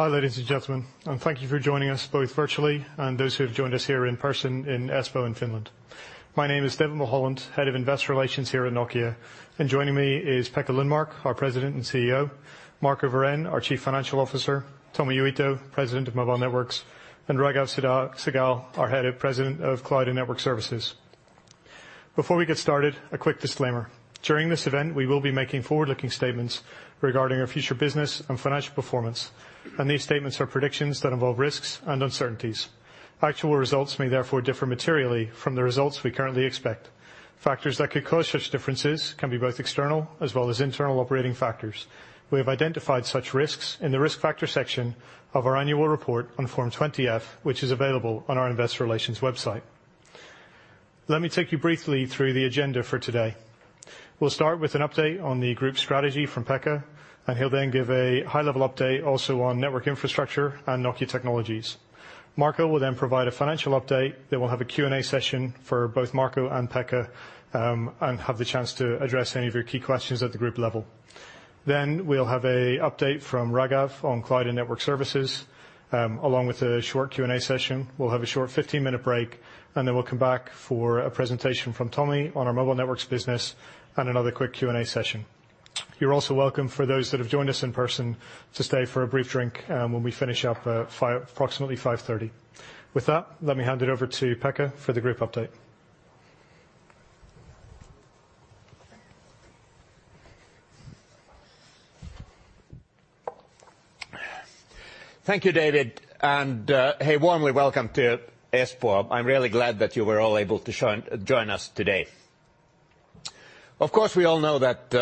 Hi ladies and gentlemen, and thank you for joining us both virtually and those who have joined us here in person in Espoo in Finland. My name is David Mulholland, Head of Investor Relations here at Nokia, and joining me is Pekka Lundmark, our President and CEO, Marco Wirén, our Chief Financial Officer, Tommi Uitto, President of Mobile Networks, and Raghav Sahgal, our President of Cloud and Network Services. Before we get started, a quick disclaimer: during this event we will be making forward-looking statements regarding our future business and financial performance, and these st tements are predictions that involve risks and uncertainties. Actual results may therefore differ materially from the results we currently expect. Factors that could cause such differences can be both external as well as internal operating factors. We have identified such risks in the Risk Factors section of our annual report on Form 20-F, which is available on our Investor Relations website. Let me take you briefly through the agenda for today. We'll start with an update on the group's strategy from Pekka, and he'll then give a high-level update also on Network Infrastructure and Nokia Technologies. Marco will then provide a financial update. They will have a Q&A session for both Marco and Pekka, and have the chance to address any of your key questions at the group level. Then we'll have an update from Raghav on Cloud and Network Services, along with a short Q&A session. We'll have a short 15-minute break, and then we'll come back for a presentation from Tommi on our Mobile Networks business and another quick Q&A session. You're also welcome, for those that have joined us in person, to stay for a brief drink, when we finish up at 5:00 P.M. approximately 5:30 P.M. With that, let me hand it over to Pekka for the group update. Thank you, David, and hey, warmly welcome to Espoo. I'm really glad that you were all able to join us today. Of course, we all know that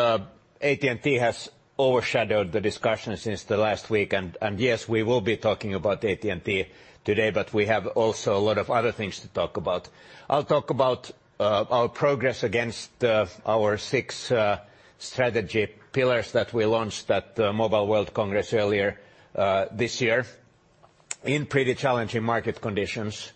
AT&T has overshadowed the discussion since the last week, and yes, we will be talking about AT&T today, but we have also a lot of other things to talk about. I'll talk about our progress against our six strategy pillars that we launched at the Mobile World Congress earlier this year in pretty challenging market conditions.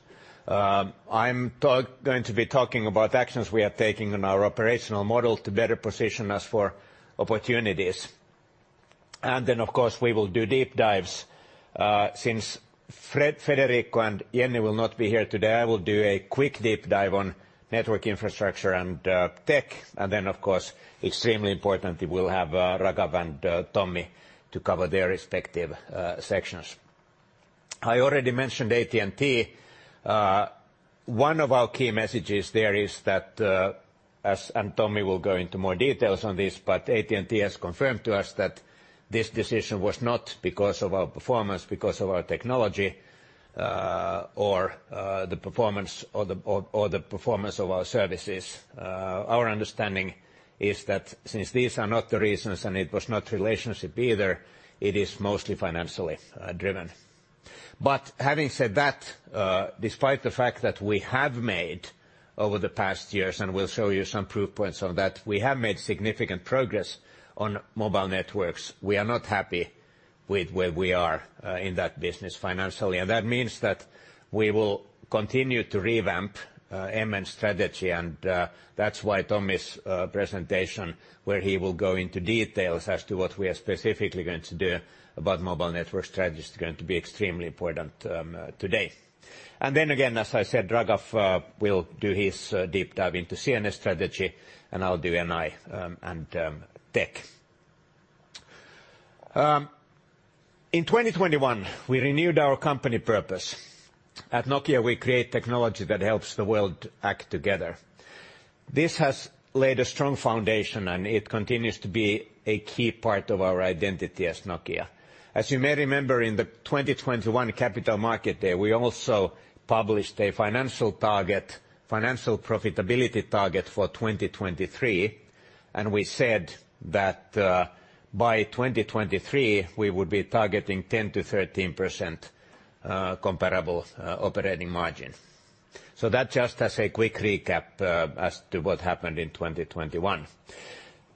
I'm going to be talking about actions we are taking on our operational model to better position us for opportunities. And then, of course, we will do deep dives, since Federico and Jenni will not be here today. I will do a quick deep dive on Network Infrastructure and tech, and then, of course, extremely important, we'll have Raghav and Tommi to cover their respective sections. I already mentioned AT&T. One of our key messages there is that, as Tommi will go into more details on this, but AT&T has confirmed to us that this decision was not because of our performance, because of our technology, or the performance of our services. Our understanding is that since these are not the reasons and it was not the relationship either, it is mostly financially driven. But having said that, despite the fact that we have made over the past years, and we'll show you some proof points on that, we have made significant progress on Mobile Networks. We are not happy with where we are in that business financially, and that means that we will continue to revamp MN's strategy, and that's why Tommi's presentation, where he will go into details as to what we are specifically going to do about mobile network strategies, is going to be extremely important today. Then again, as I said, Raghav will do his deep dive into CNS strategy, and I'll do NI and tech. In 2021, we renewed our company purpose. At Nokia, we create technology that helps the world act together. This has laid a strong foundation, and it continues to be a key part of our identity as Nokia. As you may remember, in the 2021 Capital Markets Day, we also published a financial target, financial profitability target for 2023, and we said that by 2023 we would be targeting 10%-13% comparable operating margin. So that just as a quick recap, as to what happened in 2021.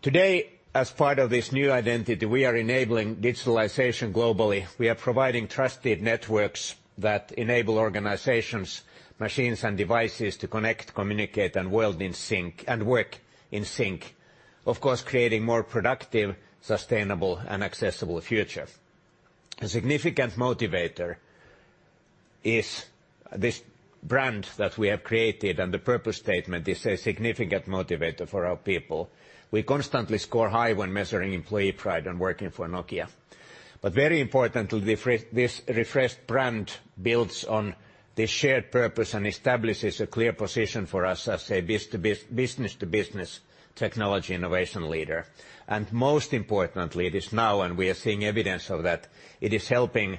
Today, as part of this new identity, we are enabling digitalization globally. We are providing trusted networks that enable organizations, machines, and devices to connect, communicate, and work in sync and work in sync, of course, creating a more productive, sustainable, and accessible future. A significant motivator is this brand that we have created, and the purpose statement is a significant motivator for our people. We constantly score high when measuring employee pride in working for Nokia. But very importantly, this refreshed brand builds on this shared purpose and establishes a clear position for us as a B2B business-to-business technology innovation leader. Most importantly, it is now, and we are seeing evidence of that, it is helping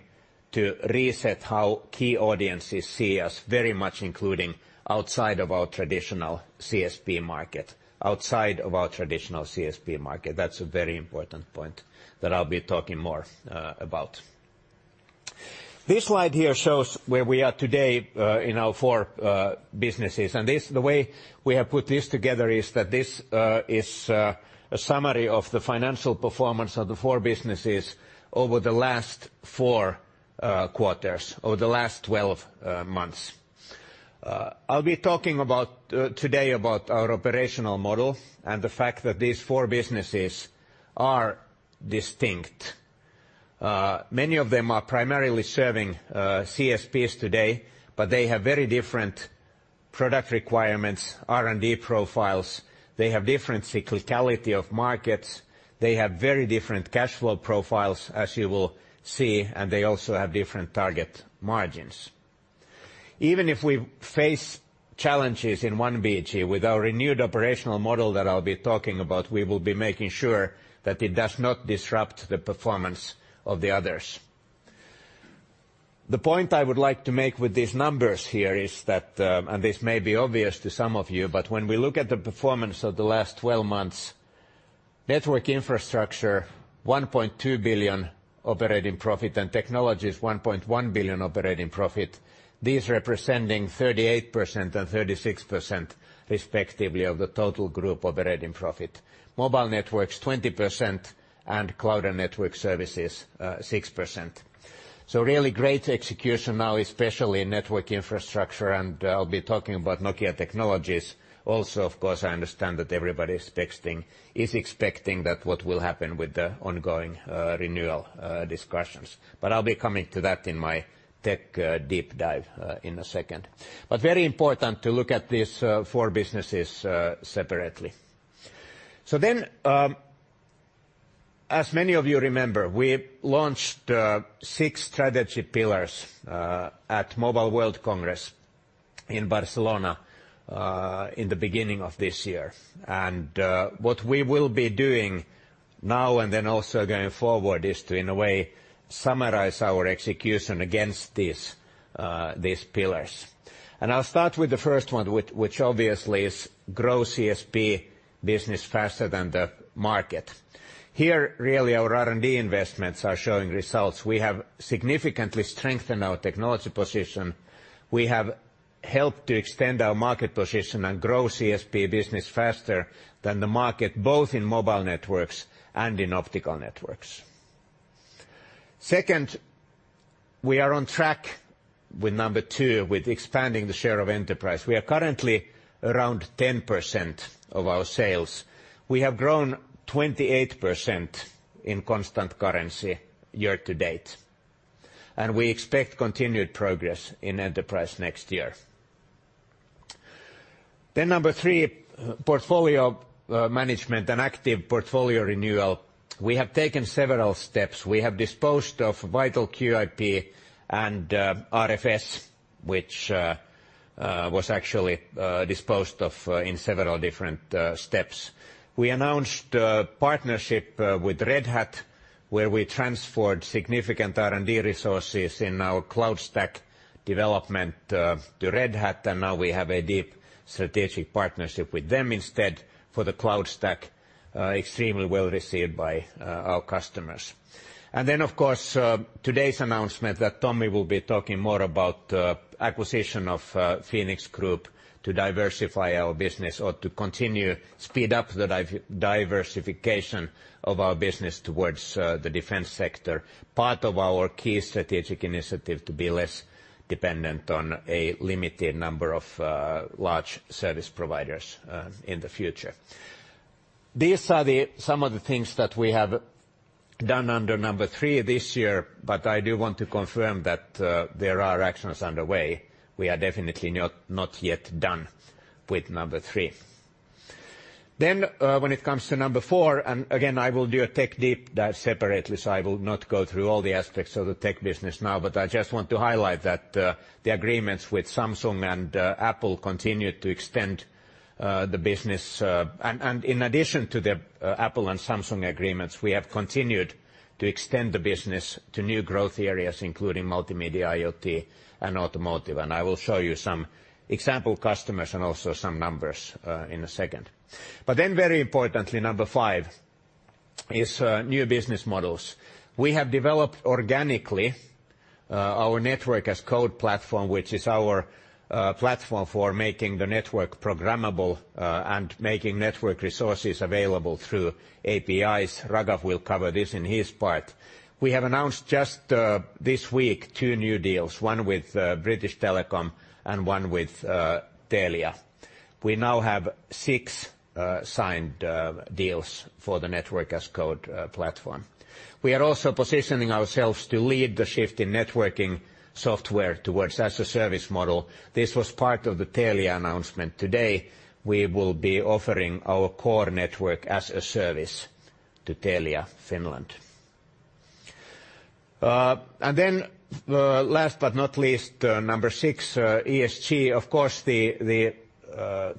to reset how key audiences see us, very much including outside of our traditional CSP market, outside of our traditional CSP market. That's a very important point that I'll be talking more about. This slide here shows where we are today in our four businesses, and this, the way we have put this together is that this is a summary of the financial performance of the four businesses over the last four quarters, over the last 12 months. I'll be talking about today about our operational model and the fact that these four businesses are distinct. Many of them are primarily serving CSPs today, but they have very different product requirements, R&D profiles. They have different cyclicality of markets. They have very different cash flow profiles, as you will see, and they also have different target margins. Even if we face challenges in one BG, with our renewed operational model that I'll be talking about, we will be making sure that it does not disrupt the performance of the others. The point I would like to make with these numbers here is that, and this may be obvious to some of you, but when we look at the performance of the last 12 months, Network Infrastructure, 1.2 billion operating profit, and Technologies, 1.1 billion operating profit, these representing 38% and 36%, respectively, of the total group operating profit. Mobile Networks, 20%, and Cloud and Network Services, 6%. So really great execution now, especially in Network Infrastructure, and I'll be talking about Nokia Technologies also, of course. I understand that everybody is expecting that what will happen with the ongoing renewal discussions, but I'll be coming to that in my tech deep dive in a second. But very important to look at these four businesses separately. So then, as many of you remember, we launched six strategy pillars at Mobile World Congress in Barcelona in the beginning of this year, and what we will be doing now and then also going forward is to, in a way, summarize our execution against these pillars. And I'll start with the first one, which obviously is grow CSP business faster than the market. Here, really, our R&D investments are showing results. We have significantly strengthened our technology position. We have helped to extend our market position and grow CSP business faster than the market, both in Mobile Networks and in Optical Networks. Second, we are on track with number two, with expanding the share of enterprise. We are currently around 10% of our sales. We have grown 28% in constant currency year to date, and we expect continued progress in enterprise next year. Then number three, portfolio management and active portfolio renewal. We have taken several steps. We have disposed of VitalQIP and RFS, which was actually disposed of in several different steps. We announced partnership with Red Hat, where we transferred significant R&D resources in our cloud stack development to Red Hat, and now we have a deep strategic partnership with them instead for the cloud stack, extremely well received by our customers. And then, of course, today's announcement that Tommi will be talking more about, acquisition of Fenix Group to diversify our business or to continue speed up the diversification of our business towards the defense sector, part of our key strategic initiative to be less dependent on a limited number of large service providers in the future. These are some of the things that we have done under number three this year, but I do want to confirm that there are actions underway. We are definitely not yet done with number three. Then, when it comes to number four, and again, I will do a tech deep dive separately, so I will not go through all the aspects of the tech business now, but I just want to highlight that, the agreements with Samsung and Apple continue to extend the business, and in addition to the Apple and Samsung agreements, we have continued to extend the business to new growth areas, including multimedia, IoT, and automotive, and I will show you some example customers and also some numbers in a second. But then very importantly, number five is new business models. We have developed organically our Network as Code platform, which is our platform for making the network programmable and making network resources available through APIs. Raghav will cover this in his part. We have announced just this week two new deals, one with British Telecom and one with Telia. We now have six signed deals for the Network as Code platform. We are also positioning ourselves to lead the shift in networking software towards as a service model. This was part of the Telia announcement today. We will be offering our core network as a service to Telia Finland. And then, last but not least, number six, ESG. Of course, the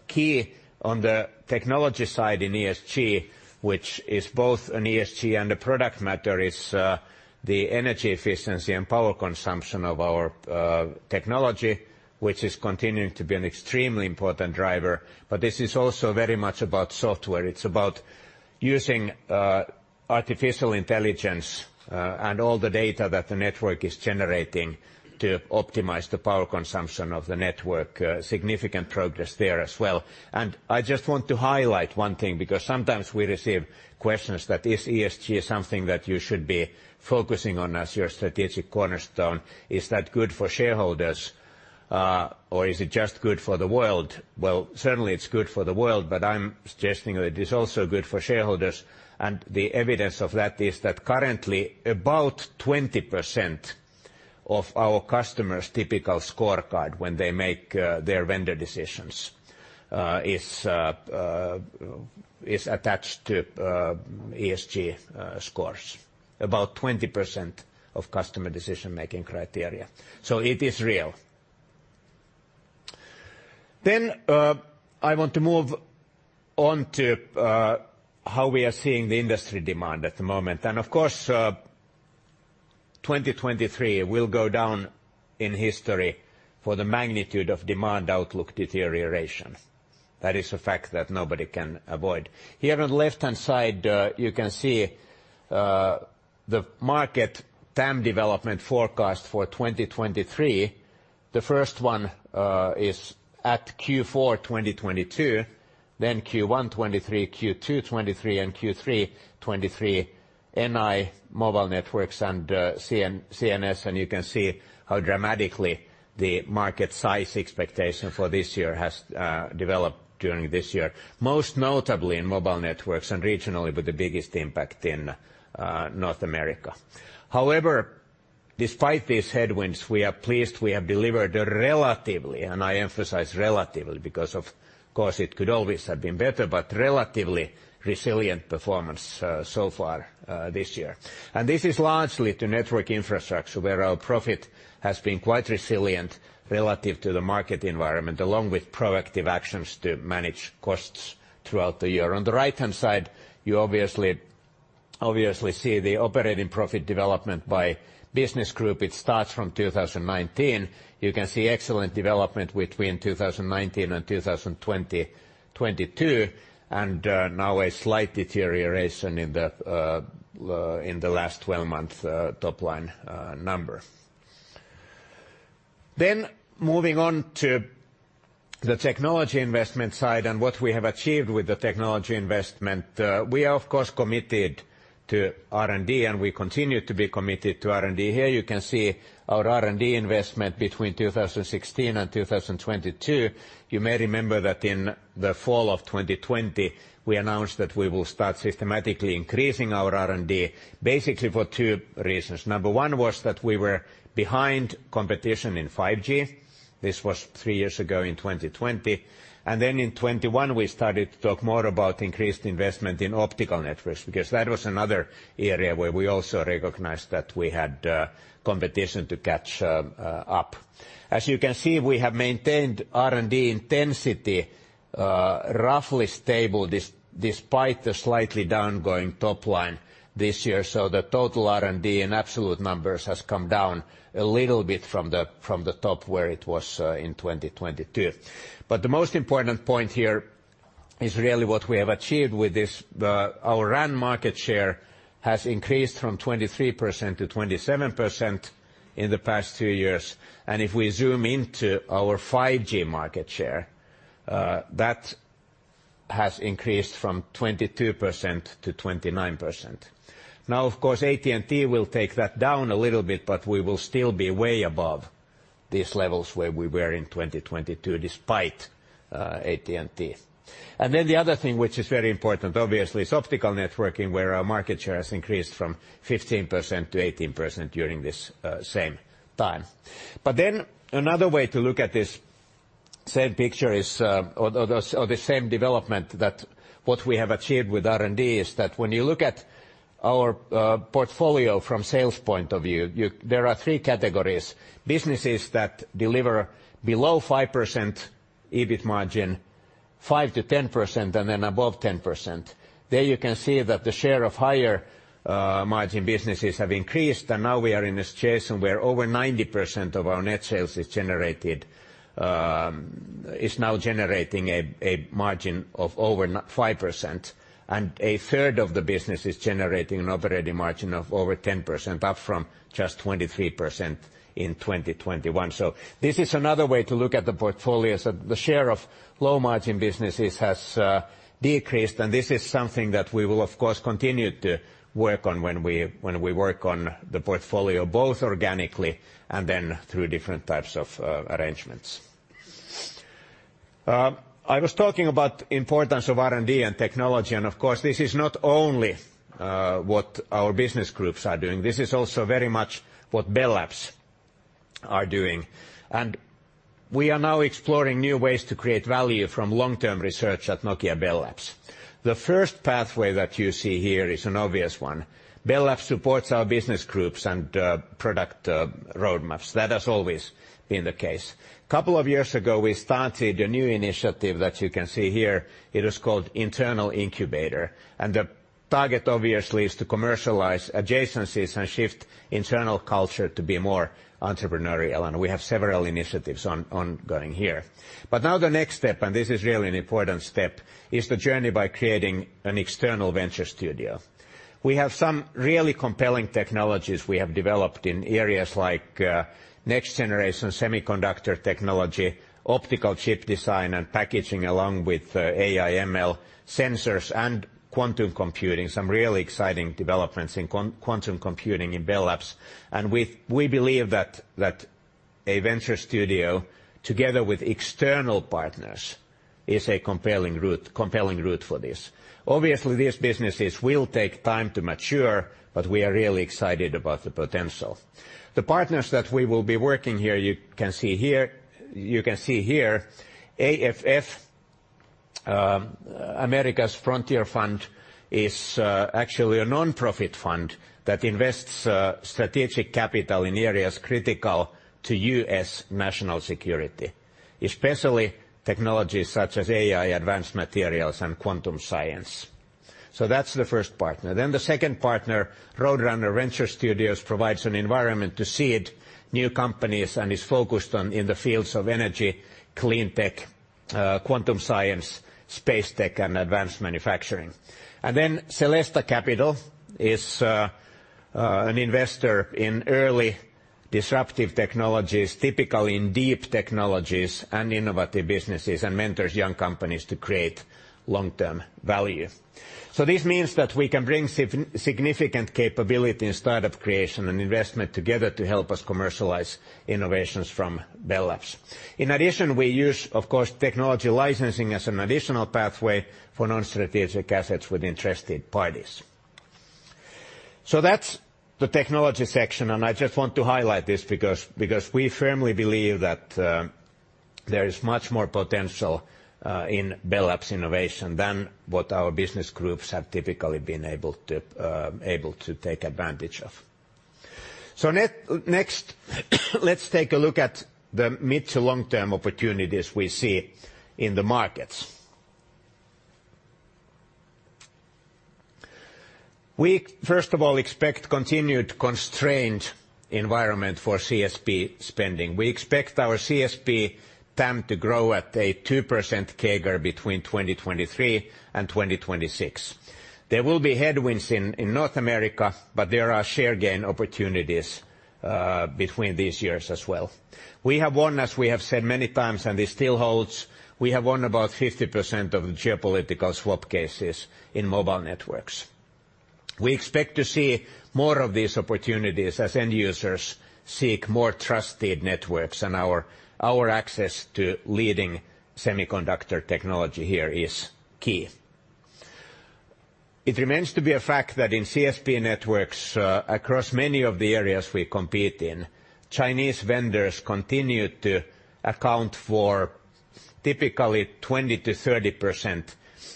key on the technology side in ESG, which is both an ESG and a product matter, is the energy efficiency and power consumption of our technology, which is continuing to be an extremely important driver, but this is also very much about software. It's about using artificial intelligence and all the data that the network is generating to optimize the power consumption of the network, significant progress there as well. And I just want to highlight one thing because sometimes we receive questions that is ESG something that you should be focusing on as your strategic cornerstone? Is that good for shareholders, or is it just good for the world? Well, certainly it's good for the world, but I'm suggesting that it is also good for shareholders, and the evidence of that is that currently about 20% of our customers' typical scorecard when they make their vendor decisions is attached to ESG scores, about 20% of customer decision-making criteria. So it is real. Then I want to move on to how we are seeing the industry demand at the moment, and of course, 2023 will go down in history for the magnitude of demand outlook deterioration. That is a fact that nobody can avoid. Here on the left-hand side, you can see the market TAM development forecast for 2023. The first one is at Q4 2022, then Q1 2023, Q2 2023, and Q3 2023, NI, Mobile Networks, and CNS, and you can see how dramatically the market size expectation for this year has developed during this year, most notably in Mobile Networks and regionally with the biggest impact in North America. However, despite these headwinds, we are pleased we have delivered a relatively, and I emphasize relatively because of course it could always have been better, but relatively resilient performance so far this year. And this is largely to Network Infrastructure, where our profit has been quite resilient relative to the market environment, along with proactive actions to manage costs throughout the year. On the right-hand side, you obviously see the operating profit development by business group. It starts from 2019. You can see excellent development between 2019 and 2020, 2022, and now a slight deterioration in the last 12 months, topline number. Then moving on to the technology investment side and what we have achieved with the technology investment, we are, of course, committed to R&D, and we continue to be committed to R&D. Here you can see our R&D investment between 2016 and 2022. You may remember that in the fall of 2020, we announced that we will start systematically increasing our R&D, basically for two reasons. Number one was that we were behind competition in 5G. This was three years ago in 2020. And then in 2021, we started to talk more about increased investment in optical networks because that was another area where we also recognized that we had competition to catch up. As you can see, we have maintained R&D intensity, roughly stable despite the slightly downgoing topline this year, so the total R&D in absolute numbers has come down a little bit from the top where it was in 2022. But the most important point here is really what we have achieved with this, our RAN market share has increased from 23% to 27% in the past two years, and if we zoom into our 5G market share, that has increased from 22% to 29%. Now, of course, AT&T will take that down a little bit, but we will still be way above these levels where we were in 2022 despite AT&T. And then the other thing, which is very important, obviously, is optical networking, where our market share has increased from 15% to 18% during this same time. But then another way to look at this same picture is, or the same development that what we have achieved with R&D is that when you look at our portfolio from sales point of view, you there are three categories: businesses that deliver below 5% EBIT margin, 5%-10%, and then above 10%. There you can see that the share of higher margin businesses have increased, and now we are in a situation where over 90% of our net sales is generated, is now generating a margin of over 5%, and a third of the business is generating an operating margin of over 10%, up from just 23% in 2021. So this is another way to look at the portfolio, so the share of low margin businesses has decreased, and this is something that we will, of course, continue to work on when we work on the portfolio, both organically and then through different types of arrangements. I was talking about the importance of R&D and technology, and of course, this is not only what our business groups are doing. This is also very much what Bell Labs are doing, and we are now exploring new ways to create value from long-term research at Nokia Bell Labs. The first pathway that you see here is an obvious one. Bell Labs supports our business groups and product roadmaps. That has always been the case. A couple of years ago, we started a new initiative that you can see here. It is called Internal Incubator, and the target obviously is to commercialize adjacencies and shift internal culture to be more entrepreneurial, and we have several initiatives ongoing here. But now the next step, and this is really an important step, is the journey by creating an external venture studio. We have some really compelling technologies we have developed in areas like next-generation semiconductor technology, optical chip design and packaging along with AI/ML, sensors, and quantum computing, some really exciting developments in quantum computing in Bell Labs, and we believe that a venture studio together with external partners is a compelling route for this. Obviously, these businesses will take time to mature, but we are really excited about the potential. The partners that we will be working here, AFF, America's Frontier Fund is, actually a nonprofit fund that invests strategic capital in areas critical to U.S. national security, especially technologies such as AI, advanced materials, and quantum science. So that's the first partner. Then the second partner, Roadrunner Venture Studios, provides an environment to seed new companies and is focused on in the fields of energy, clean tech, quantum science, space tech, and advanced manufacturing. And then Celesta Capital is an investor in early disruptive technologies, typically in deep technologies and innovative businesses, and mentors young companies to create long-term value. So this means that we can bring significant capability in startup creation and investment together to help us commercialize innovations from Bell Labs. In addition, we use, of course, technology licensing as an additional pathway for non-strategic assets with interested parties. So that's the technology section, and I just want to highlight this because we firmly believe that there is much more potential in Bell Labs innovation than what our business groups have typically been able to take advantage of. So next, let's take a look at the mid- to long-term opportunities we see in the markets. We first of all expect continued constrained environment for CSP spending. We expect our CSP TAM to grow at a 2% CAGR between 2023 and 2026. There will be headwinds in North America, but there are share gain opportunities between these years as well. We have won, as we have said many times, and this still holds, we have won about 50% of the geopolitical swap cases in Mobile Networks. We expect to see more of these opportunities as end users seek more trusted networks, and our access to leading semiconductor technology here is key. It remains to be a fact that in CSP networks, across many of the areas we compete in, Chinese vendors continue to account for typically 20%-30%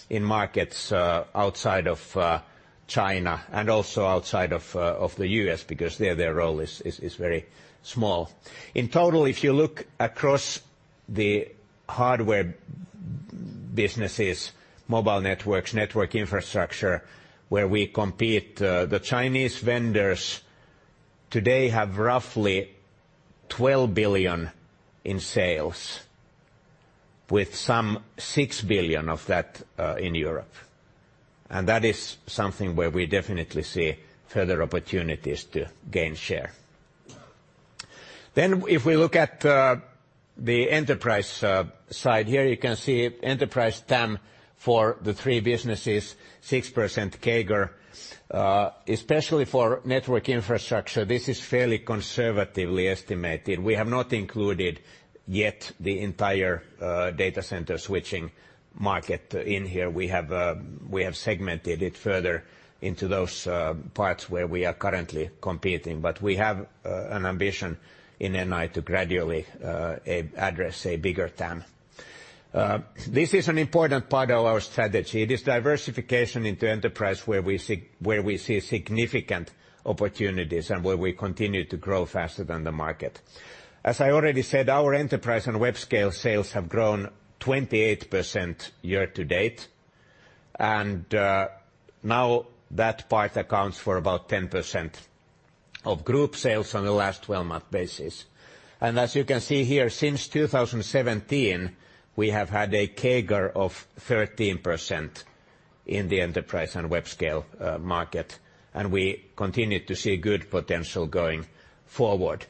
in markets outside of China and also outside of the U.S. because there their role is very small. In total, if you look across the hardware businesses, Mobile Networks, Network Infrastructure where we compete, the Chinese vendors today have roughly 12 billion in sales, with some 6 billion of that in Europe, and that is something where we definitely see further opportunities to gain share. Then if we look at the enterprise side here, you can see enterprise TAM for the three businesses, 6% CAGR, especially for Network Infrastructure. This is fairly conservatively estimated. We have not included yet the entire data center switching market in here. We have segmented it further into those parts where we are currently competing, but we have an ambition in NI to gradually address a bigger TAM. This is an important part of our strategy. It is diversification into enterprise where we see significant opportunities and where we continue to grow faster than the market. As I already said, our enterprise and web-scale sales have grown 28% year to date, and now that part accounts for about 10% of group sales on the last 12-month basis. As you can see here, since 2017, we have had a CAGR of 13% in the enterprise and web-scale market, and we continue to see good potential going forward.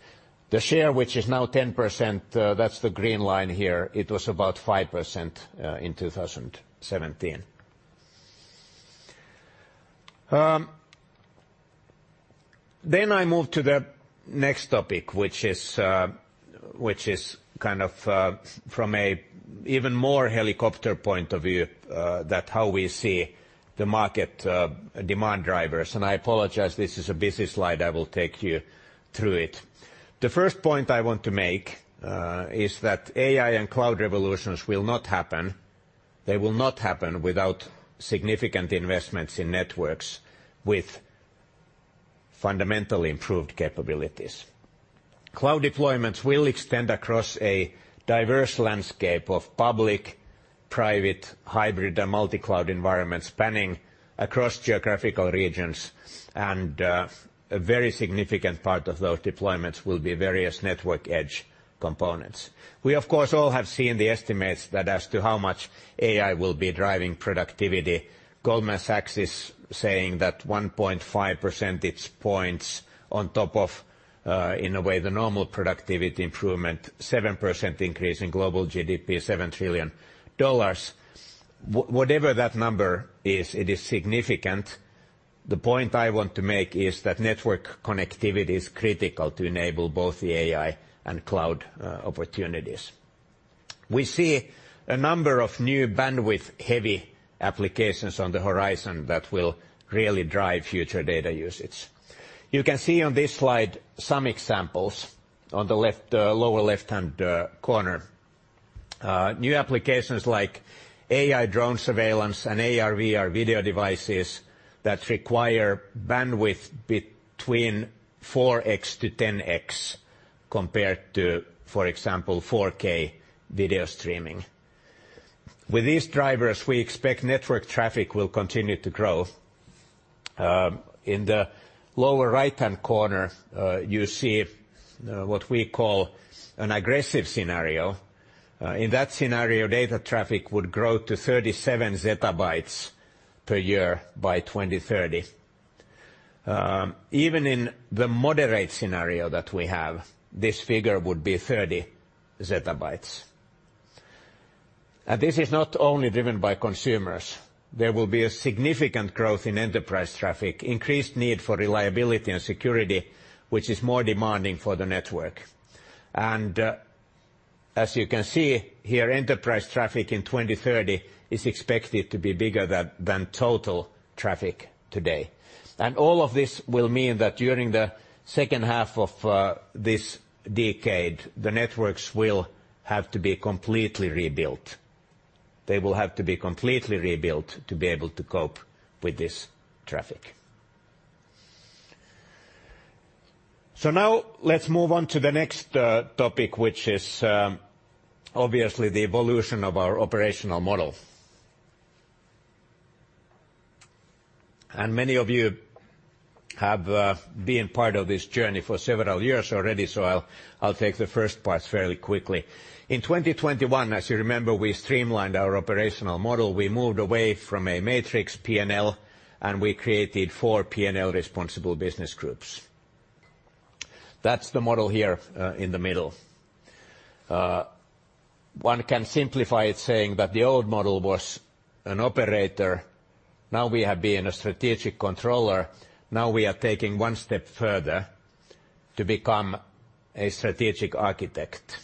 The share, which is now 10%, that's the green line here. It was about 5%, in 2017. Then I move to the next topic, which is, which is kind of, from an even more helicopter point of view, that how we see the market, demand drivers, and I apologize, this is a busy slide. I will take you through it. The first point I want to make, is that AI and cloud revolutions will not happen. They will not happen without significant investments in networks with fundamentally improved capabilities. Cloud deployments will extend across a diverse landscape of public, private, hybrid, and multi-cloud environments spanning across geographical regions, and, a very significant part of those deployments will be various network edge components. We, of course, all have seen the estimates as to how much AI will be driving productivity. Goldman Sachs is saying that 1.5 percentage points on top of, in a way, the normal productivity improvement, 7% increase in global GDP, $7 trillion. Whatever that number is, it is significant. The point I want to make is that network connectivity is critical to enable both the AI and cloud opportunities. We see a number of new bandwidth-heavy applications on the horizon that will really drive future data usage. You can see on this slide some examples on the left, lower left-hand corner, new applications like AI drone surveillance and AR/VR video devices that require bandwidth between 4x-10x compared to, for example, 4K video streaming. With these drivers, we expect network traffic will continue to grow. In the lower right-hand corner, you see what we call an aggressive scenario. In that scenario, data traffic would grow to 37 ZB per year by 2030. Even in the moderate scenario that we have, this figure would be 30 ZB. And this is not only driven by consumers. There will be a significant growth in enterprise traffic, increased need for reliability and security, which is more demanding for the network. And, as you can see here, enterprise traffic in 2030 is expected to be bigger than total traffic today. And all of this will mean that during the second half of this decade, the networks will have to be completely rebuilt. They will have to be completely rebuilt to be able to cope with this traffic. So now let's move on to the next topic, which is obviously the evolution of our operational model. Many of you have been part of this journey for several years already, so I'll take the first part fairly quickly. In 2021, as you remember, we streamlined our operational model. We moved away from a matrix P&L, and we created four P&L responsible business groups. That's the model here, in the middle. One can simplify it saying that the old model was an operator. Now we have been a strategic controller. Now we are taking one step further to become a strategic architect.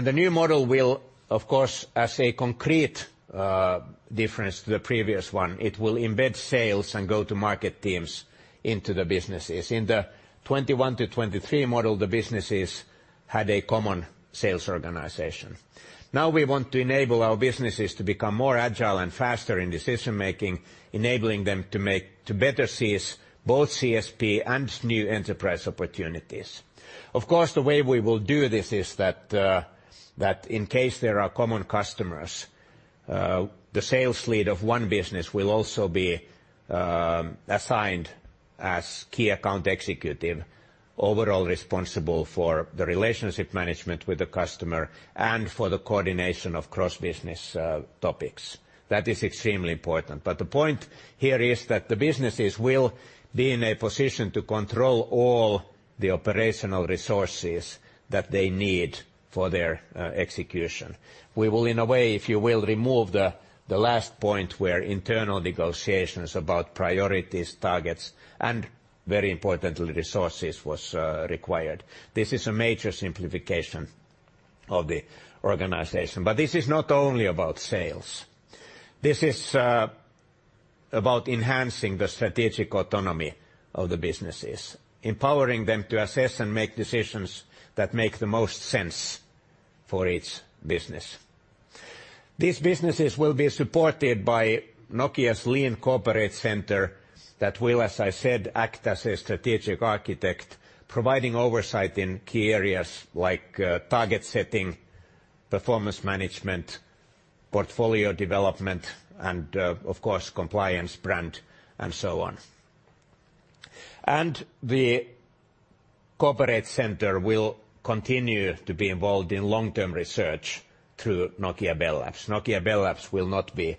The new model will, of course, as a concrete difference to the previous one, embed sales and go-to-market teams into the businesses. In the 2021-2023 model, the businesses had a common sales organization. Now we want to enable our businesses to become more agile and faster in decision-making, enabling them to better seize both CSP and new enterprise opportunities. Of course, the way we will do this is that in case there are common customers, the sales lead of one business will also be assigned as key account executive, overall responsible for the relationship management with the customer and for the coordination of cross-business topics. That is extremely important. But the point here is that the businesses will be in a position to control all the operational resources that they need for their execution. We will, in a way, if you will, remove the last point where internal negotiations about priorities, targets, and very importantly, resources was required. This is a major simplification of the organization. But this is not only about sales. This is about enhancing the strategic autonomy of the businesses, empowering them to assess and make decisions that make the most sense for each business. These businesses will be supported by Nokia's Lean Corporate Center that will, as I said, act as a strategic architect, providing oversight in key areas like target setting, performance management, portfolio development, and, of course, compliance, brand, and so on. The Corporate Center will continue to be involved in long-term research through Nokia Bell Labs. Nokia Bell Labs will not be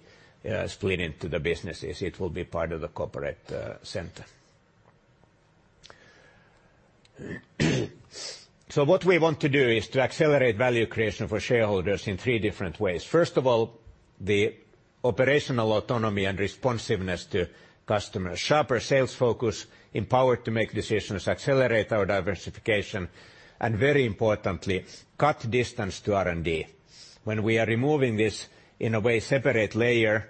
split into the businesses. It will be part of the Corporate Center. So what we want to do is to accelerate value creation for shareholders in three different ways. First of all, the operational autonomy and responsiveness to customers, sharper sales focus, empowered to make decisions, accelerate our diversification, and very importantly, cut distance to R&D. When we are removing this in a way, separate layer,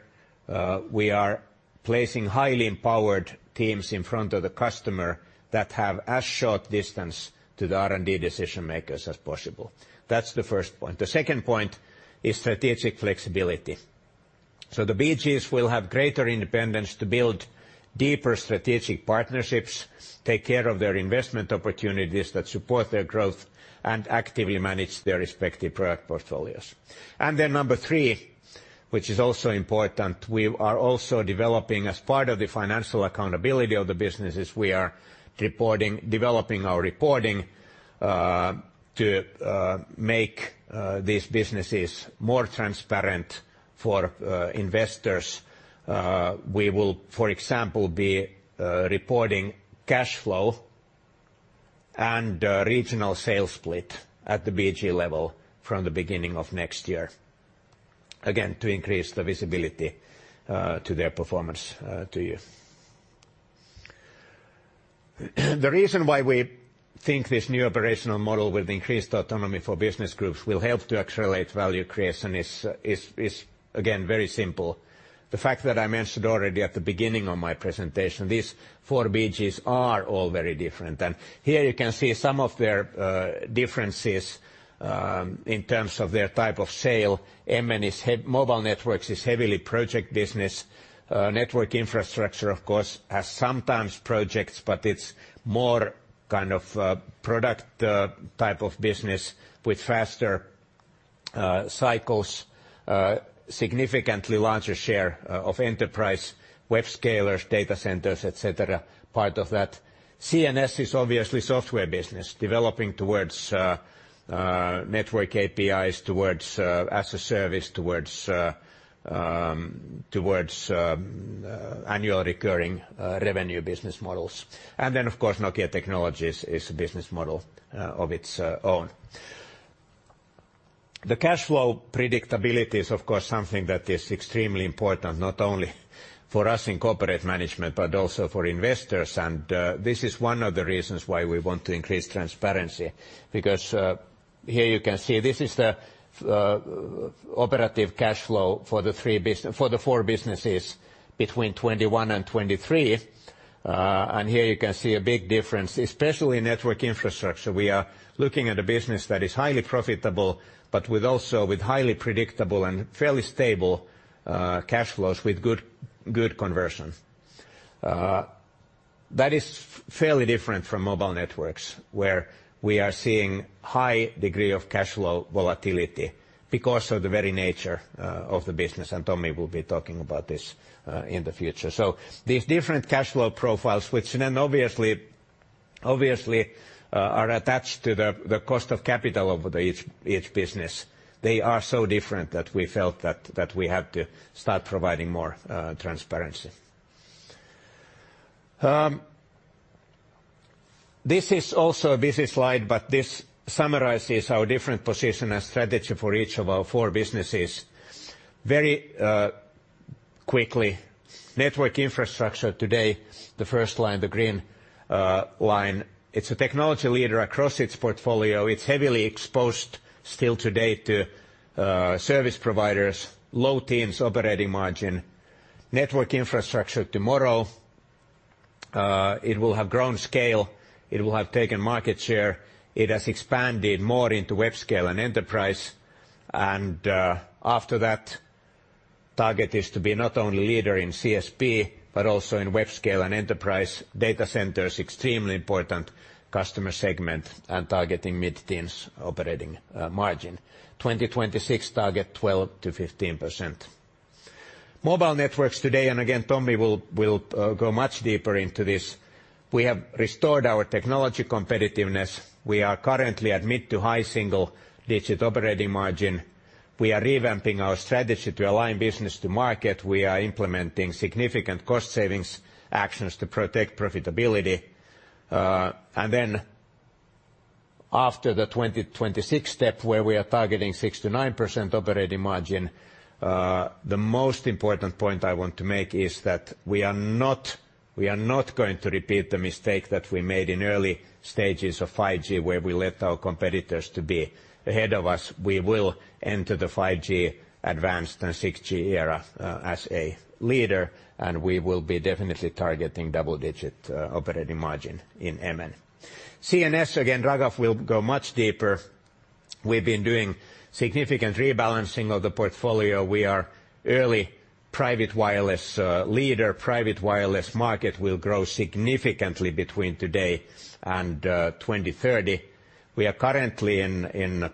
we are placing highly empowered teams in front of the customer that have as short distance to the R&D decision-makers as possible. That's the first point. The second point is strategic flexibility. So the BGs will have greater independence to build deeper strategic partnerships, take care of their investment opportunities that support their growth, and actively manage their respective product portfolios. And then number three, which is also important, we are also developing, as part of the financial accountability of the businesses, our reporting to make these businesses more transparent for investors. We will, for example, be reporting cash flow and regional sales split at the BG level from the beginning of next year, again, to increase the visibility to their performance, to you. The reason why we think this new operational model with increased autonomy for business groups will help to accelerate value creation is, again, very simple. The fact that I mentioned already at the beginning of my presentation, these four BGs are all very different, and here you can see some of their differences in terms of their type of sale. MN is heavy Mobile Networks, is heavily project business. Network Infrastructure, of course, has sometimes projects, but it's more kind of product type of business with faster cycles, significantly larger share of enterprise, web scalers, data centers, etc., part of that. CNS is obviously software business, developing towards network APIs, towards as a service, towards annual recurring revenue business models. And then, of course, Nokia Technologies is a business model of its own. The cash flow predictability is, of course, something that is extremely important, not only for us in corporate management, but also for investors. This is one of the reasons why we want to increase transparency, because here you can see this is the operating cash flow for the three businesses for the four businesses between 2021 and 2023. Here you can see a big difference, especially in Network Infrastructure. We are looking at a business that is highly profitable, but also with highly predictable and fairly stable cash flows with good conversion. That is fairly different from Mobile Networks, where we are seeing a high degree of cash flow volatility because of the very nature of the business. Tommi will be talking about this in the future. So these different cash flow profiles, which then obviously are attached to the cost of capital over each business, they are so different that we felt that we had to start providing more transparency. This is also a busy slide, but this summarizes our different position and strategy for each of our four businesses very quickly. Network Infrastructure today, the first line, the green line, it's a technology leader across its portfolio. It's heavily exposed still today to service providers, low teens operating margin. Network Infrastructure tomorrow, it will have grown scale. It will have taken market share. It has expanded more into webscale and enterprise. And after that, target is to be not only leader in CSP, but also in webscale and enterprise data centers, extremely important customer segment, and targeting mid-teens operating margin. 2026 target 12%-15%. Mobile Networks today, and again, Tommi will go much deeper into this. We have restored our technology competitiveness. We are currently at mid- to high-single-digit operating margin. We are revamping our strategy to align business to market. We are implementing significant cost savings actions to protect profitability. And then, after the 2026 step where we are targeting 6%-9% operating margin, the most important point I want to make is that we are not going to repeat the mistake that we made in early stages of 5G, where we let our competitors to be ahead of us. We will enter the 5G Advanced and 6G era as a leader, and we will be definitely targeting double-digit operating margin in MN. CNS, again, Raghav will go much deeper. We've been doing significant rebalancing of the portfolio. We are early private wireless leader. Private wireless market will grow significantly between today and 2030. We are currently in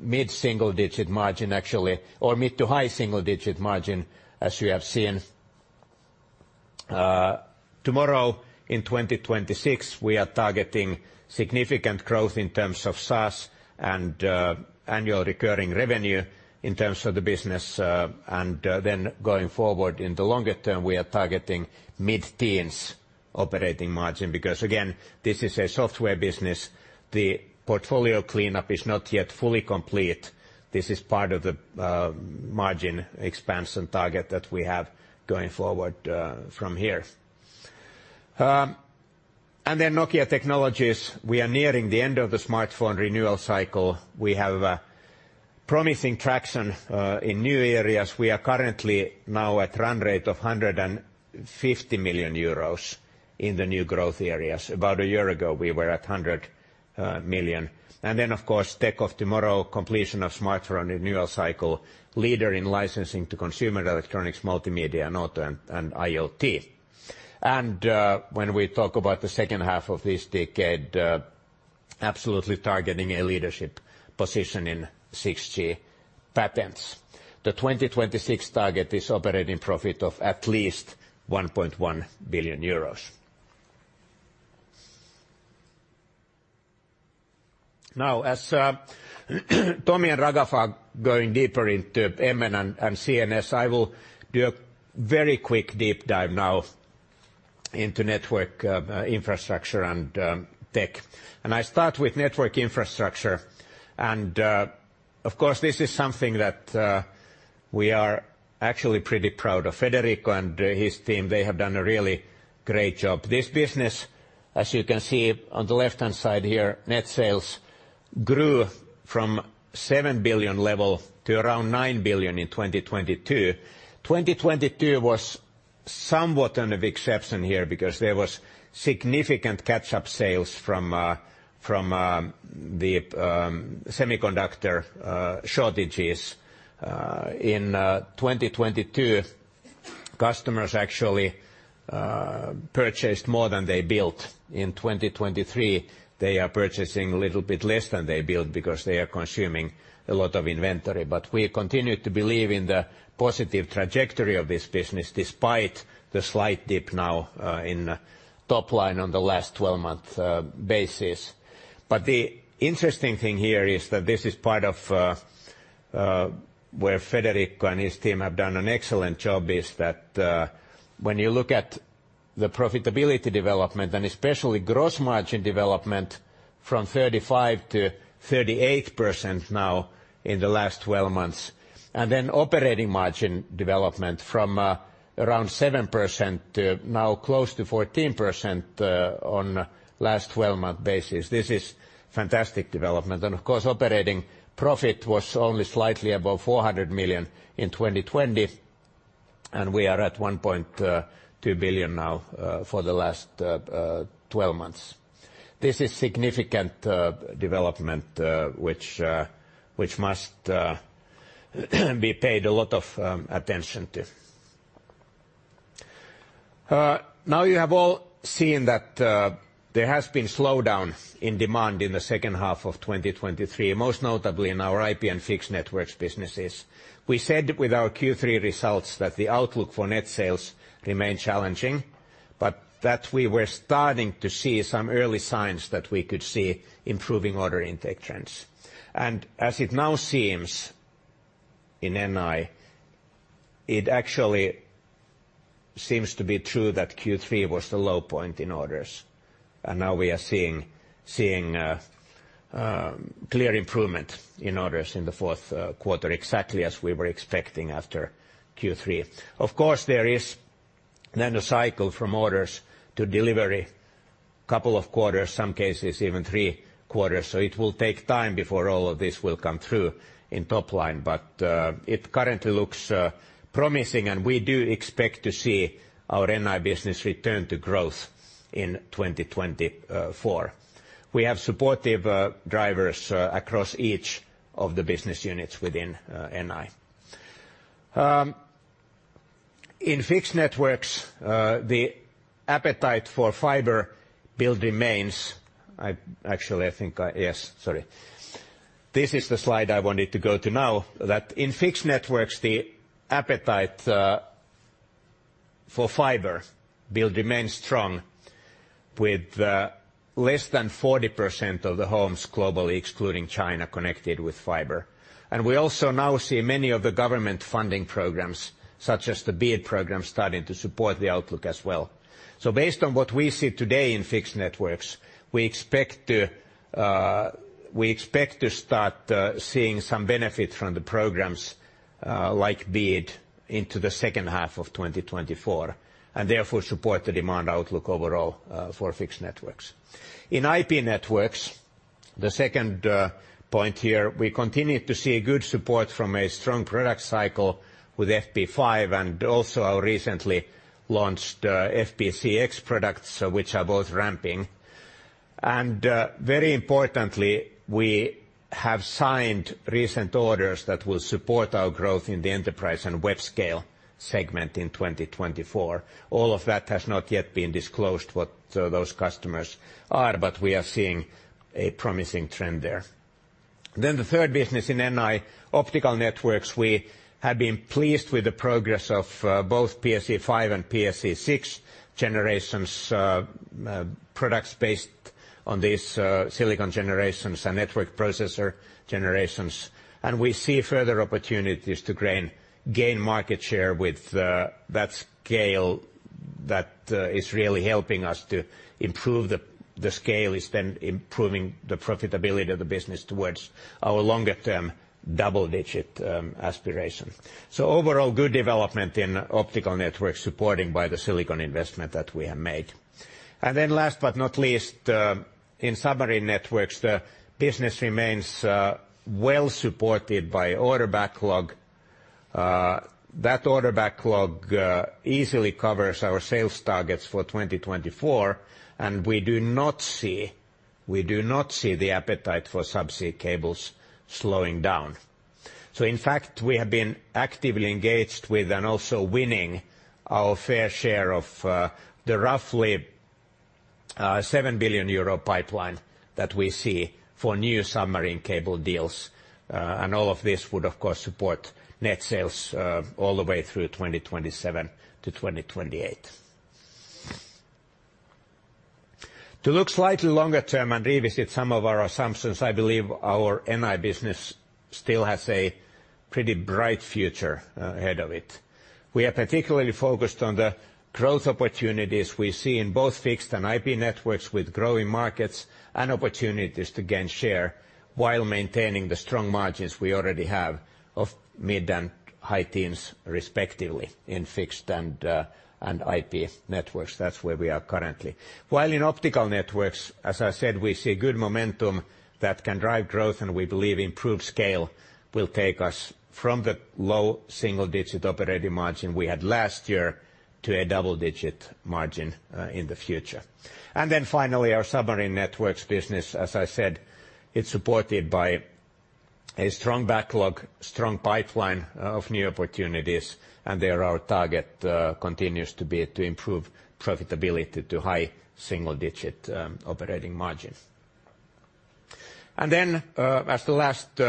mid-single-digit margin, actually, or mid- to high-single-digit margin, as you have seen. Tomorrow in 2026, we are targeting significant growth in terms of SaaS and annual recurring revenue in terms of the business. Then going forward in the longer term, we are targeting mid-teens operating margin because, again, this is a software business. The portfolio cleanup is not yet fully complete. This is part of the margin expansion target that we have going forward, from here. Then Nokia Technologies, we are nearing the end of the smartphone renewal cycle. We have a promising traction in new areas. We are currently now at a run rate of 150 million euros in the new growth areas. About a year ago, we were at 100 million. And then, of course, tech of tomorrow, completion of smartphone renewal cycle, leader in licensing to consumer electronics, multimedia, and auto and IoT. When we talk about the second half of this decade, absolutely targeting a leadership position in 6G patents. The 2026 target is operating profit of at least 1.1 billion euros. Now, as Tommi and Raghav are going deeper into MN and CNS, I will do a very quick deep dive now into network infrastructure and tech. I start with network infrastructure. Of course, this is something that we are actually pretty proud of. Federico and his team, they have done a really great job. This business, as you can see on the left-hand side here, net sales grew from 7 billion level to around 9 billion in 2022. 2022 was somewhat an exception here because there was significant catch-up sales from the semiconductor shortages. In 2022, customers actually purchased more than they built. In 2023, they are purchasing a little bit less than they built because they are consuming a lot of inventory. But we continue to believe in the positive trajectory of this business despite the slight dip now in the top line on the last 12-month basis. But the interesting thing here is that this is part of where Federico and his team have done an excellent job is that when you look at the profitability development and especially gross margin development from 35%-38% now in the last 12 months, and then operating margin development from around 7% to now close to 14% on last 12-month basis, this is fantastic development. And of course, operating profit was only slightly above 400 million in 2020, and we are at 1.2 billion now for the last 12 months. This is significant development, which must be paid a lot of attention to. Now you have all seen that there has been a slowdown in demand in the second half of 2023, most notably in our IP and Fixed Networks businesses. We said with our Q3 results that the outlook for net sales remained challenging, but that we were starting to see some early signs that we could see improving order intake trends. As it now seems in NI, it actually seems to be true that Q3 was the low point in orders. Now we are seeing clear improvement in orders in the fourth quarter, exactly as we were expecting after Q3. Of course, there is then a cycle from orders to delivery, a couple of quarters, some cases even three quarters. So it will take time before all of this will come through in top line. But it currently looks promising, and we do expect to see our NI business return to growth in 2024. We have supportive drivers across each of the business units within NI. In fixed networks, the appetite for fiber build remains. I actually think, yes, sorry. This is the slide I wanted to go to now, that in fixed networks, the appetite for fiber build remains strong with less than 40% of the homes globally, excluding China, connected with fiber. And we also now see many of the government funding programs, such as the BEAD program, starting to support the outlook as well. So based on what we see today in fixed networks, we expect to start seeing some benefit from the programs, like BEAD into the second half of 2024 and therefore support the demand outlook overall, for fixed networks. In IP networks, the second point here, we continue to see good support from a strong product cycle with FP5 and also our recently launched FPcx products, which are both ramping. And very importantly, we have signed recent orders that will support our growth in the enterprise and web scale segment in 2024. All of that has not yet been disclosed, what those customers are, but we are seeing a promising trend there. Then the third business in NI, optical networks, we have been pleased with the progress of both PSE-V and PSE-6s generations, products based on these, silicon generations and network processor generations. We see further opportunities to gain market share with that scale that is really helping us to improve. The scale is then improving the profitability of the business towards our longer-term double-digit aspiration. So overall, good development in optical networks supported by the silicon investment that we have made. And then last but not least, in submarine networks, the business remains well supported by order backlog. That order backlog easily covers our sales targets for 2024, and we do not see the appetite for subsea cables slowing down. So in fact, we have been actively engaged with and also winning our fair share of the roughly 7 billion euro pipeline that we see for new submarine cable deals. And all of this would, of course, support net sales all the way through 2027 to 2028. To look slightly longer term and revisit some of our assumptions, I believe our NI business still has a pretty bright future ahead of it. We are particularly focused on the growth opportunities we see in both fixed and IP networks with growing markets and opportunities to gain share while maintaining the strong margins we already have of mid- and high-teens, respectively, in fixed and IP networks. That's where we are currently. While in optical networks, as I said, we see good momentum that can drive growth, and we believe improved scale will take us from the low single-digit operating margin we had last year to a double-digit margin in the future. And then finally, our submarine networks business, as I said, it's supported by a strong backlog, strong pipeline of new opportunities, and there our target continues to be to improve profitability to high single-digit operating margin. And then as the last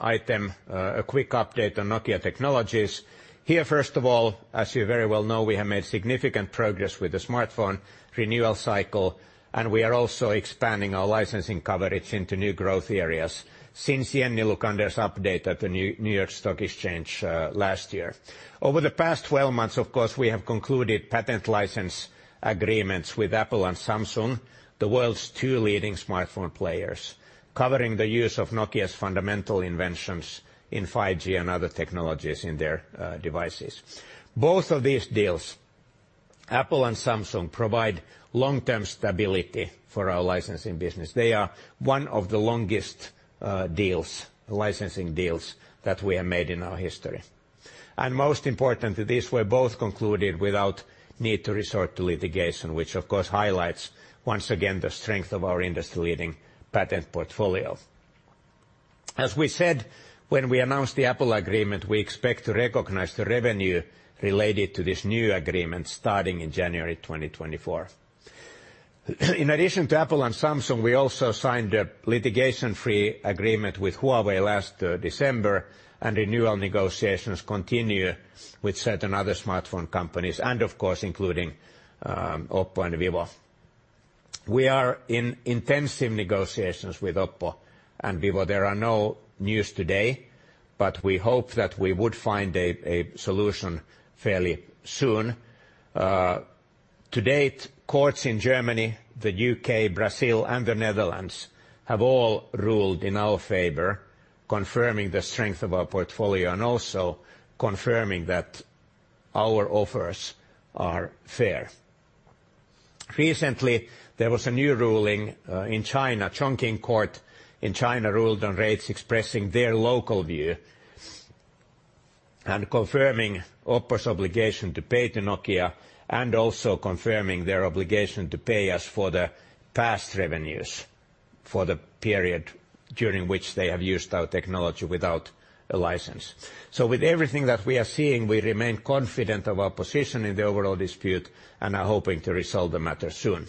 item, a quick update on Nokia Technologies here. First of all, as you very well know, we have made significant progress with the smartphone renewal cycle, and we are also expanding our licensing coverage into new growth areas since Jenni Lukander's update at the New York Stock Exchange last year. Over the past 12 months, of course, we have concluded patent license agreements with Apple and Samsung, the world's two leading smartphone players, covering the use of Nokia's fundamental inventions in 5G and other technologies in their devices. Both of these deals, Apple and Samsung, provide long-term stability for our licensing business. They are one of the longest deals, licensing deals that we have made in our history. And most importantly, these were both concluded without need to resort to litigation, which, of course, highlights once again the strength of our industry-leading patent portfolio. As we said when we announced the Apple agreement, we expect to recognize the revenue related to this new agreement starting in January 2024. In addition to Apple and Samsung, we also signed a litigation-free agreement with Huawei last December, and renewal negotiations continue with certain other smartphone companies and, of course, including Oppo and Vivo. We are in intensive negotiations with Oppo and Vivo. There are no news today, but we hope that we would find a solution fairly soon. To date, courts in Germany, the U.K., Brazil, and the Netherlands have all ruled in our favor, confirming the strength of our portfolio and also confirming that our offers are fair. Recently, there was a new ruling in China. Chongqing Court in China ruled on rates expressing their local view and confirming Oppo's obligation to pay to Nokia and also confirming their obligation to pay us for the past revenues for the period during which they have used our technology without a license. So with everything that we are seeing, we remain confident of our position in the overall dispute and are hoping to resolve the matter soon.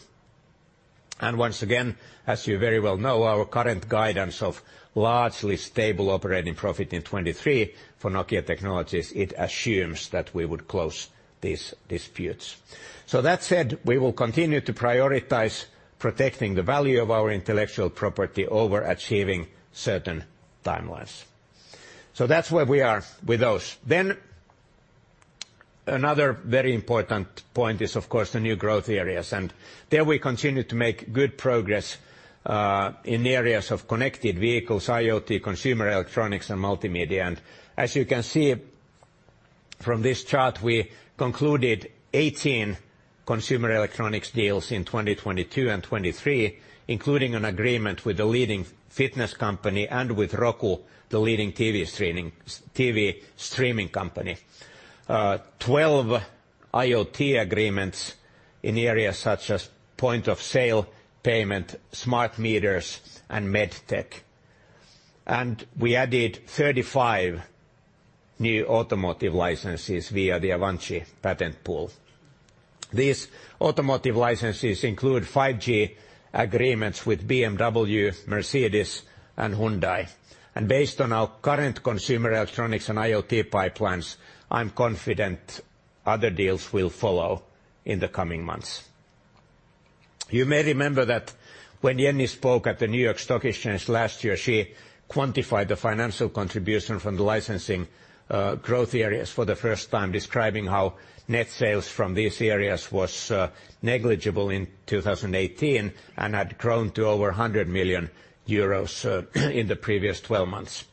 Once again, as you very well know, our current guidance of largely stable operating profit in 2023 for Nokia Technologies, it assumes that we would close these disputes. So that said, we will continue to prioritize protecting the value of our intellectual property over achieving certain timelines. So that's where we are with those. Then another very important point is, of course, the new growth areas. And there we continue to make good progress, in areas of connected vehicles, IoT, consumer electronics, and multimedia. And as you can see from this chart, we concluded 18 consumer electronics deals in 2022 and 2023, including an agreement with the leading fitness company and with Roku, the leading TV streaming TV streaming company. 12 IoT agreements in areas such as point of sale payment, smart meters, and medtech. And we added 35 new automotive licenses via the Avanci patent pool. These automotive licenses include 5G agreements with BMW, Mercedes, and Hyundai. And based on our current consumer electronics and IoT pipelines, I'm confident other deals will follow in the coming months. You may remember that when Jenni spoke at the New York Stock Exchange last year, she quantified the financial contribution from the licensing, growth areas for the first time, describing how net sales from these areas was negligible in 2018 and had grown to over 100 million euros in the previous 12 months.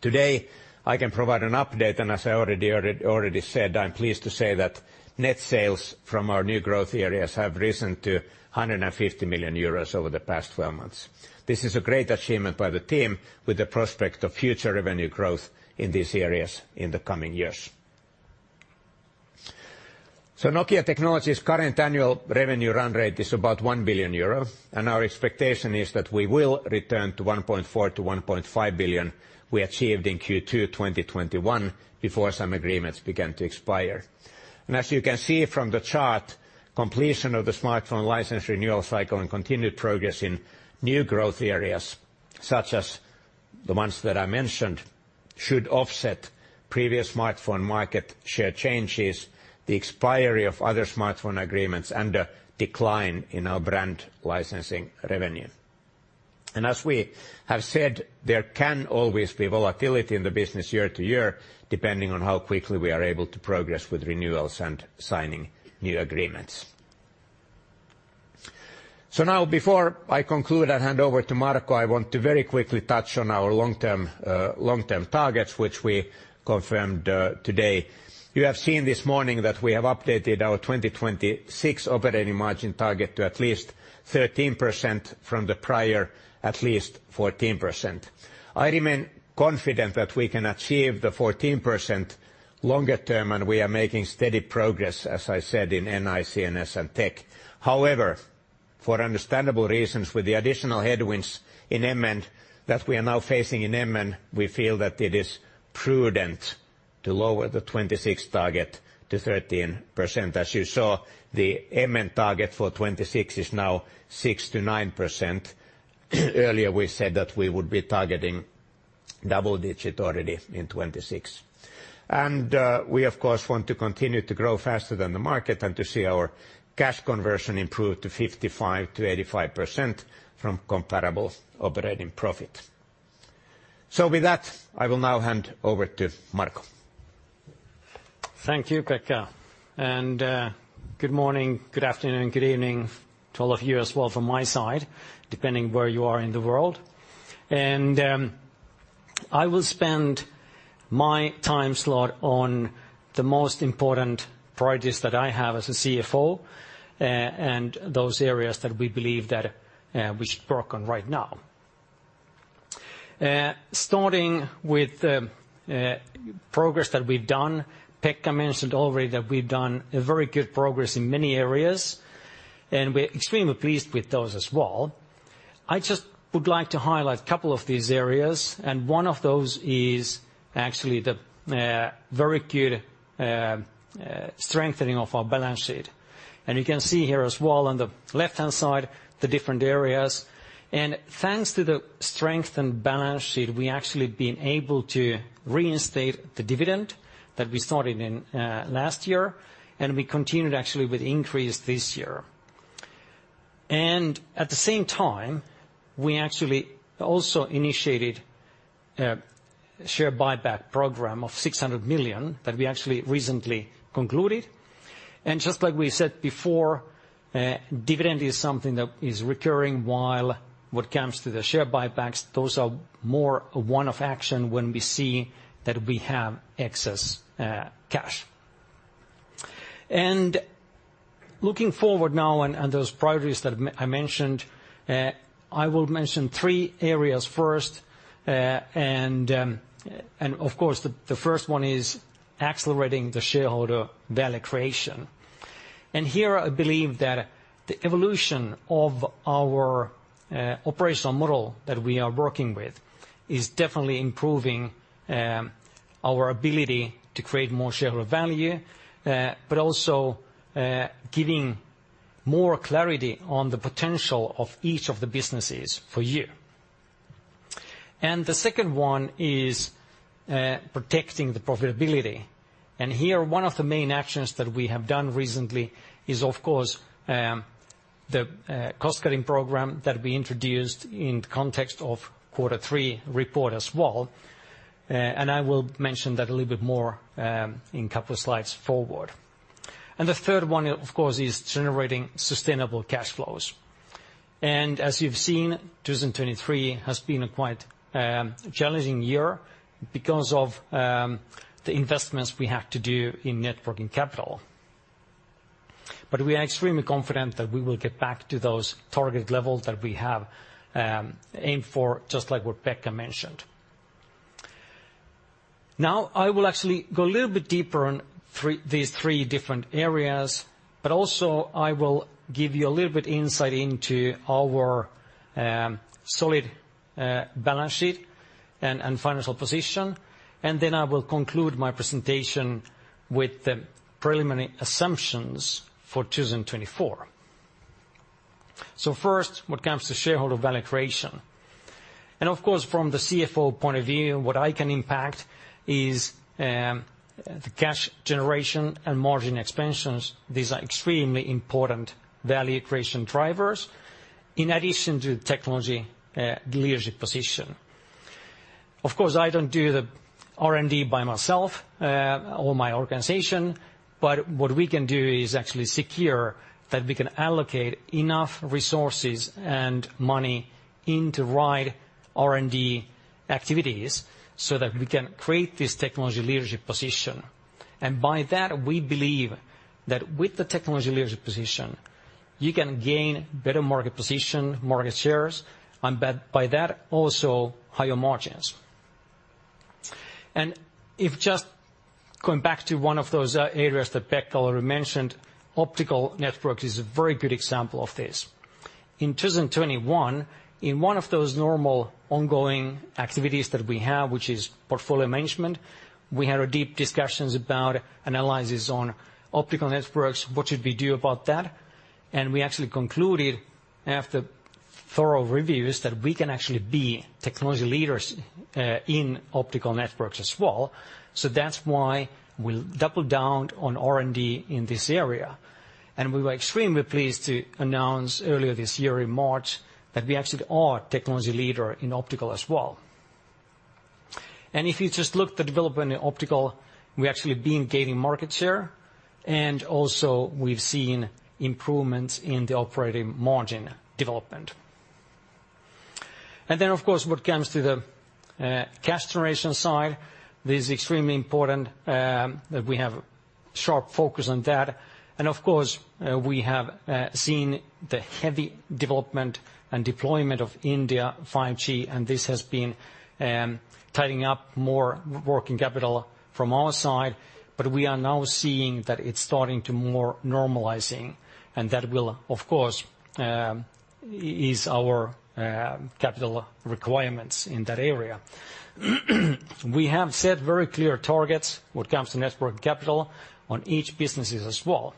Today, I can provide an update. And as I already said, I'm pleased to say that net sales from our new growth areas have risen to 150 million euros over the past 12 months. This is a great achievement by the team with the prospect of future revenue growth in these areas in the coming years. So Nokia Technologies' current annual revenue run rate is about 1 billion euro, and our expectation is that we will return to 1.4 billion-1.5 billion we achieved in Q2 2021 before some agreements began to expire. As you can see from the chart, completion of the smartphone license renewal cycle and continued progress in new growth areas such as the ones that I mentioned should offset previous smartphone market share changes, the expiry of other smartphone agreements, and the decline in our brand licensing revenue. As we have said, there can always be volatility in the business year to year, depending on how quickly we are able to progress with renewals and signing new agreements. Now, before I conclude and hand over to Marco, I want to very quickly touch on our long-term, long-term targets, which we confirmed today. You have seen this morning that we have updated our 2026 operating margin target to at least 13% from the prior at least 14%. I remain confident that we can achieve the 14% longer term, and we are making steady progress, as I said, in NI, CNS, and tech. However, for understandable reasons, with the additional headwinds in MN that we are now facing in MN, we feel that it is prudent to lower the 2026 target to 13%. As you saw, the MN target for 2026 is now 6%-9%. Earlier, we said that we would be targeting double-digit already in 2026. And we, of course, want to continue to grow faster than the market and to see our cash conversion improve to 55%-85% from comparable operating profit. So with that, I will now hand over to Marco. Thank you, Pekka. And good morning, good afternoon, good evening to all of you as well from my side, depending where you are in the world. I will spend my time slot on the most important priorities that I have as a CFO and those areas that we believe that we should work on right now. Starting with the progress that we've done, Pekka mentioned already that we've done very good progress in many areas, and we're extremely pleased with those as well. I just would like to highlight a couple of these areas, and one of those is actually the very good strengthening of our balance sheet. You can see here as well on the left-hand side, the different areas. Thanks to the strengthened balance sheet, we actually have been able to reinstate the dividend that we started in last year, and we continued actually with increase this year. At the same time, we actually also initiated a share buyback program of 600 million that we actually recently concluded. Just like we said before, dividend is something that is recurring, while what comes to the share buybacks, those are more a one-off action when we see that we have excess cash. Looking forward now and those priorities that I mentioned, I will mention three areas first. Of course, the first one is accelerating the shareholder value creation. Here I believe that the evolution of our operational model that we are working with is definitely improving our ability to create more shareholder value, but also giving more clarity on the potential of each of the businesses for you. The second one is protecting the profitability. Here one of the main actions that we have done recently is, of course, the cost-cutting program that we introduced in the context of quarter three report as well. I will mention that a little bit more in a couple of slides forward. The third one, of course, is generating sustainable cash flows. As you've seen, 2023 has been a quite challenging year because of the investments we have to do in working capital. But we are extremely confident that we will get back to those target levels that we have aimed for, just like what Pekka mentioned. Now, I will actually go a little bit deeper on these three different areas, but also I will give you a little bit of insight into our solid balance sheet and financial position. Then I will conclude my presentation with the preliminary assumptions for 2024. First, what comes to shareholder value creation. Of course, from the CFO point of view, what I can impact is the cash generation and margin expansions. These are extremely important value creation drivers in addition to the technology leadership position. Of course, I don't do the R&D by myself or my organization, but what we can do is actually secure that we can allocate enough resources and money into R&D activities so that we can create this technology leadership position. And by that, we believe that with the technology leadership position, you can gain better market position, market shares, and by that also higher margins. And if just going back to one of those areas that Pekka already mentioned, Optical Networks is a very good example of this. In 2021, in one of those normal ongoing activities that we have, which is portfolio management, we had deep discussions about analysis on Optical Networks, what should we do about that. We actually concluded after thorough reviews that we can actually be technology leaders in Optical Networks as well. So that's why we doubled down on R&D in this area. We were extremely pleased to announce earlier this year in March that we actually are a technology leader in optical as well. If you just look at the development in optical, we're actually gaining market share, and also we've seen improvements in the operating margin development. Then, of course, what comes to the cash generation side, this is extremely important that we have a sharp focus on that. Of course, we have seen the heavy development and deployment of India 5G, and this has been tying up more working capital from our side. But we are now seeing that it's starting to normalize more, and that will, of course, ease our capital requirements in that area. We have set very clear targets when it comes to network capital on each business as well.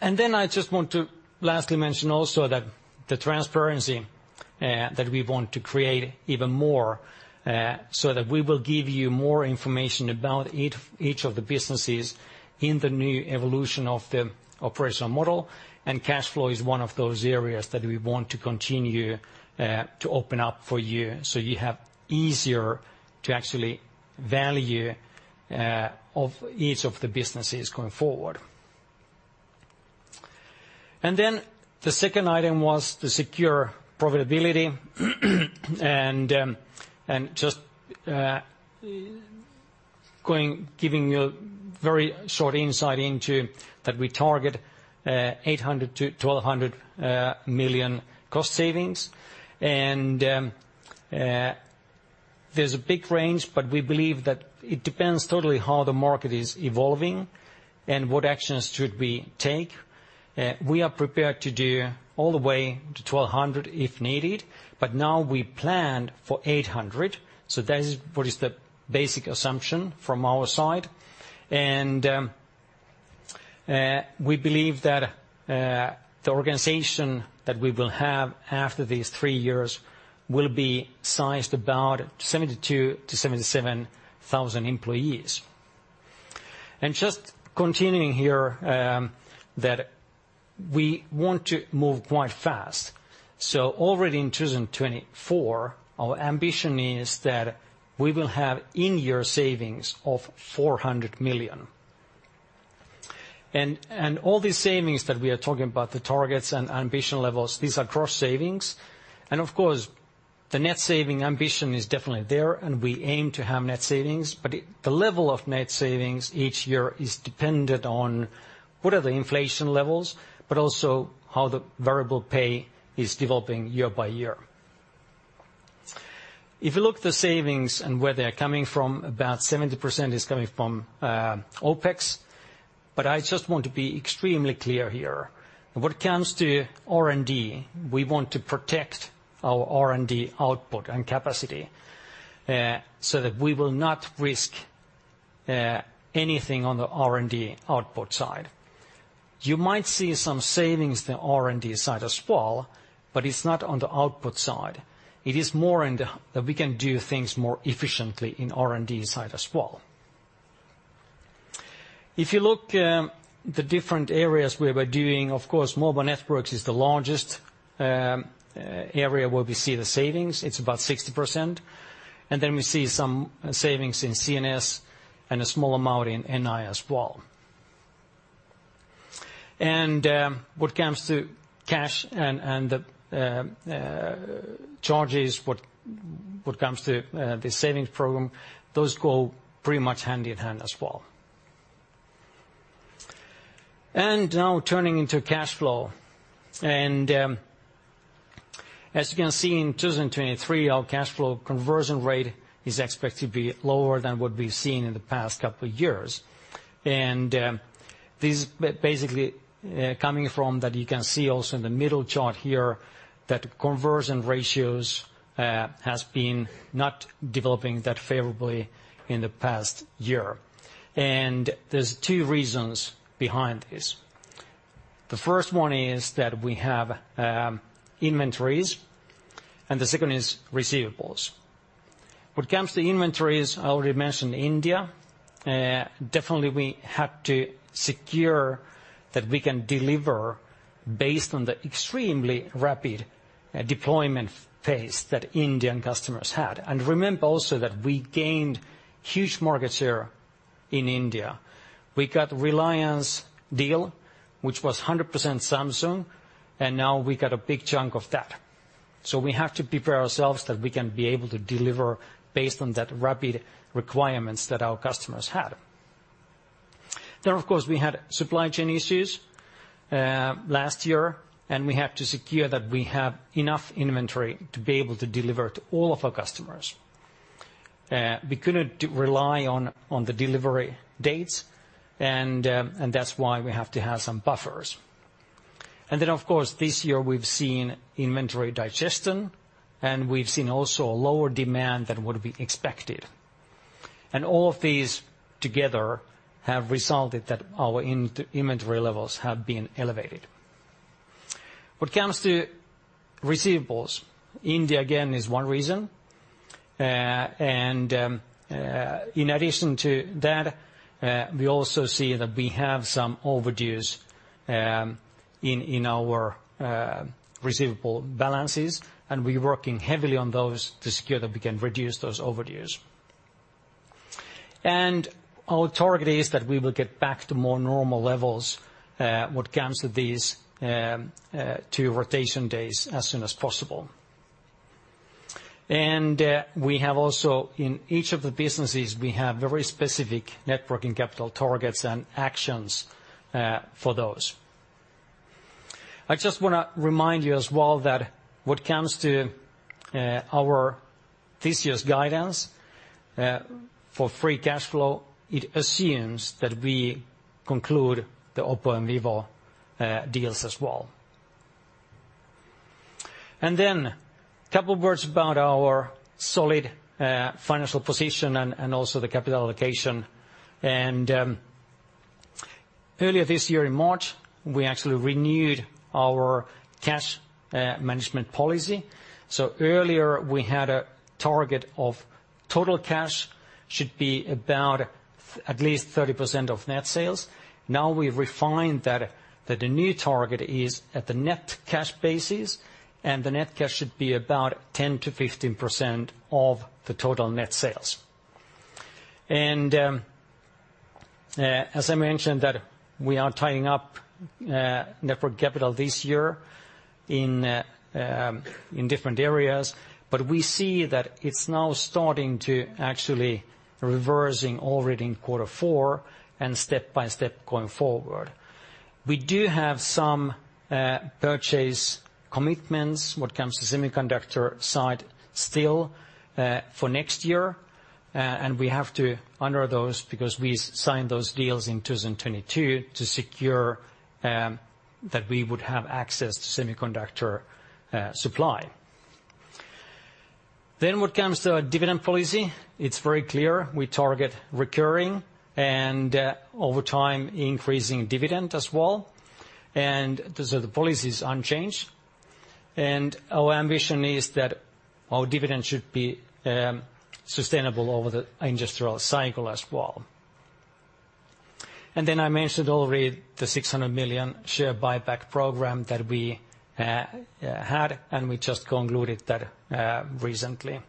Then I just want to lastly mention also that the transparency that we want to create even more so that we will give you more information about each of the businesses in the new evolution of the operational model. Cash flow is one of those areas that we want to continue to open up for you so you have easier to actually value of each of the businesses going forward. Then the second item was to secure profitability. Just giving you a very short insight into that, we target 800 million-1,200 million cost savings. There's a big range, but we believe that it depends totally how the market is evolving and what actions should we take. We are prepared to do all the way to 1,200 if needed, but now we plan for 800. That is what is the basic assumption from our side. We believe that the organization that we will have after these three years will be sized about 72,000-77,000 employees. Just continuing here, we want to move quite fast. Already in 2024, our ambition is that we will have in-year savings of 400 million. All these savings that we are talking about, the targets and ambition levels, these are gross savings. Of course, the net saving ambition is definitely there, and we aim to have net savings. The level of net savings each year is dependent on what are the inflation levels, but also how the variable pay is developing year by year. If you look at the savings and where they are coming from, about 70% is coming from OpEx. But I just want to be extremely clear here. When it comes to R&D, we want to protect our R&D output and capacity so that we will not risk anything on the R&D output side. You might see some savings on the R&D side as well, but it's not on the output side. It is more in that we can do things more efficiently in R&D side as well. If you look at the different areas we were doing, of course, Mobile Networks is the largest area where we see the savings. It's about 60%. And then we see some savings in CNS and a small amount in NI as well. When it comes to cash and the charges, when it comes to the savings program, those go pretty much hand in hand as well. Now turning to cash flow. As you can see, in 2023, our cash flow conversion rate is expected to be lower than what we've seen in the past couple of years. This is basically coming from that you can see also in the middle chart here that conversion ratios have been not developing that favorably in the past year. There's two reasons behind this. The first one is that we have inventories, and the second is receivables. When it comes to inventories, I already mentioned India. Definitely, we had to secure that we can deliver based on the extremely rapid deployment pace that Indian customers had. Remember also that we gained huge market share in India. We got a Reliance deal, which was 100% Samsung, and now we got a big chunk of that. So we have to prepare ourselves that we can be able to deliver based on that rapid requirements that our customers had. Then, of course, we had supply chain issues last year, and we had to secure that we have enough inventory to be able to deliver to all of our customers. We couldn't rely on the delivery dates, and that's why we have to have some buffers. Then, of course, this year we've seen inventory digestion, and we've seen also a lower demand than what we expected. And all of these together have resulted that our inventory levels have been elevated. When it comes to receivables, India again is one reason. In addition to that, we also see that we have some overdues in our receivable balances, and we're working heavily on those to secure that we can reduce those overdues. Our target is that we will get back to more normal levels when it comes to these two rotation days as soon as possible. We have also, in each of the businesses, very specific net working capital targets and actions for those. I just want to remind you as well that when it comes to this year's guidance for free cash flow, it assumes that we conclude the OPPO and Vivo deals as well. Then a couple of words about our solid financial position and also the capital allocation. Earlier this year in March, we actually renewed our cash management policy. So earlier we had a target of total cash should be about at least 30% of net sales. Now we've refined that the new target is at the net cash basis, and the net cash should be about 10%-15% of the total net sales. As I mentioned, that we are tidying up network capital this year in different areas, but we see that it's now starting to actually reversing already in quarter four and step by step going forward. We do have some purchase commitments when it comes to semiconductor side still for next year, and we have to honor those because we signed those deals in 2022 to secure that we would have access to semiconductor supply. When it comes to our dividend policy, it's very clear we target recurring and over time increasing dividend as well. So the policy is unchanged. Our ambition is that our dividend should be sustainable over the industrial cycle as well. Then I mentioned already the 600 million share buyback program that we had, and we just concluded that recently.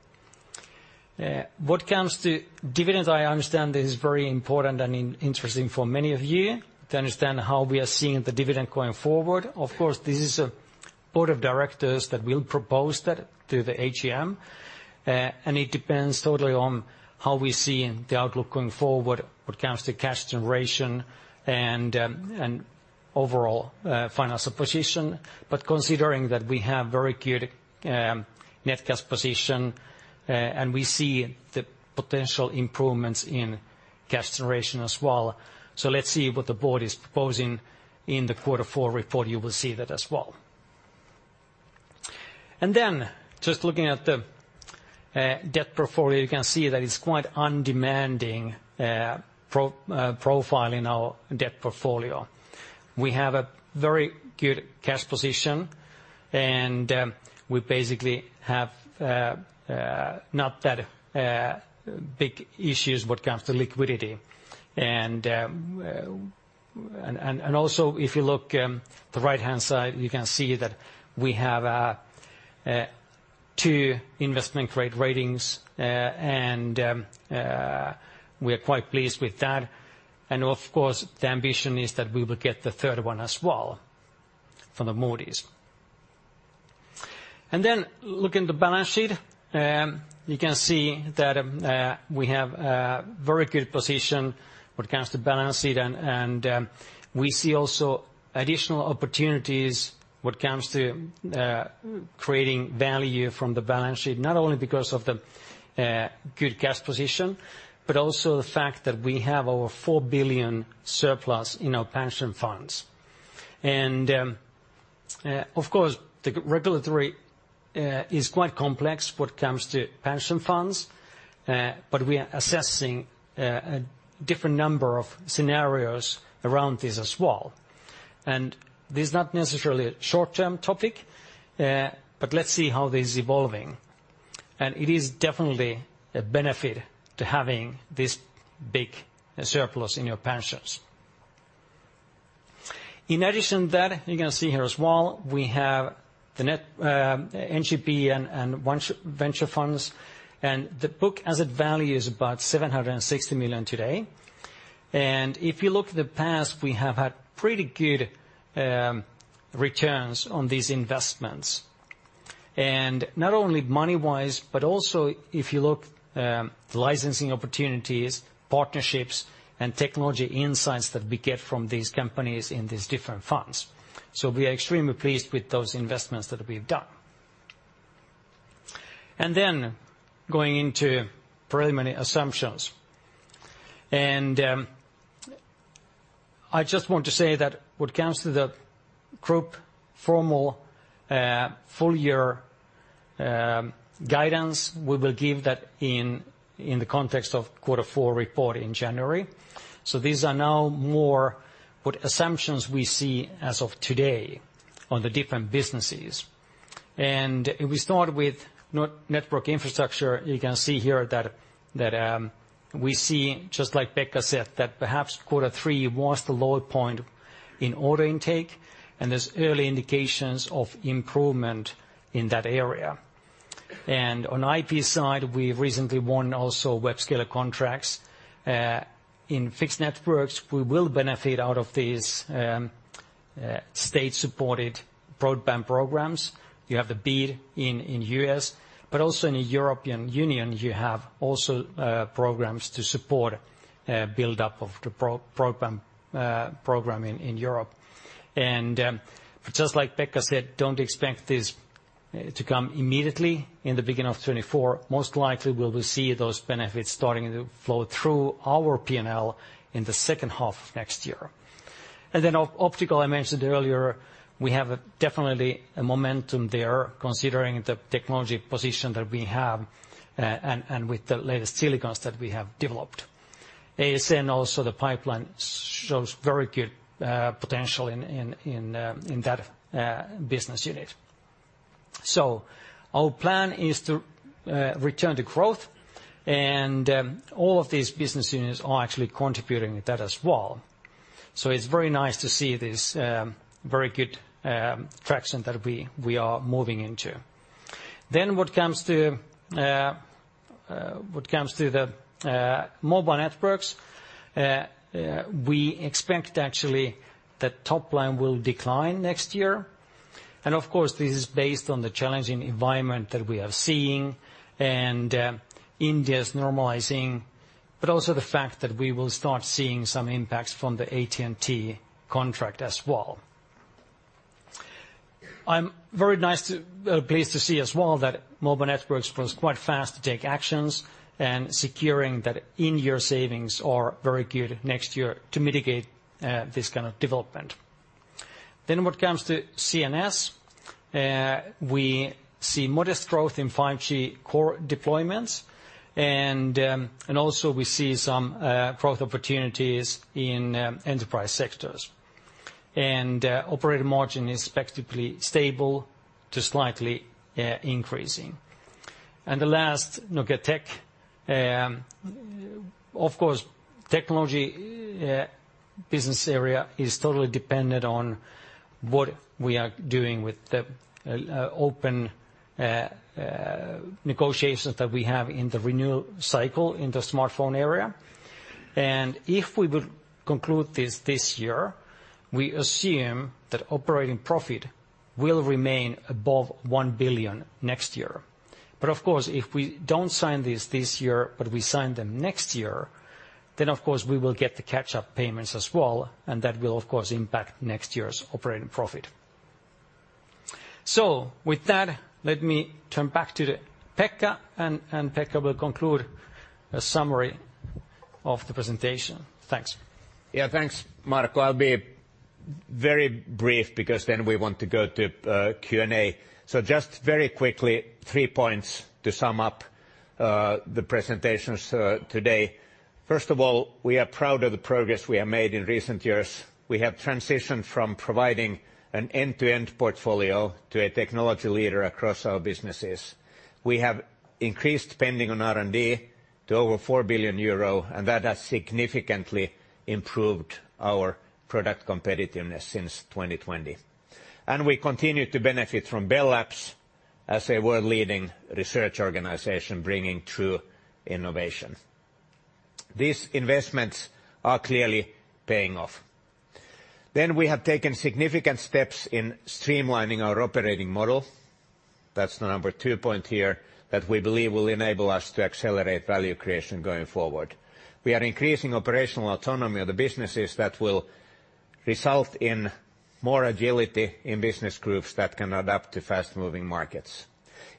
When it comes to dividend, I understand this is very important and interesting for many of you to understand how we are seeing the dividend going forward. Of course, this is a board of directors that will propose that to the AGM, and it depends totally on how we see the outlook going forward when it comes to cash generation and overall financial position. But considering that we have a very good net cash position and we see the potential improvements in cash generation as well, so let's see what the board is proposing. In the quarter four report, you will see that as well. Just looking at the debt portfolio, you can see that it's quite an undemanding profile in our debt portfolio. We have a very good cash position, and we basically have not that big issues when it comes to liquidity. If you look at the right-hand side, you can see that we have two investment grade ratings, and we are quite pleased with that. Of course, the ambition is that we will get the third one as well from the Moody's. Looking at the balance sheet, you can see that we have a very good position when it comes to balance sheet, and we see also additional opportunities when it comes to creating value from the balance sheet, not only because of the good cash position, but also the fact that we have over 4 billion surplus in our pension funds. And of course, the regulatory is quite complex when it comes to pension funds, but we are assessing a different number of scenarios around this as well. And this is not necessarily a short-term topic, but let's see how this is evolving. And it is definitely a benefit to having this big surplus in your pensions. In addition to that, you can see here as well, we have the NGP and one venture funds. And the book asset value is about 760 million today. And if you look at the past, we have had pretty good returns on these investments, and not only money-wise, but also if you look at the licensing opportunities, partnerships, and technology insights that we get from these companies in these different funds. So we are extremely pleased with those investments that we've done. And then going into preliminary assumptions. I just want to say that when it comes to the group formal full-year guidance, we will give that in the context of quarter four report in January. These are now more what assumptions we see as of today on the different businesses. If we start with Network Infrastructure, you can see here that we see, just like Pekka said, that perhaps quarter three was the low point in order intake, and there's early indications of improvement in that area. On IP side, we've recently won also Webscaler contracts. In Fixed Networks, we will benefit out of these state-supported broadband programs. You have the BEAD in the U.S., but also in the European Union, you have also programs to support buildup of the broadband program in Europe. Just like Pekka said, don't expect this to come immediately in the beginning of 2024. Most likely, we'll see those benefits starting to flow through our P&L in the second half of next year. And then optical, I mentioned earlier, we have definitely a momentum there considering the technology position that we have and with the latest silicons that we have developed. ASN, also the pipeline, shows very good potential in that business unit. So our plan is to return to growth, and all of these business units are actually contributing to that as well. So it's very nice to see this very good traction that we are moving into. Then when it comes to the mobile networks, we expect actually that top line will decline next year. Of course, this is based on the challenging environment that we are seeing and India's normalizing, but also the fact that we will start seeing some impacts from the AT&T contract as well. I'm very pleased to see as well that mobile networks were quite fast to take actions and securing that in-year savings are very good next year to mitigate this kind of development. When it comes to CNS, we see modest growth in 5G core deployments, and also we see some growth opportunities in enterprise sectors. Operating margin is expected to be stable to slightly increasing. The last, Nokia Tech. Of course, technology business area is totally dependent on what we are doing with the open negotiations that we have in the renewal cycle in the smartphone area. If we would conclude this year, we assume that operating profit will remain above 1 billion next year. But of course, if we don't sign this year but we sign them next year, then of course we will get the catch-up payments as well, and that will, of course, impact next year's operating profit. So with that, let me turn back to Pekka, and Pekka will conclude a summary of the presentation. Thanks. Yeah, thanks, Marco. I'll be very brief because then we want to go to Q&A. So just very quickly, three points to sum up the presentations today. First of all, we are proud of the progress we have made in recent years. We have transitioned from providing an end-to-end portfolio to a technology leader across our businesses. We have increased spending on R&D to over 4 billion euro, and that has significantly improved our product competitiveness since 2020. And we continue to benefit from Bell Labs as a world-leading research organization bringing true innovation. These investments are clearly paying off. Then we have taken significant steps in streamlining our operating model. That's the number two point here that we believe will enable us to accelerate value creation going forward. We are increasing operational autonomy of the businesses that will result in more agility in business groups that can adapt to fast-moving markets.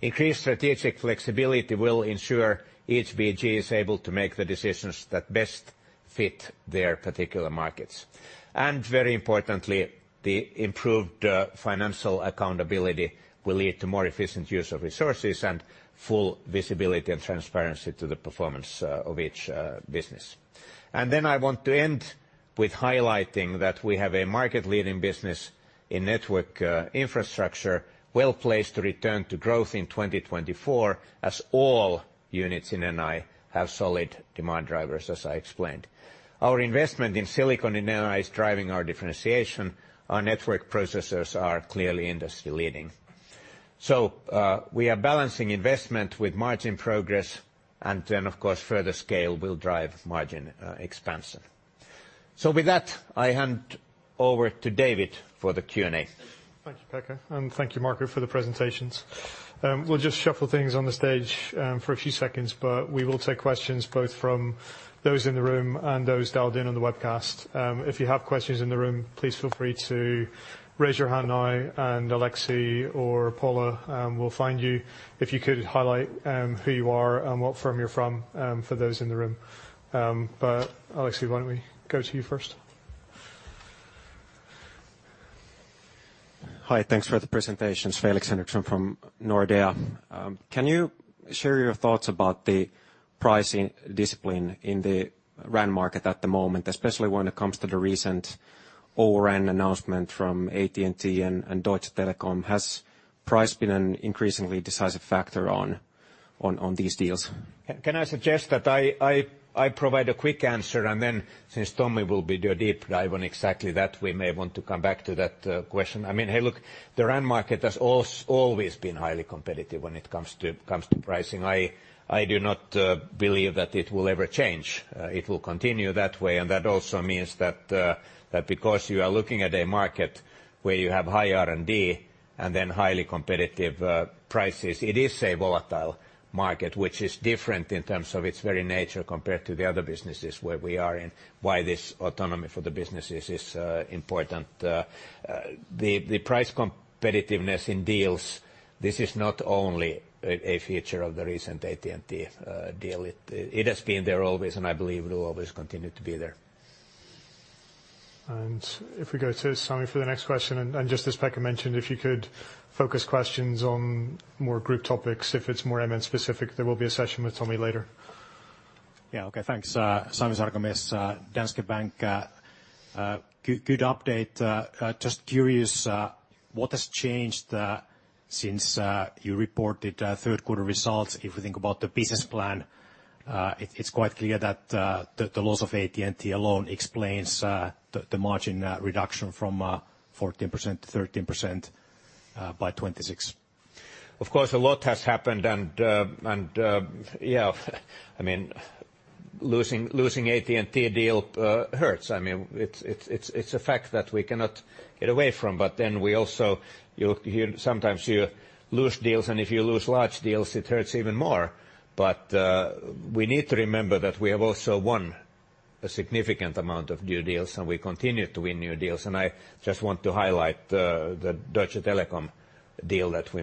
Increased strategic flexibility will ensure each BG is able to make the decisions that best fit their particular markets. And very importantly, the improved financial accountability will lead to more efficient use of resources and full visibility and transparency to the performance of each business. Then I want to end with highlighting that we have a market-leading business in Network Infrastructure, well placed to return to growth in 2024 as all units in NI have solid demand drivers, as I explained. Our investment in silicon in NI is driving our differentiation. Our network processors are clearly industry-leading. So we are balancing investment with margin progress, and then, of course, further scale will drive margin expansion. So with that, I hand over to David for the Q&A. Thank you, Pekka. And thank you, Marco, for the presentations. We'll just shuffle things on the stage for a few seconds, but we will take questions both from those in the room and those dialed in on the webcast. If you have questions in the room, please feel free to raise your hand now, and Alexey or Paula will find you if you could highlight who you are and what firm you're from for those in the room. But Alexey, why don't we go to you first? Hi. Thanks for the presentations. Felix Henriksson from Nordea. Can you share your thoughts about the pricing discipline in the RAN market at the moment, especially when it comes to the recent O-RAN announcement from AT&T and Deutsche Telekom? Has price been an increasingly decisive factor on these deals? Can I suggest that I provide a quick answer, and then since Tommi will be doing a deep dive on exactly that, we may want to come back to that question? I mean, hey, look, the RAN market has always been highly competitive when it comes to pricing. I do not believe that it will ever change. It will continue that way. And that also means that because you are looking at a market where you have high R&D and then highly competitive prices, it is a volatile market, which is different in terms of its very nature compared to the other businesses where we are in. Why this autonomy for the businesses is important. The price competitiveness in deals, this is not only a feature of the recent AT&T deal. It has been there always, and I believe it will always continue to be there. And if we go to Sami for the next question, and just as Pekka mentioned, if you could focus questions on more group topics, if it's more M&A specific, there will be a session with Tommi later. Yeah, okay. Thanks. Sami Sarkamies, Danske Bank. Good update. Just curious, what has changed since you reported third-quarter results? If we think about the business plan, it's quite clear that the loss of AT&T alone explains the margin reduction from 14%-13% by 2026. Of course, a lot has happened. And yeah, I mean, losing AT&T deal hurts. I mean, it's a fact that we cannot get away from. But then we also, sometimes you lose deals, and if you lose large deals, it hurts even more. But we need to remember that we have also won a significant amount of new deals, and we continue to win new deals. And I just want to highlight the Deutsche Telekom deal that we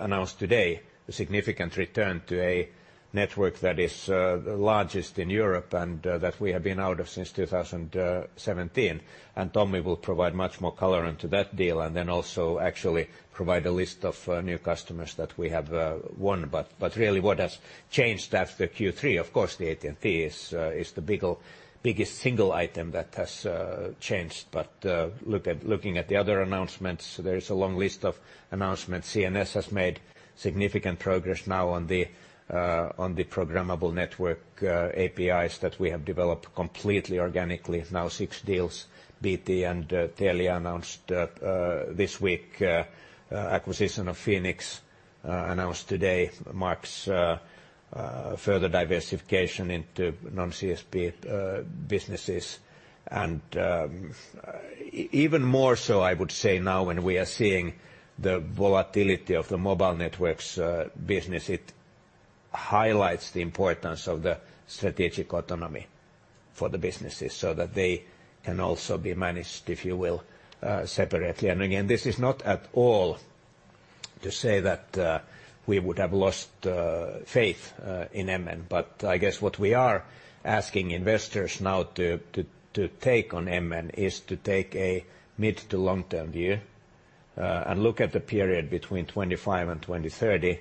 announced today, a significant return to a network that is the largest in Europe and that we have been out of since 2017. Tommi will provide much more color into that deal and then also actually provide a list of new customers that we have won. Really, what has changed after Q3? Of course, the AT&T is the biggest single item that has changed. Looking at the other announcements, there is a long list of announcements. CNS has made significant progress now on the programmable network APIs that we have developed completely organically, now six deals. BT and Telia announced this week, acquisition of Fenix announced today, Marco's further diversification into non-CSP businesses. Even more so, I would say now when we are seeing the volatility of the mobile networks business, it highlights the importance of the strategic autonomy for the businesses so that they can also be managed, if you will, separately. Again, this is not at all to say that we would have lost faith in M&A, but I guess what we are asking investors now to take on M&A is to take a mid- to long-term view and look at the period between 2025 and 2030,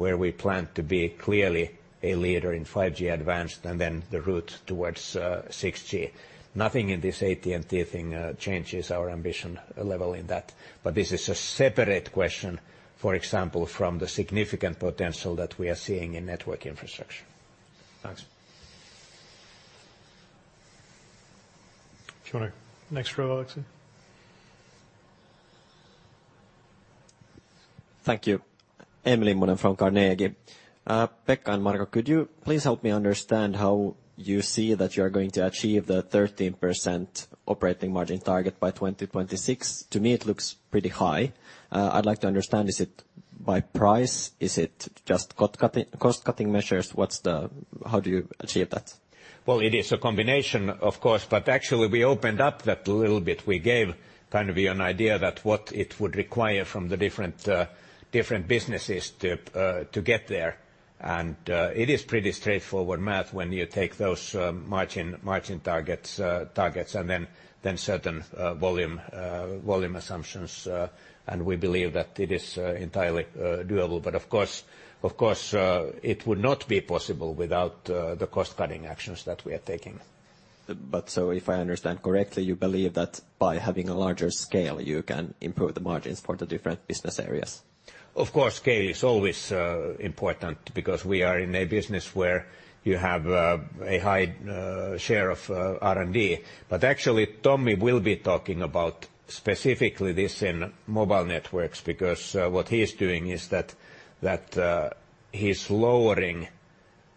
where we plan to be clearly a leader in 5G Advanced and then the route towards 6G. Nothing in this AT&T thing changes our ambition level in that. But this is a separate question, for example, from the significant potential that we are seeing in Network Infrastructure. Thanks. Jonah, next row, Alexey. Thank you. Emilie Munen from Carnegie. Pekka and Marco, could you please help me understand how you see that you are going to achieve the 13% operating margin target by 2026? To me, it looks pretty high. I'd like to understand, is it by price? Is it just cost-cutting measures? How do you achieve that? Well, it is a combination, of course. But actually, we opened up that a little bit. We gave kind of an idea that what it would require from the different businesses to get there. And it is pretty straightforward math when you take those margin targets and then certain volume assumptions. And we believe that it is entirely doable. But of course, it would not be possible without the cost-cutting actions that we are taking. But so if I understand correctly, you believe that by having a larger scale, you can improve the margins for the different business areas. Of course, scale is always important because we are in a business where you have a high share of R&D. But actually, Tommi will be talking about specifically this in Mobile Networks because what he's doing is that he's lowering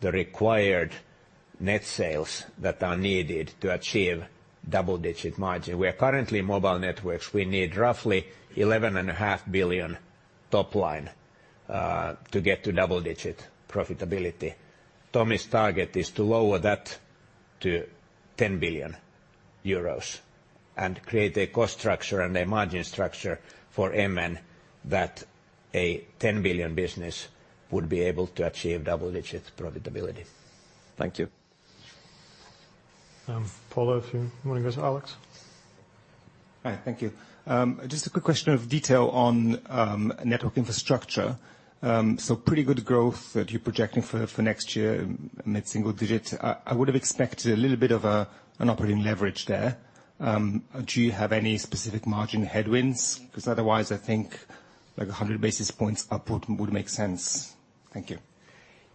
the required net sales that are needed to achieve double-digit margin. We are currently in Mobile Networks. We need roughly 11.5 billion top line to get to double-digit profitability. Tommi's target is to lower that to 10 billion euros and create a cost structure and a margin structure for M&A that a 10 billion business would be able to achieve double-digit profitability. Thank you. Paula, if you want to go to Alex. Hi. Thank you. Just a quick question of detail on Network Infrastructure. So pretty good growth that you're projecting for next year mid-single digit. I would have expected a little bit of an operating leverage there. Do you have any specific margin headwinds? Because otherwise, I think 100 basis points upward would make sense. Thank you.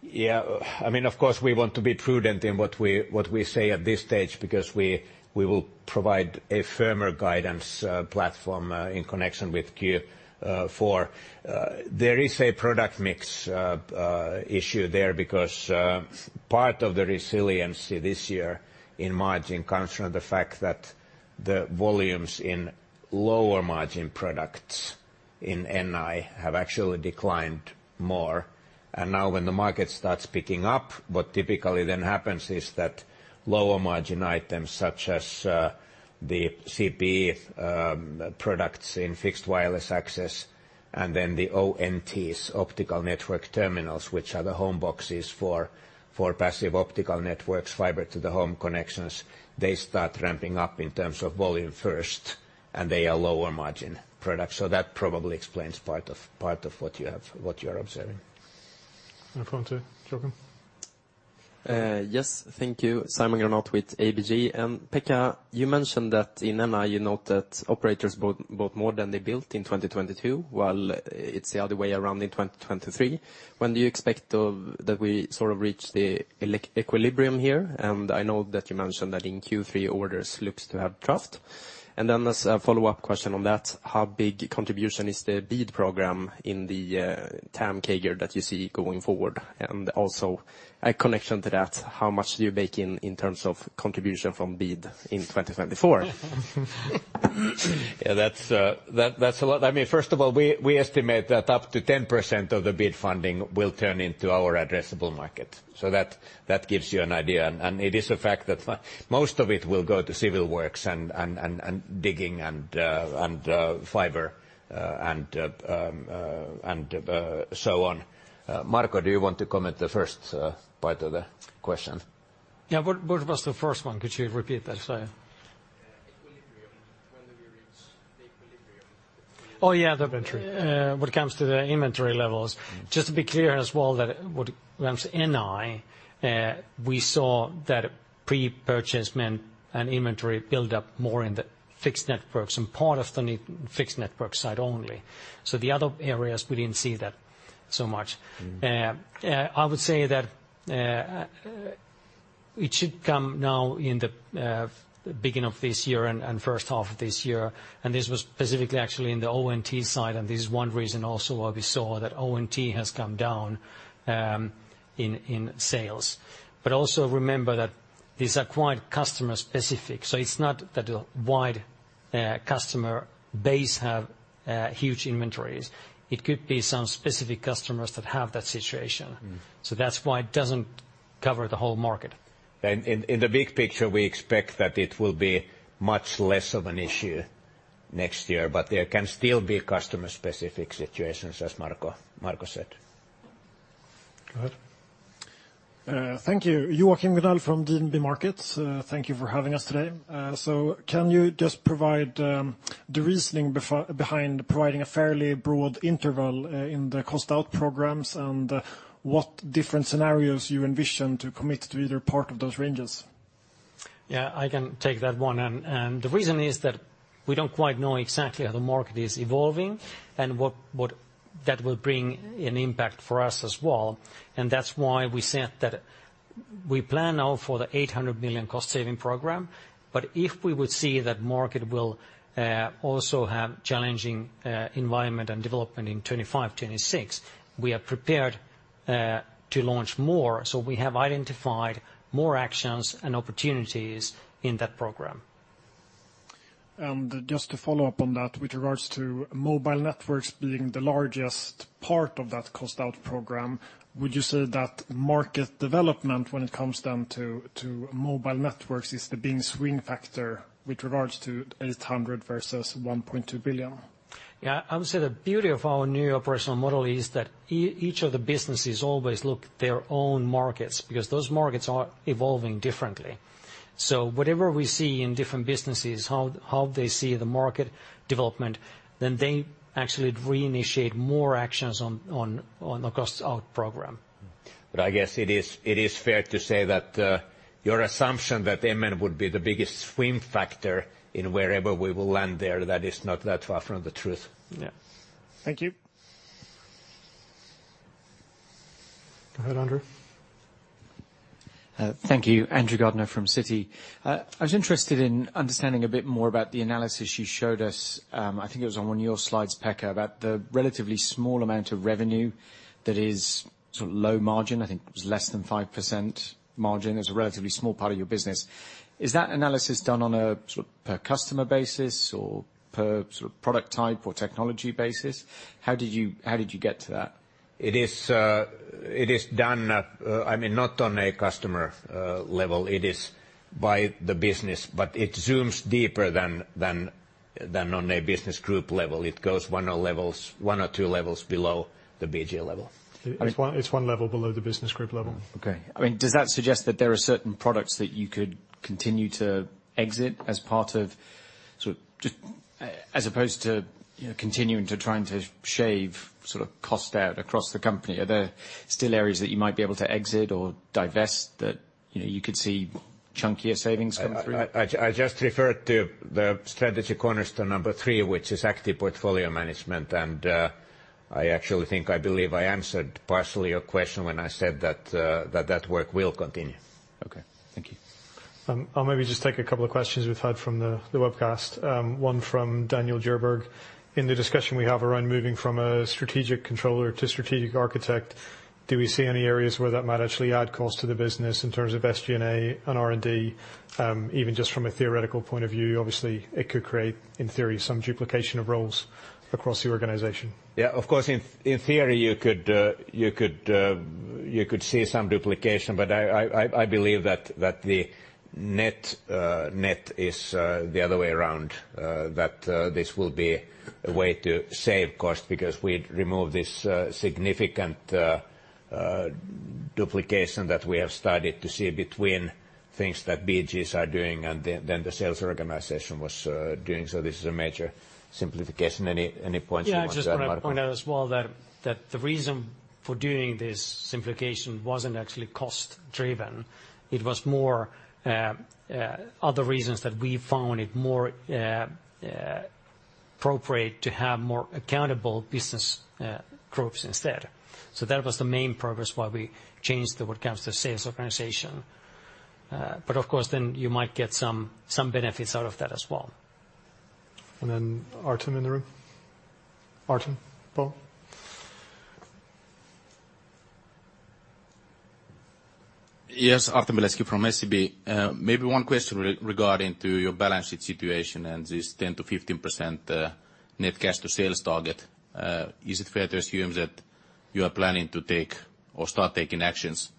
Yeah. I mean, of course, we want to be prudent in what we say at this stage because we will provide a firmer guidance platform in connection with Q4. There is a product mix issue there because part of the resiliency this year in margin comes from the fact that the volumes in lower margin products in NI have actually declined more. And now when the market starts picking up, what typically then happens is that lower margin items such as the CPE products in fixed wireless access and then the ONTs, optical network terminals, which are the home boxes for passive optical networks, fiber-to-the-home connections, they start ramping up in terms of volume first, and they are lower margin products. So that probably explains part of what you are observing. And Fonte, Joker. Yes. Thank you. Simon Granath with ABG. And Pekka, you mentioned that in NI you note that operators bought more than they built in 2022 while it's the other way around in 2023. When do you expect that we sort of reach the equilibrium here? And I know that you mentioned that in Q3, orders look to have dropped. And then as a follow-up question on that, how big contribution is the BEAD program in the TAM CAGR that you see going forward? And also a connection to that, how much do you bake in in terms of contribution from BEAD in 2024? Yeah, that's a lot. I mean, first of all, we estimate that up to 10% of the BEAD funding will turn into our addressable market. So that gives you an idea. And it is a fact that most of it will go to civil works and digging and fiber and so on. Marko, do you want to comment the first part of the question? Yeah. What was the first one? Could you repeat that, Simon? Equilibrium. When do we reach the equilibrium? Oh, yeah. Inventory. What comes to the inventory levels. Just to be clear as well, that when it comes to NI, we saw that pre-purchase meant an inventory buildup more in the fixed networks and part of the fixed network side only. So the other areas, we didn't see that so much. I would say that it should come now in the beginning of this year and first half of this year. And this was specifically actually in the ONT side. And this is one reason also why we saw that ONT has come down in sales. But also remember that these are quite customer-specific. So it's not that the wide customer base have huge inventories. It could be some specific customers that have that situation. So that's why it doesn't cover the whole market. In the big picture, we expect that it will be much less of an issue next year, but there can still be customer-specific situations, as Marco said. Go ahead. Thank you. Joachim Gunell from DNB Markets. Thank you for having us today. So can you just provide the reasoning behind providing a fairly broad interval in the cost-out programs and what different scenarios you envision to commit to either part of those ranges? Yeah, I can take that one. And the reason is that we don't quite know exactly how the market is evolving and what that will bring an impact for us as well. And that's why we said that we plan now for the 800 million cost-saving program. But if we would see that market will also have challenging environment and development in 2025, 2026, we are prepared to launch more. So we have identified more actions and opportunities in that program. And just to follow up on that, with regards to mobile networks being the largest part of that cost-out program, would you say that market development when it comes then to mobile networks is the beam-swing factor with regards to 800 versus 1.2 billion? Yeah. I would say the beauty of our new operational model is that each of the businesses always look at their own markets because those markets are evolving differently. So whatever we see in different businesses, how they see the market development, then they actually reinitiate more actions on the cost-out program. But I guess it is fair to say that your assumption that M&A would be the biggest swing factor in wherever we will land there, that is not that far from the truth. Yeah. Thank you. Go ahead, Andrew. Thank you. Andrew Gardiner from Citi. I was interested in understanding a bit more about the analysis you showed us. I think it was on one of your slides, Pekka, about the relatively small amount of revenue that is sort of low margin. I think it was less than 5% margin. It's a relatively small part of your business. Is that analysis done on a sort of per-customer basis or per sort of product type or technology basis? How did you get to that? It is done, I mean, not on a customer level. It is by the business, but it zooms deeper than on a business group level. It goes one or two levels below the BG level. It's one level below the business group level. Okay. I mean, does that suggest that there are certain products that you could continue to exit as part of sort of just as opposed to continuing to try and to shave sort of cost out across the company? Are there still areas that you might be able to exit or divest that you could see chunkier savings come through? I just referred to the strategy cornerstone number three, which is active portfolio management. I actually think I believe I answered partially your question when I said that that work will continue. Okay. Thank you. I'll maybe just take a couple of questions we've had from the webcast. One from Daniel Djurberg. In the discussion we have around moving from a strategic controller to strategic architect, do we see any areas where that might actually add cost to the business in terms of SG&A and R&D? Even just from a theoretical point of view, obviously, it could create, in theory, some duplication of roles across the organization. Yeah. Of course, in theory, you could see some duplication. But I believe that the net is the other way around, that this will be a way to save cost because we'd remove this significant duplication that we have started to see between things that BGs are doing and then the sales organization was doing. So this is a major simplification. Any points you want to add, Marco? Yeah. I just want to point out as well that the reason for doing this simplification wasn't actually cost-driven. It was more other reasons that we found it more appropriate to have more accountable business groups instead. So that was the main purpose why we changed what comes to sales organization. But of course, then you might get some benefits out of that as well. And then Artem in the room. Artem, Paula? Yes. Artem Beletski from SEB. Maybe one question regarding to your balance sheet situation and this 10%-15% net cash-to-sales target. Is it fair to assume that you are planning to take or start taking actions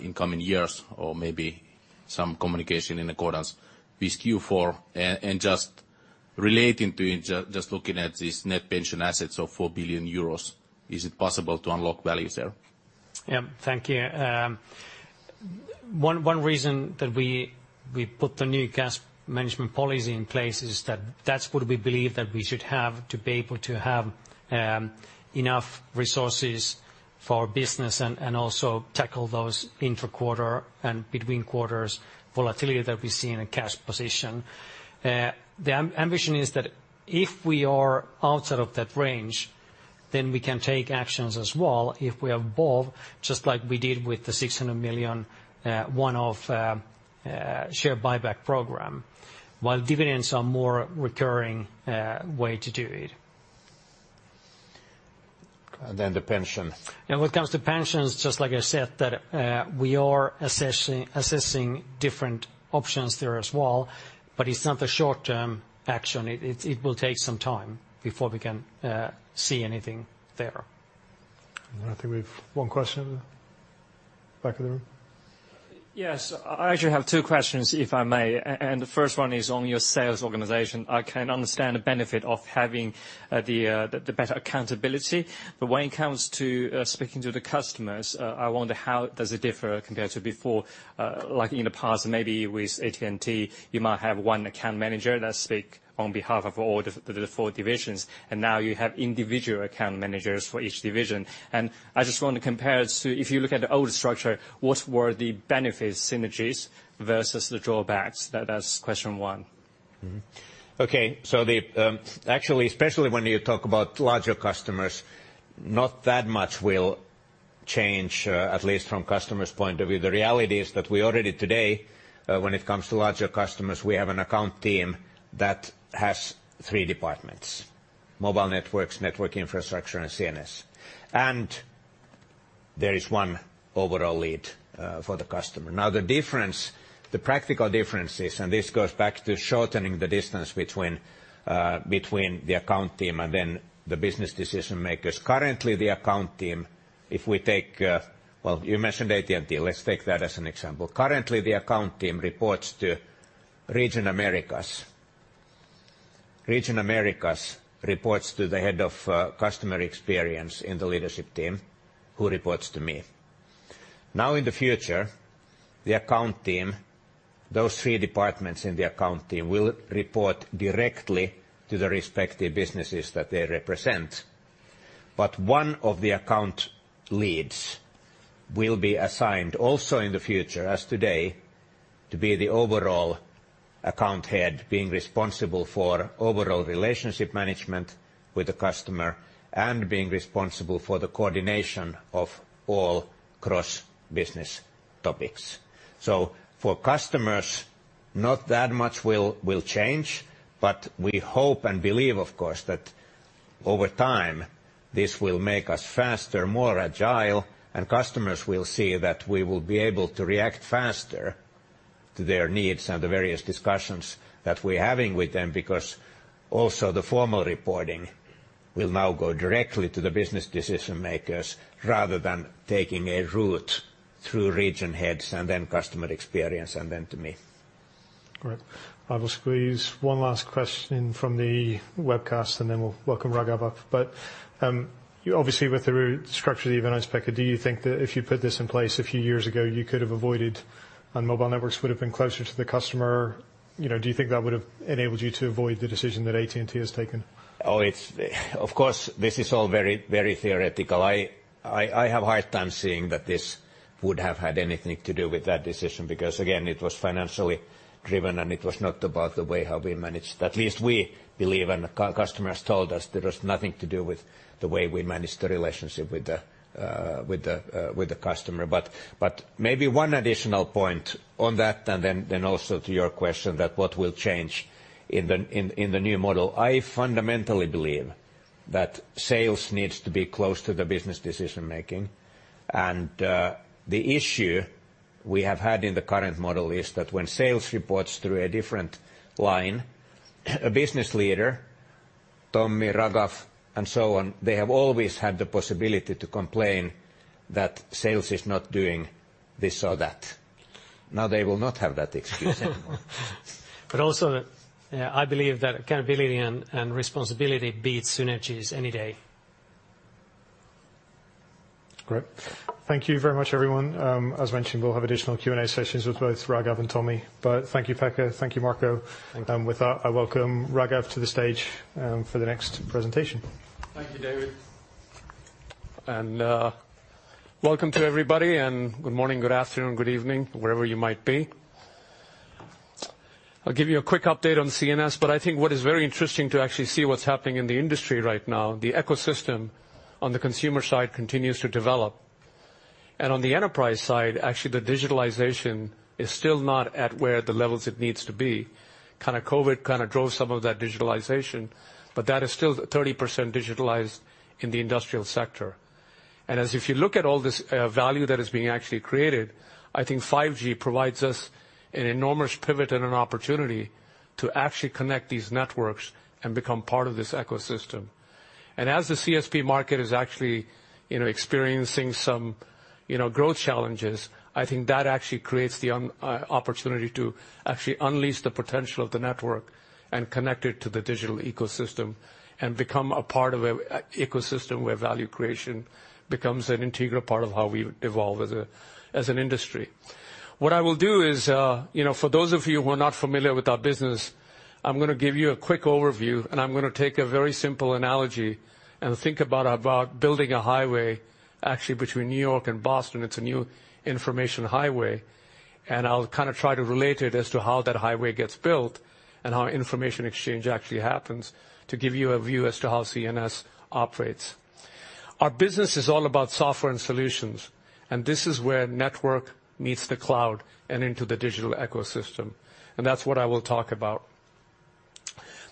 in coming years or maybe some communication in accordance with Q4? And just relating to just looking at these net pension assets of 4 billion euros, is it possible to unlock values there? Yeah. Thank you. One reason that we put the new cash management policy in place is that that's what we believe that we should have to be able to have enough resources for our business and also tackle those interquarter and between-quarters volatility that we see in a cash position. The ambition is that if we are outside of that range, then we can take actions as well if we are above, just like we did with the 600 million one-off share buyback program while dividends are a more recurring way to do it. Then the pension. Yeah. When it comes to pensions, just like I said, that we are assessing different options there as well. But it's not a short-term action. It will take some time before we can see anything there. I think we have one question back in the room. Yes. I actually have two questions, if I may. The first one is on your sales organization. I can understand the benefit of having the better accountability. But when it comes to speaking to the customers, I wonder, how does it differ compared to before? Like in the past, maybe with AT&T, you might have one account manager that speaks on behalf of all the four divisions. And now you have individual account managers for each division. And I just want to compare it to if you look at the old structure, what were the benefit synergies versus the drawbacks? That's question one. Okay. So actually, especially when you talk about larger customers, not that much will change, at least from customers' point of view. The reality is that we already today, when it comes to larger customers, we have an account team that has three departments: Mobile Networks, Network Infrastructure, and CNS. There is one overall lead for the customer. Now, the practical differences, and this goes back to shortening the distance between the account team and then the business decision-makers. Currently, the account team, if we take well, you mentioned AT&T. Let's take that as an example. Currently, the account team reports to Region Americas. Region Americas reports to the head of Customer Experience in the leadership team, who reports to me. Now, in the future, the account team, those three departments in the account team will report directly to the respective businesses that they represent. But one of the account leads will be assigned also in the future, as today, to be the overall account head being responsible for overall relationship management with the customer and being responsible for the coordination of all cross-business topics. So for customers, not that much will change. But we hope and believe, of course, that over time, this will make us faster, more agile, and customers will see that we will be able to react faster to their needs and the various discussions that we're having with them because also the formal reporting will now go directly to the business decision-makers rather than taking a route through region heads and then customer experience and then to me. Great. I will squeeze one last question in from the webcast, and then we'll welcome Raghav up. But obviously, with the structure that you've announced, Pekka, do you think that if you put this in place a few years ago, you could have avoided and mobile networks would have been closer to the customer? Do you think that would have enabled you to avoid the decision that AT&T has taken? Oh, of course, this is all very, very theoretical. I have a hard time seeing that this would have had anything to do with that decision because, again, it was financially driven, and it was not about the way how we managed. At least we believe, and customers told us there was nothing to do with the way we managed the relationship with the customer. But maybe one additional point on that and then also to your question that what will change in the new model. I fundamentally believe that sales needs to be close to the business decision-making. The issue we have had in the current model is that when sales reports through a different line, a business leader, Tommi, Raghav, and so on, they have always had the possibility to complain that sales is not doing this or that. Now, they will not have that excuse anymore. But also, I believe that accountability and responsibility beat synergies any day. Great. Thank you very much, everyone. As mentioned, we'll have additional Q&A sessions with both Raghav and Tommi. But thank you, Pekka. Thank you, Marco. With that, I welcome Raghav to the stage for the next presentation. Thank you, David. And welcome to everybody. And good morning, good afternoon, good evening, wherever you might be. I'll give you a quick update on CNS. But I think what is very interesting to actually see what's happening in the industry right now, the ecosystem on the consumer side continues to develop. And on the enterprise side, actually, the digitalization is still not at the levels it needs to be. Kind of COVID kind of drove some of that digitalization, but that is still 30% digitalized in the industrial sector. And as if you look at all this value that is being actually created, I think 5G provides us an enormous pivot and an opportunity to actually connect these networks and become part of this ecosystem. And as the CSP market is actually experiencing some growth challenges, I think that actually creates the opportunity to actually unleash the potential of the network and connect it to the digital ecosystem and become a part of an ecosystem where value creation becomes an integral part of how we evolve as an industry. What I will do is, for those of you who are not familiar with our business, I'm going to give you a quick overview, and I'm going to take a very simple analogy and think about building a highway, actually, between New York and Boston. It's a new information highway. I'll kind of try to relate it as to how that highway gets built and how information exchange actually happens to give you a view as to how CNS operates. Our business is all about software and solutions. This is where network meets the cloud and into the digital ecosystem. That's what I will talk about.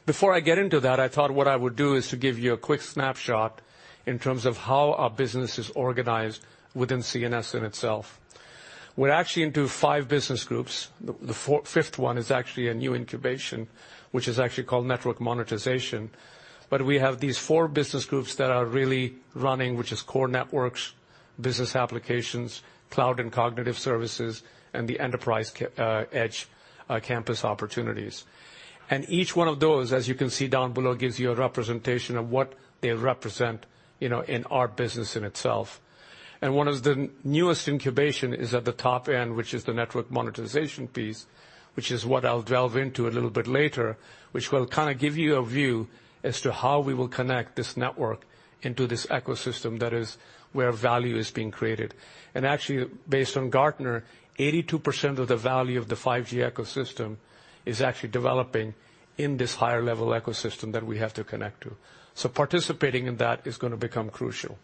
Before I get into that, I thought what I would do is to give you a quick snapshot in terms of how our business is organized within CNS in itself. We're actually into five business groups. The fifth one is actually a new incubation, which is actually called network monetization. But we have these four business groups that are really running, which is core networks, business applications, cloud and cognitive services, and the enterprise edge campus opportunities. Each one of those, as you can see down below, gives you a representation of what they represent in our business in itself. One of the newest incubations is at the top end, which is the network monetization piece, which is what I'll delve into a little bit later, which will kind of give you a view as to how we will connect this network into this ecosystem that is where value is being created. Actually, based on Gartner, 82% of the value of the 5G ecosystem is actually developing in this higher-level ecosystem that we have to connect to. Participating in that is going to become crucial.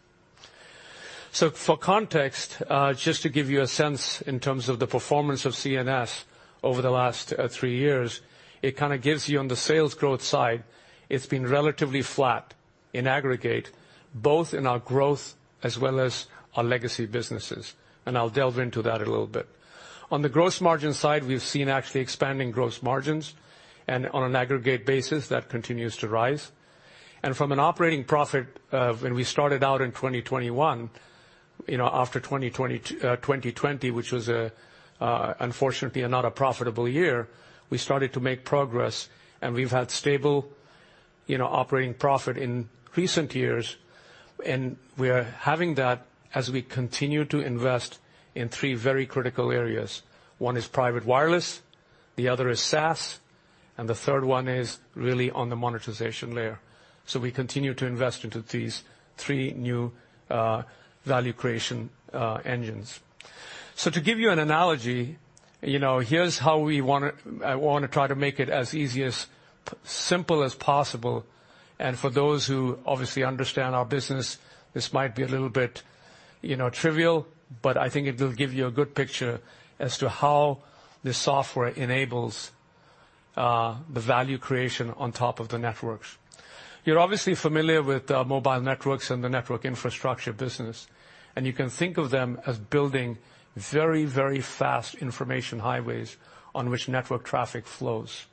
So for context, just to give you a sense in terms of the performance of CNS over the last three years, it kind of gives you on the sales growth side, it's been relatively flat in aggregate, both in our growth as well as our legacy businesses. And I'll delve into that a little bit. On the gross margin side, we've seen actually expanding gross margins. And on an aggregate basis, that continues to rise. And from an operating profit, when we started out in 2021, after 2020, which was unfortunately not a profitable year, we started to make progress. And we've had stable operating profit in recent years. And we are having that as we continue to invest in three very critical areas. One is private wireless. The other is SaaS. And the third one is really on the monetization layer. So we continue to invest into these three new value creation engines. To give you an analogy, here's how I want to try to make it as simple as possible. For those who obviously understand our business, this might be a little bit trivial, but I think it will give you a good picture as to how this software enables the value creation on top of the networks. You're obviously familiar with Mobile Networks and the Network Infrastructure business. You can think of them as building very, very fast information highways on which network traffic flows.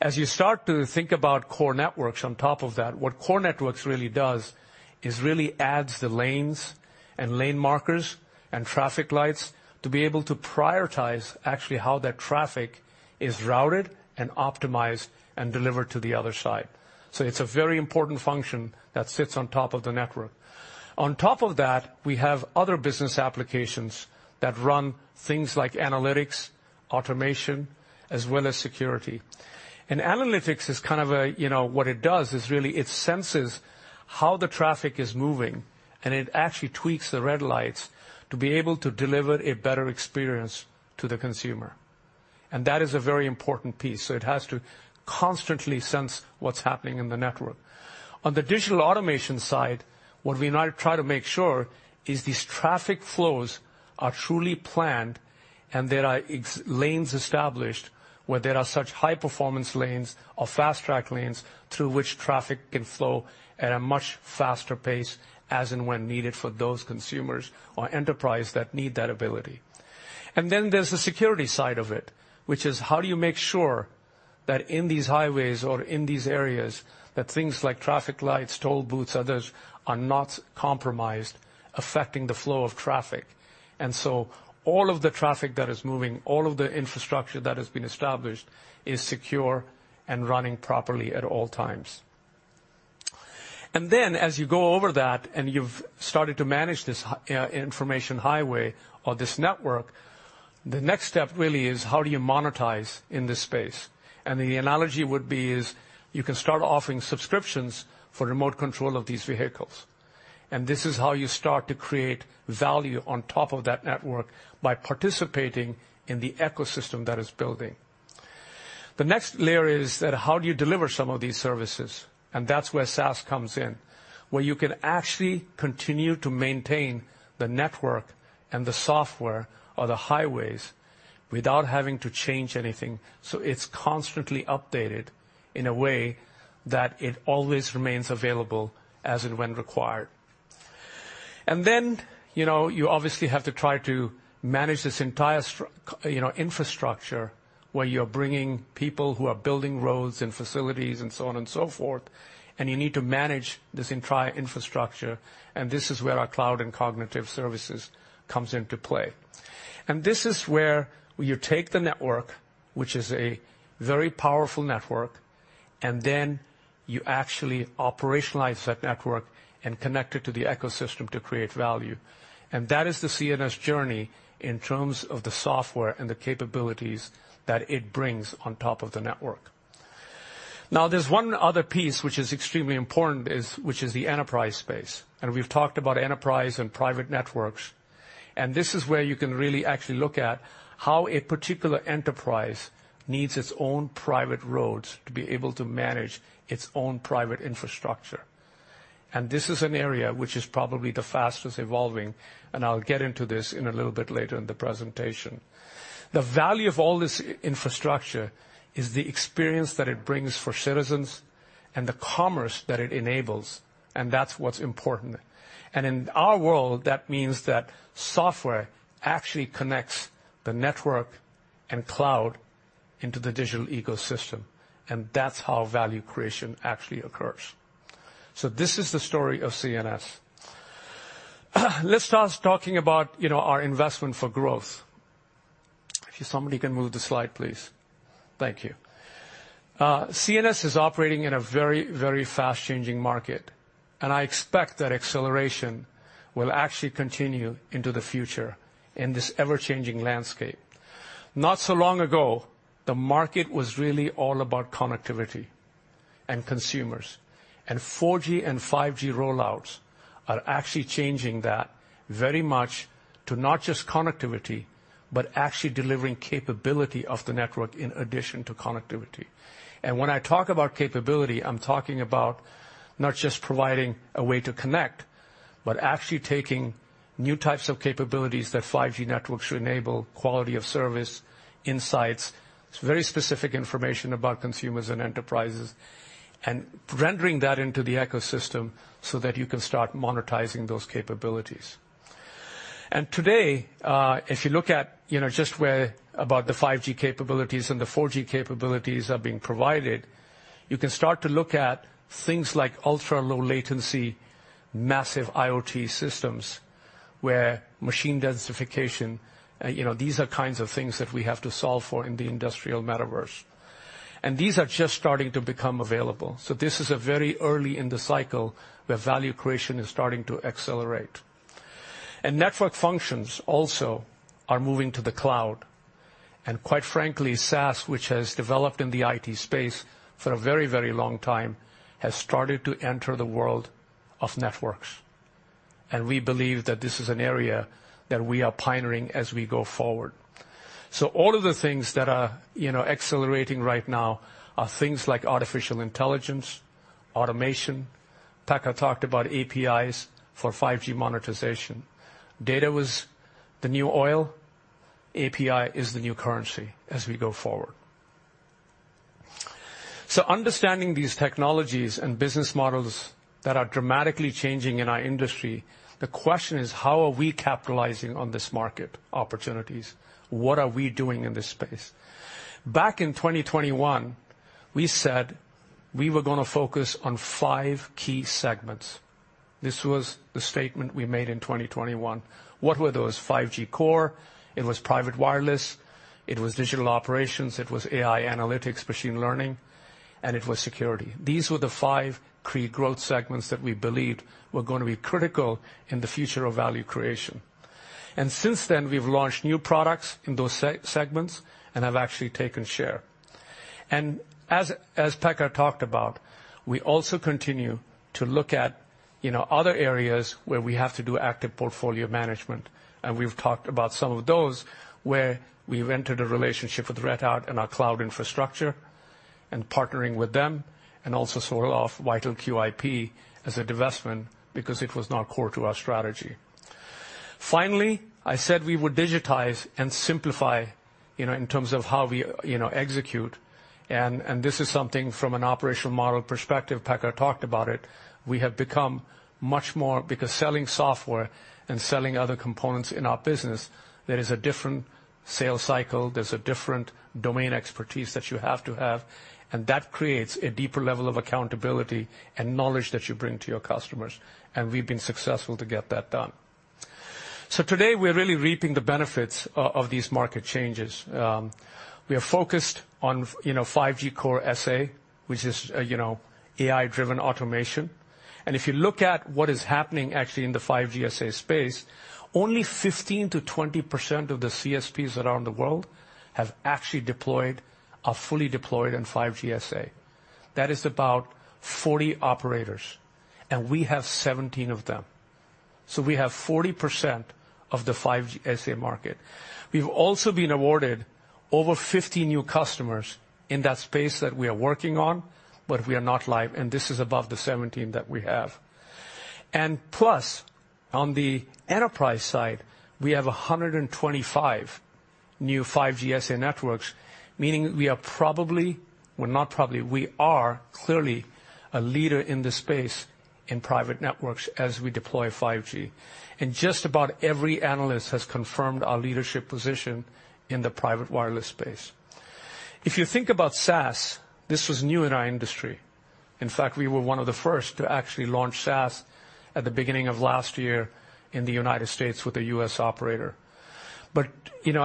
As you start to think about core networks on top of that, what core networks really does is really adds the lanes and lane markers and traffic lights to be able to prioritize actually how that traffic is routed and optimized and delivered to the other side. So it's a very important function that sits on top of the network. On top of that, we have other business applications that run things like analytics, automation, as well as security. And analytics is kind of a what it does is really it senses how the traffic is moving, and it actually tweaks the red lights to be able to deliver a better experience to the consumer. And that is a very important piece. So it has to constantly sense what's happening in the network. On the digital automation side, what we try to make sure is these traffic flows are truly planned and there are lanes established where there are such high-performance lanes or fast-track lanes through which traffic can flow at a much faster pace as and when needed for those consumers or enterprises that need that ability. And then there's the security side of it, which is how do you make sure that in these highways or in these areas, that things like traffic lights, toll booths, others are not compromised affecting the flow of traffic? And so all of the traffic that is moving, all of the infrastructure that has been established is secure and running properly at all times. And then as you go over that and you've started to manage this information highway or this network, the next step really is how do you monetize in this space? The analogy would be is you can start offering subscriptions for remote control of these vehicles. This is how you start to create value on top of that network by participating in the ecosystem that is building. The next layer is that how do you deliver some of these services? That's where SaaS comes in, where you can actually continue to maintain the network and the software or the highways without having to change anything. It's constantly updated in a way that it always remains available as and when required. Then you obviously have to try to manage this entire infrastructure where you are bringing people who are building roads and facilities and so on and so forth. You need to manage this entire infrastructure. This is where our cloud and cognitive services come into play. This is where you take the network, which is a very powerful network, and then you actually operationalize that network and connect it to the ecosystem to create value. That is the CNS journey in terms of the software and the capabilities that it brings on top of the network. Now, there's one other piece which is extremely important, which is the enterprise space. We've talked about enterprise and private networks. This is where you can really actually look at how a particular enterprise needs its own private roads to be able to manage its own private infrastructure. This is an area which is probably the fastest evolving. I'll get into this in a little bit later in the presentation. The value of all this infrastructure is the experience that it brings for citizens and the commerce that it enables. That's what's important. And in our world, that means that software actually connects the network and cloud into the digital ecosystem. And that's how value creation actually occurs. So this is the story of CNS. Let's start talking about our investment for growth. If somebody can move the slide, please. Thank you. CNS is operating in a very, very fast-changing market. And I expect that acceleration will actually continue into the future in this ever-changing landscape. Not so long ago, the market was really all about connectivity and consumers. And 4G and 5G rollouts are actually changing that very much to not just connectivity, but actually delivering capability of the network in addition to connectivity. When I talk about capability, I'm talking about not just providing a way to connect, but actually taking new types of capabilities that 5G networks should enable, quality of service, insights, very specific information about consumers and enterprises, and rendering that into the ecosystem so that you can start monetizing those capabilities. And today, if you look at just whereabouts the 5G capabilities and the 4G capabilities are being provided, you can start to look at things like ultra-low-latency massive IoT systems where machine densification, these are kinds of things that we have to solve for in the industrial metaverse. And these are just starting to become available. So this is very early in the cycle where value creation is starting to accelerate. And network functions also are moving to the cloud. And quite frankly, SaaS, which has developed in the IT space for a very, very long time, has started to enter the world of networks. And we believe that this is an area that we are pioneering as we go forward. So all of the things that are accelerating right now are things like artificial intelligence, automation. Pekka talked about APIs for 5G monetization. Data was the new oil. API is the new currency as we go forward. So understanding these technologies and business models that are dramatically changing in our industry, the question is, how are we capitalizing on this market opportunities? What are we doing in this space? Back in 2021, we said we were going to focus on five key segments. This was the statement we made in 2021. What were those? 5G Core. It was private wireless. It was digital operations. It was AI analytics, machine learning. And it was security. These were the five key growth segments that we believed were going to be critical in the future of value creation. And since then, we've launched new products in those segments and have actually taken share. And as Pekka talked about, we also continue to look at other areas where we have to do active portfolio management. And we've talked about some of those where we've entered a relationship with Red Hat and our cloud infrastructure and partnering with them and also sold off VitalQIP as a investment because it was not core to our strategy. Finally, I said we would digitize and simplify in terms of how we execute. And this is something from an operational model perspective. Pekka talked about it. We have become much more because selling software and selling other components in our business, there is a different sales cycle. There's a different domain expertise that you have to have. And that creates a deeper level of accountability and knowledge that you bring to your customers. And we've been successful to get that done. So today, we're really reaping the benefits of these market changes. We are focused on 5G core SA, which is AI-driven automation. And if you look at what is happening actually in the 5G SA space, only 15%-20% of the CSPs that are in the world have actually deployed are fully deployed in 5G SA. That is about 40 operators. And we have 17 of them. So we have 40% of the 5G SA market. We've also been awarded over 50 new customers in that space that we are working on, but we are not live. This is above the 17 that we have. Plus, on the enterprise side, we have 125 new 5G SA networks, meaning we are probably well, not probably. We are clearly a leader in this space in private networks as we deploy 5G. Just about every analyst has confirmed our leadership position in the private wireless space. If you think about SaaS, this was new in our industry. In fact, we were one of the first to actually launch SaaS at the beginning of last year in the United States with a U.S. operator. But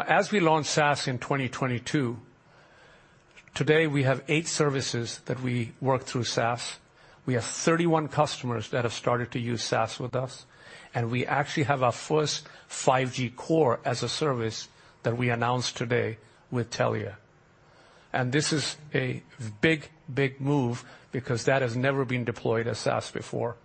as we launched SaaS in 2022, today, we have eight services that we work through SaaS. We have 31 customers that have started to use SaaS with us. And we actually have our first 5G Core as a service that we announced today with Telia. And this is a big, big move because that has never been deployed as SaaS before.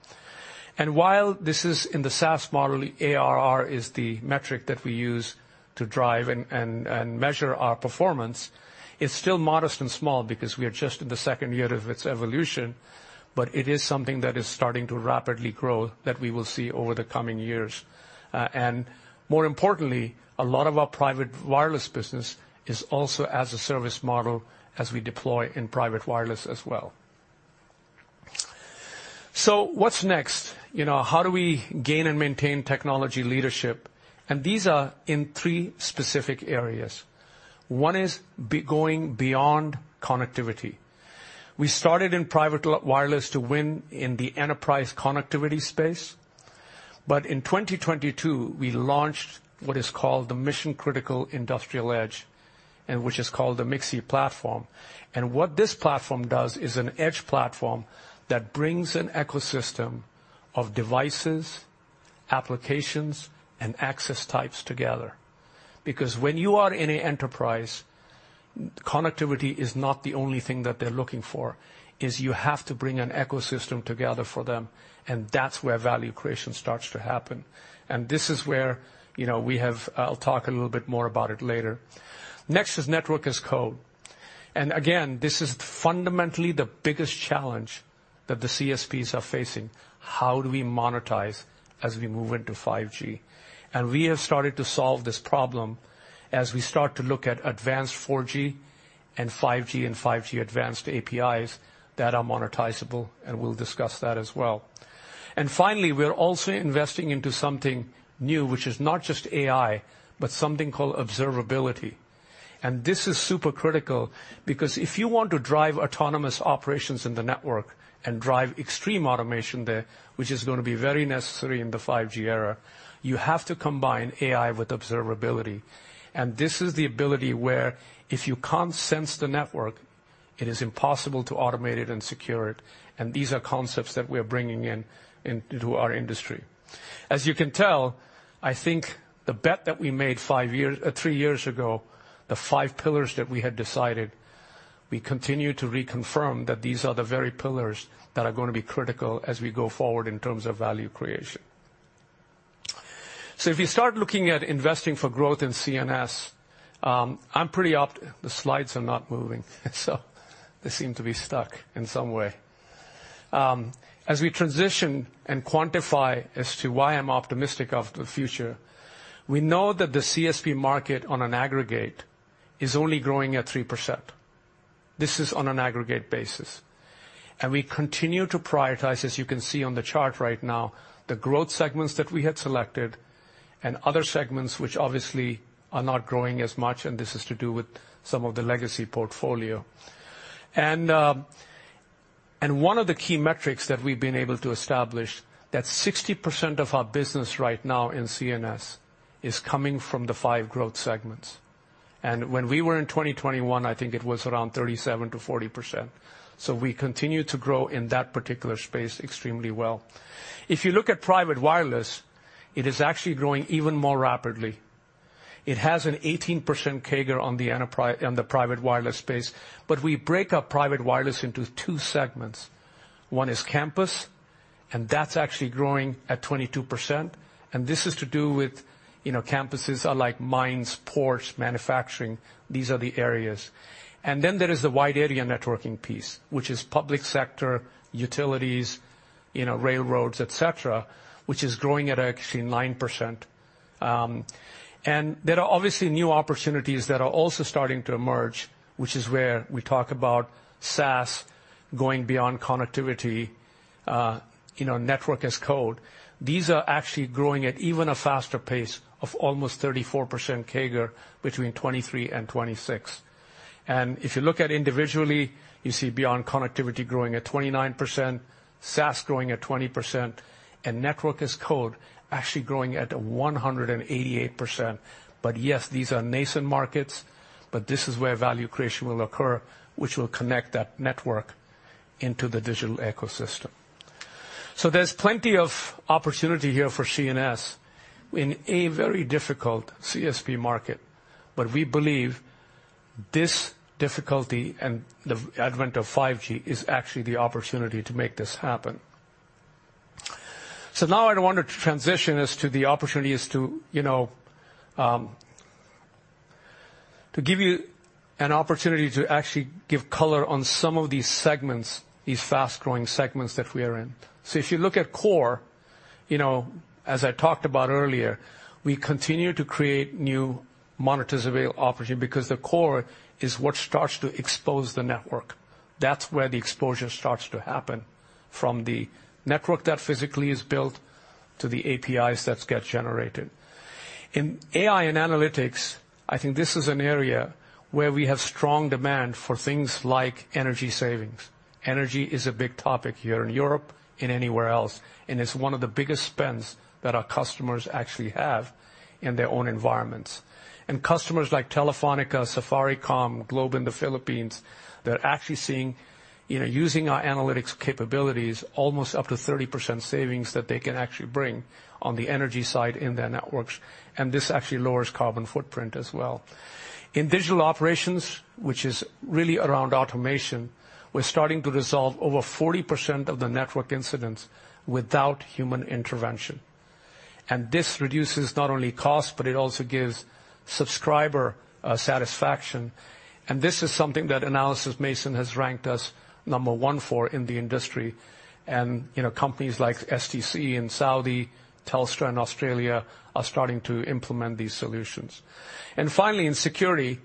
And while this is in the SaaS model, ARR is the metric that we use to drive and measure our performance. It's still modest and small because we are just in the second year of its evolution. But it is something that is starting to rapidly grow that we will see over the coming years. And more importantly, a lot of our private wireless business is also as a service model as we deploy in private wireless as well. So what's next? How do we gain and maintain technology leadership? And these are in three specific areas. One is going Beyond Connectivity. We started in private wireless to win in the enterprise connectivity space. But in 2022, we launched what is called the Mission Critical Industrial Edge, which is called the MXIE platform. What this platform does is an edge platform that brings an ecosystem of devices, applications, and access types together. Because when you are in an enterprise, connectivity is not the only thing that they're looking for. You have to bring an ecosystem together for them. And that's where value creation starts to happen. And this is where we have. I'll talk a little bit more about it later. Next is Network as Code. And again, this is fundamentally the biggest challenge that the CSPs are facing. How do we monetize as we move into 5G? And we have started to solve this problem as we start to look at advanced 4G and 5G and 5G Advanced APIs that are monetizable. And we'll discuss that as well. Finally, we're also investing into something new, which is not just AI, but something called observability. This is super critical because if you want to drive autonomous operations in the network and drive extreme automation there, which is going to be very necessary in the 5G era, you have to combine AI with observability. This is the ability where if you can't sense the network, it is impossible to automate it and secure it. These are concepts that we are bringing into our industry. As you can tell, I think the bet that we made three years ago, the five pillars that we had decided, we continue to reconfirm that these are the very pillars that are going to be critical as we go forward in terms of value creation. If you start looking at investing for growth in CNS, I'm pretty optimistic. The slides are not moving. They seem to be stuck in some way. As we transition and quantify as to why I'm optimistic of the future, we know that the CSP market on an aggregate is only growing at 3%. This is on an aggregate basis. We continue to prioritize, as you can see on the chart right now, the growth segments that we had selected and other segments which obviously are not growing as much. This is to do with some of the legacy portfolio. One of the key metrics that we've been able to establish is that 60% of our business right now in CNS is coming from the five growth segments. When we were in 2021, I think it was around 37%-40%. We continue to grow in that particular space extremely well. If you look at private wireless, it is actually growing even more rapidly. It has an 18% CAGR on the private wireless space. But we break up private wireless into two segments. One is campus. And that's actually growing at 22%. And this is to do with campuses like mines, ports, manufacturing. These are the areas. And then there is the wide area networking piece, which is public sector, utilities, railroads, etc., which is growing at actually 9%. And there are obviously new opportunities that are also starting to emerge, which is where we talk about SaaS going beyond connectivity, Network as Code. These are actually growing at even a faster pace of almost 34% CAGR between 2023 and 2026. If you look at individually, you see beyond connectivity growing at 29%, SaaS growing at 20%, and Network as Code actually growing at 188%. But yes, these are nascent markets. But this is where value creation will occur, which will connect that network into the digital ecosystem. So there's plenty of opportunity here for CNS in a very difficult CSP market. But we believe this difficulty and the advent of 5G is actually the opportunity to make this happen. So now I want to transition as to the opportunities to give you an opportunity to actually give color on some of these segments, these fast-growing segments that we are in. So if you look at core, as I talked about earlier, we continue to create new monetizable opportunities because the core is what starts to expose the network. That's where the exposure starts to happen from the network that physically is built to the APIs that get generated. In AI and analytics, I think this is an area where we have strong demand for things like energy savings. Energy is a big topic here in Europe, in anywhere else. And it's one of the biggest spends that our customers actually have in their own environments. And customers like Telefónica, Safaricom, Globe in the Philippines, they're actually seeing using our analytics capabilities almost up to 30% savings that they can actually bring on the energy side in their networks. And this actually lowers carbon footprint as well. In digital operations, which is really around automation, we're starting to resolve over 40% of the network incidents without human intervention. And this reduces not only cost, but it also gives subscriber satisfaction. This is something that Analysys Mason has ranked us number one for in the industry. Companies like STC in Saudi Arabia, Telstra in Australia are starting to implement these solutions. Finally, in security,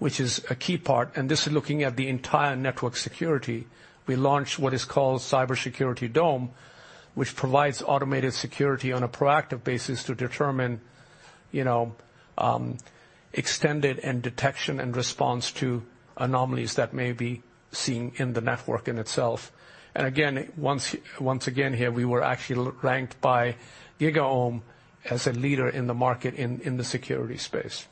which is a key part, and this is looking at the entire network security, we launched what is called Cybersecurity Dome, which provides automated security on a proactive basis to determine extended detection and response to anomalies that may be seen in the network in itself. Again, once again here, we were actually ranked by GigaOm as a leader in the market in the security space.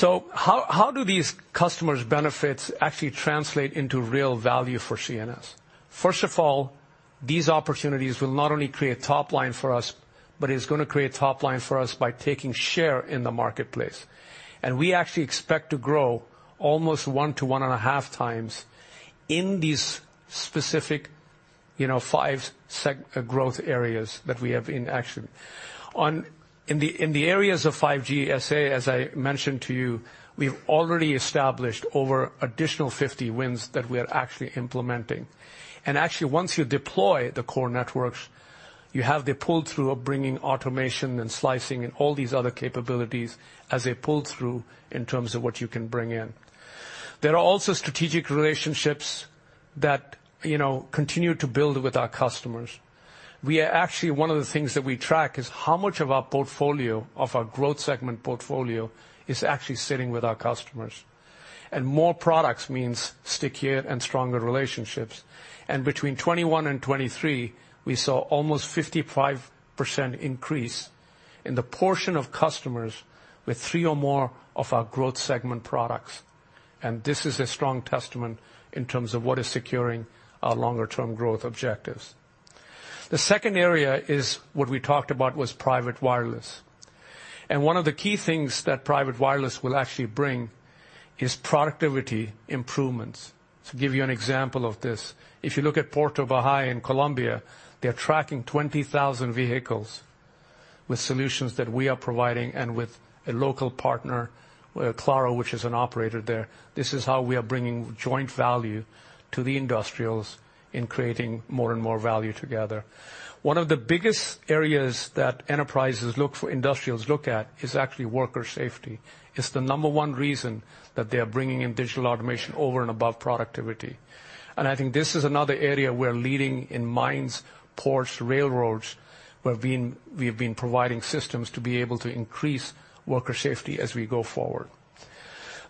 How do these customers' benefits actually translate into real value for CNS? First of all, these opportunities will not only create top line for us, but it's going to create top line for us by taking share in the marketplace. We actually expect to grow almost 1x-1.5x in these specific five growth areas that we have in action. In the areas of 5G SA, as I mentioned to you, we've already established over additional 50 wins that we are actually implementing. Actually, once you deploy the core networks, you have the pull-through of bringing automation and slicing and all these other capabilities as a pull-through in terms of what you can bring in. There are also strategic relationships that continue to build with our customers. Actually, one of the things that we track is how much of our growth segment portfolio is actually sitting with our customers. And more products means stickier and stronger relationships. And between 2021 and 2023, we saw almost 55% increase in the portion of customers with three or more of our growth segment products. This is a strong testament in terms of what is securing our longer-term growth objectives. The second area is what we talked about was private wireless. One of the key things that private wireless will actually bring is productivity improvements. To give you an example of this, if you look at Puerto Bahía in Colombia, they're tracking 20,000 vehicles with solutions that we are providing and with a local partner, Claro, which is an operator there. This is how we are bringing joint value to the industrials in creating more and more value together. One of the biggest areas that enterprises look for, industrials look at, is actually worker safety. It's the number one reason that they are bringing in digital automation over and above productivity. I think this is another area we're leading in mines, ports, railroads, where we have been providing systems to be able to increase worker safety as we go forward.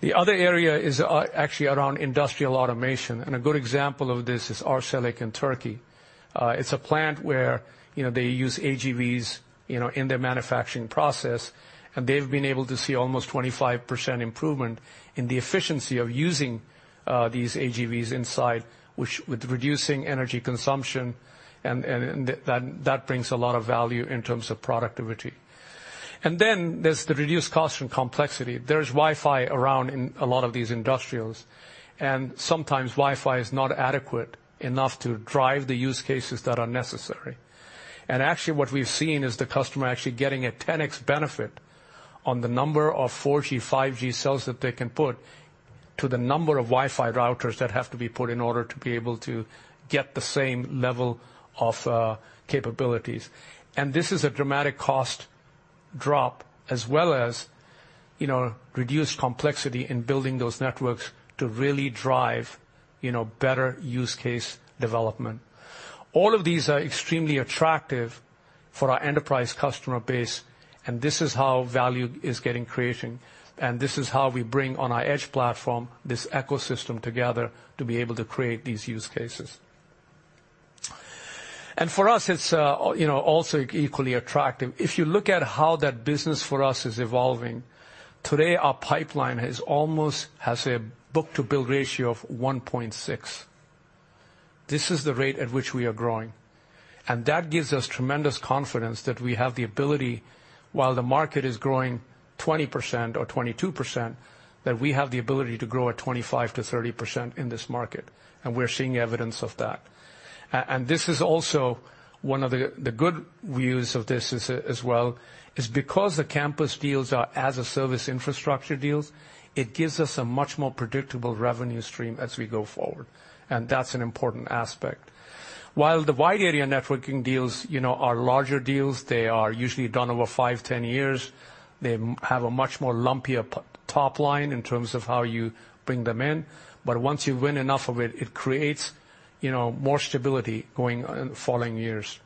The other area is actually around industrial automation. A good example of this is Arçelik in Turkey. It's a plant where they use AGVs in their manufacturing process. They've been able to see almost 25% improvement in the efficiency of using these AGVs inside, with reducing energy consumption. That brings a lot of value in terms of productivity. Then there's the reduced cost and complexity. There's Wi-Fi around in a lot of these industrials. Sometimes Wi-Fi is not adequate enough to drive the use cases that are necessary. And actually, what we've seen is the customer actually getting a 10x benefit on the number of 4G, 5G cells that they can put to the number of Wi-Fi routers that have to be put in order to be able to get the same level of capabilities. And this is a dramatic cost drop as well as reduced complexity in building those networks to really drive better use case development. All of these are extremely attractive for our enterprise customer base. And this is how value is getting created. And this is how we bring on our edge platform this ecosystem together to be able to create these use cases. And for us, it's also equally attractive. If you look at how that business for us is evolving, today our pipeline has a book-to-build ratio of 1.6. This is the rate at which we are growing. That gives us tremendous confidence that we have the ability, while the market is growing 20% or 22%, that we have the ability to grow at 25%-30% in this market. We're seeing evidence of that. This is also one of the good views of this as well, is because the campus deals are as a service infrastructure deals, it gives us a much more predictable revenue stream as we go forward. That's an important aspect. While the wide area networking deals are larger deals, they are usually done over 5-10 years. They have a much more lumpier top line in terms of how you bring them in. Once you win enough of it, it creates more stability going in the following years.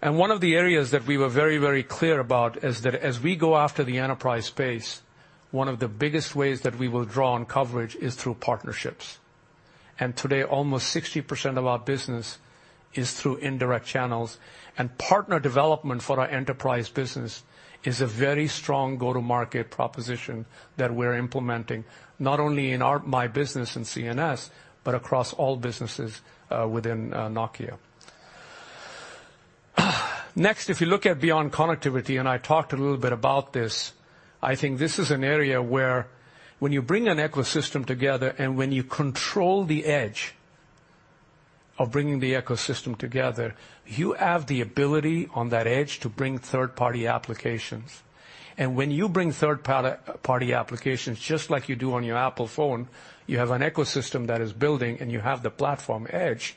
And one of the areas that we were very, very clear about is that as we go after the enterprise space, one of the biggest ways that we will draw on coverage is through partnerships. And today, almost 60% of our business is through indirect channels. And partner development for our enterprise business is a very strong go-to-market proposition that we're implementing not only in my business in CNS, but across all businesses within Nokia. Next, if you look at beyond connectivity, and I talked a little bit about this, I think this is an area where when you bring an ecosystem together and when you control the edge of bringing the ecosystem together, you have the ability on that edge to bring third-party applications. When you bring third-party applications, just like you do on your Apple phone, you have an ecosystem that is building and you have the platform edge.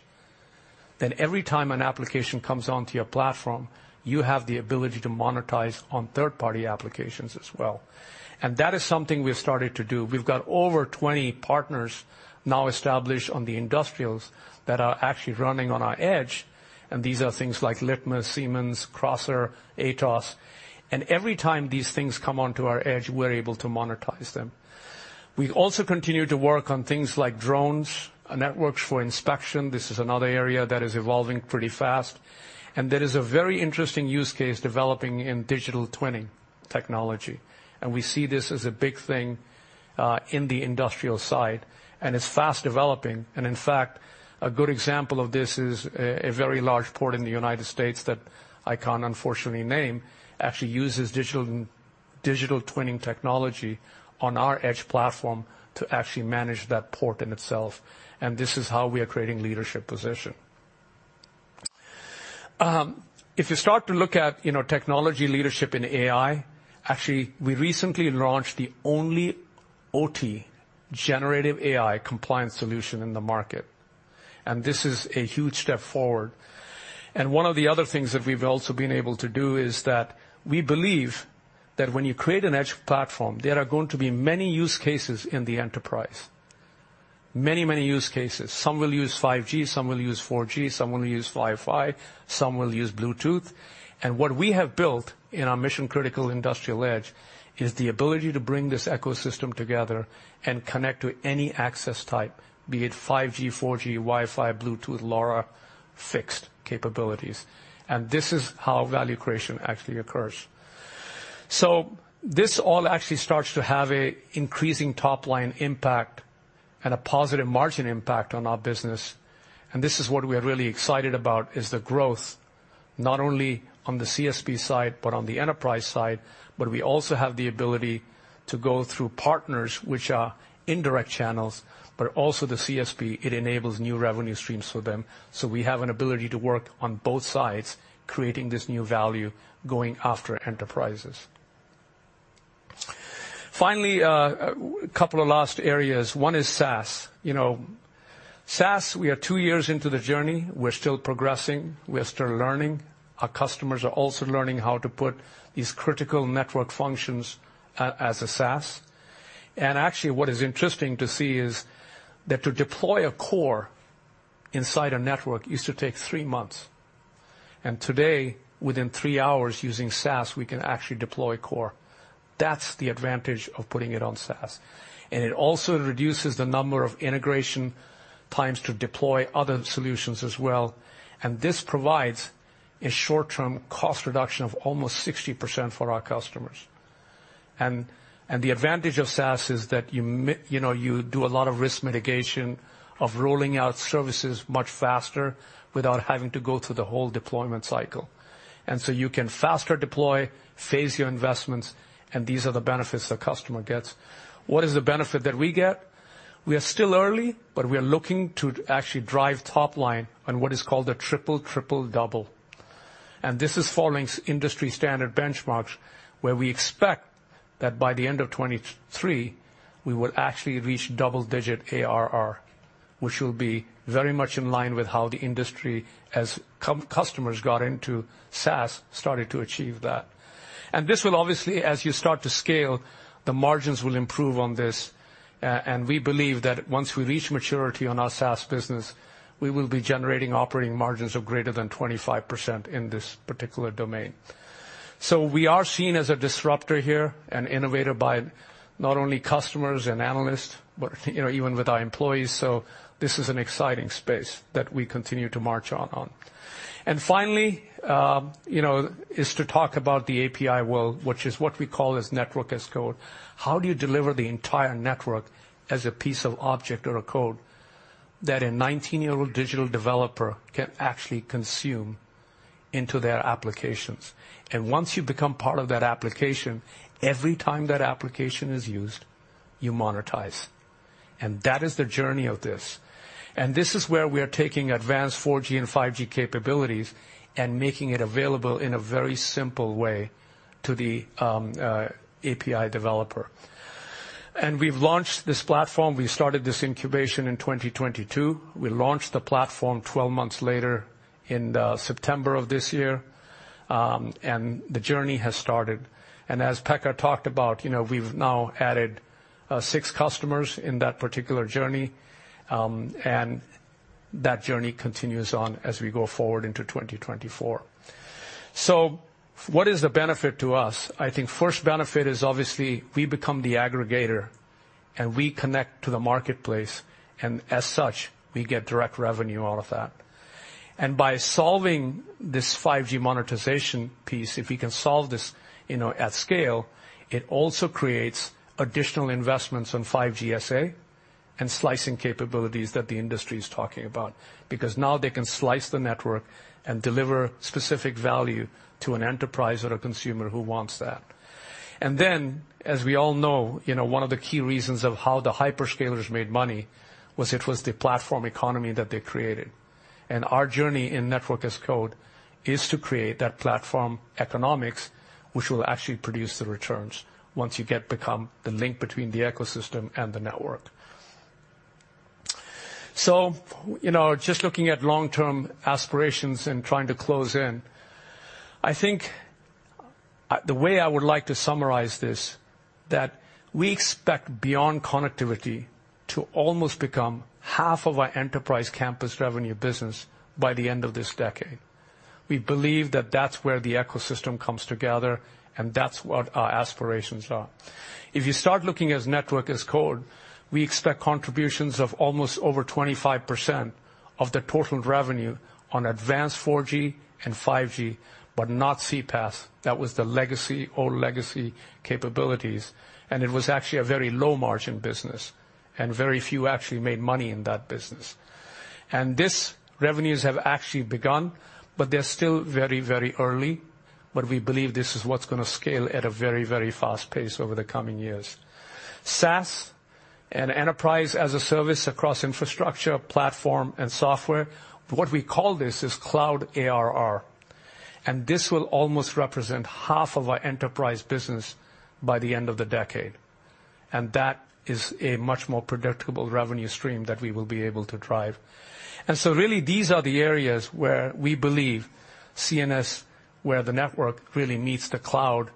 Then every time an application comes onto your platform, you have the ability to monetize on third-party applications as well. That is something we've started to do. We've got over 20 partners now established on the industrials that are actually running on our edge. And these are things like Litmus, Siemens, Crosser, Atos. And every time these things come onto our edge, we're able to monetize them. We also continue to work on things like drones, networks for inspection. This is another area that is evolving pretty fast. There is a very interesting use case developing in digital twinning technology. We see this as a big thing in the industrial side. It's fast developing. In fact, a good example of this is a very large port in the United States that I can't, unfortunately, name. It actually uses digital twinning technology on our edge platform to actually manage that port in itself. And this is how we are creating leadership position. If you start to look at technology leadership in AI, actually, we recently launched the only OT generative AI compliance solution in the market. And this is a huge step forward. And one of the other things that we've also been able to do is that we believe that when you create an edge platform, there are going to be many use cases in the enterprise, many, many use cases. Some will use 5G, some will use 4G, some will use Wi-Fi, some will use Bluetooth. What we have built in our mission-critical industrial edge is the ability to bring this ecosystem together and connect to any access type, be it 5G, 4G, Wi-Fi, Bluetooth, LoRa fixed capabilities. And this is how value creation actually occurs. So this all actually starts to have an increasing top line impact and a positive margin impact on our business. And this is what we are really excited about, is the growth not only on the CSP side, but on the enterprise side, but we also have the ability to go through partners, which are indirect channels, but also the CSP. It enables new revenue streams for them. So we have an ability to work on both sides, creating this new value going after enterprises. Finally, a couple of last areas. One is SaaS. SaaS, we are two years into the journey. We're still progressing. We're still learning. Our customers are also learning how to put these critical network functions as a SaaS. And actually, what is interesting to see is that to deploy a core inside a network used to take three months. And today, within three hours using SaaS, we can actually deploy core. That's the advantage of putting it on SaaS. And it also reduces the number of integration times to deploy other solutions as well. And this provides a short-term cost reduction of almost 60% for our customers. And the advantage of SaaS is that you do a lot of risk mitigation of rolling out services much faster without having to go through the whole deployment cycle. And so you can faster deploy, phase your investments, and these are the benefits the customer gets. What is the benefit that we get? We are still early, but we are looking to actually drive top line on what is called the triple, triple, double. And this is following industry standard benchmarks where we expect that by the end of 2023, we will actually reach double-digit ARR, which will be very much in line with how the industry, as customers got into SaaS, started to achieve that. And this will obviously, as you start to scale, the margins will improve on this. And we believe that once we reach maturity on our SaaS business, we will be generating operating margins of greater than 25% in this particular domain. So we are seen as a disruptor here and innovator by not only customers and analysts, but even with our employees. So this is an exciting space that we continue to march on. And finally, [the goal] is to talk about the API world, which is what we call Network as Code. How do you deliver the entire network as a piece of object or a code that a 19-year-old digital developer can actually consume into their applications? And once you become part of that application, every time that application is used, you monetize. And that is the journey of this. And this is where we are taking advanced 4G and 5G capabilities and making it available in a very simple way to the API developer. And we've launched this platform. We started this incubation in 2022. We launched the platform 12 months later in September of this year. And the journey has started. And as Pekka talked about, we've now added six customers in that particular journey. And that journey continues on as we go forward into 2024. So what is the benefit to us? I think the first benefit is obviously we become the aggregator and we connect to the marketplace. And as such, we get direct revenue out of that. And by solving this 5G monetization piece, if we can solve this at scale, it also creates additional investments on 5GSA and slicing capabilities that the industry is talking about because now they can slice the network and deliver specific value to an enterprise or a consumer who wants that. And then, as we all know, one of the key reasons of how the hyperscalers made money was it was the platform economy that they created. And our journey in Network as Code is to create that platform economics, which will actually produce the returns once you become the link between the ecosystem and the network. So just looking at long-term aspirations and trying to close in, I think the way I would like to summarize this, that we expect beyond connectivity to almost become half of our enterprise campus revenue business by the end of this decade. We believe that that's where the ecosystem comes together, and that's what our aspirations are. If you start looking at Network as Code, we expect contributions of almost over 25% of the total revenue on advanced 4G and 5G, but not CPaaS. That was the legacy, old legacy capabilities. And it was actually a very low margin business, and very few actually made money in that business. And these revenues have actually begun, but they're still very, very early. But we believe this is what's going to scale at a very, very fast pace over the coming years. SaaS and enterprise as a service across infrastructure, platform, and software, what we call this is Cloud ARR. This will almost represent half of our enterprise business by the end of the decade. That is a much more predictable revenue stream that we will be able to drive. So really, these are the areas where we believe CNS, where the network really meets the cloud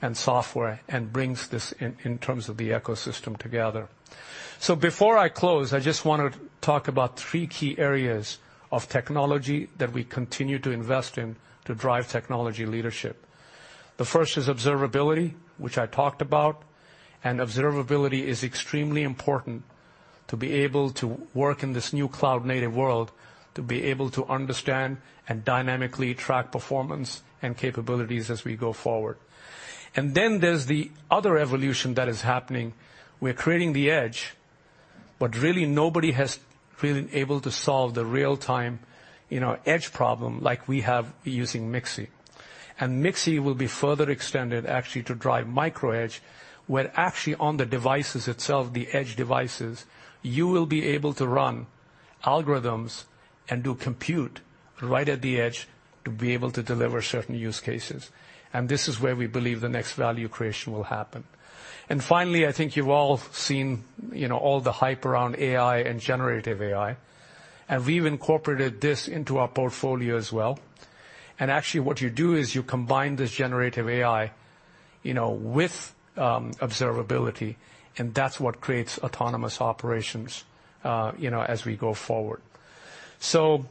and software and brings this in terms of the ecosystem together. So before I close, I just want to talk about three key areas of technology that we continue to invest in to drive technology leadership. The first is observability, which I talked about. Observability is extremely important to be able to work in this new cloud-native world, to be able to understand and dynamically track performance and capabilities as we go forward. Then there's the other evolution that is happening. We're creating the edge, but really nobody has been able to solve the real-time edge problem like we have using MXIE. And MXIE will be further extended actually to drive micro edge where actually on the devices itself, the edge devices, you will be able to run algorithms and do compute right at the edge to be able to deliver certain use cases. And this is where we believe the next value creation will happen. And finally, I think you've all seen all the hype around AI and generative AI. And we've incorporated this into our portfolio as well. And actually, what you do is you combine this generative AI with observability. And that's what creates autonomous operations as we go forward. So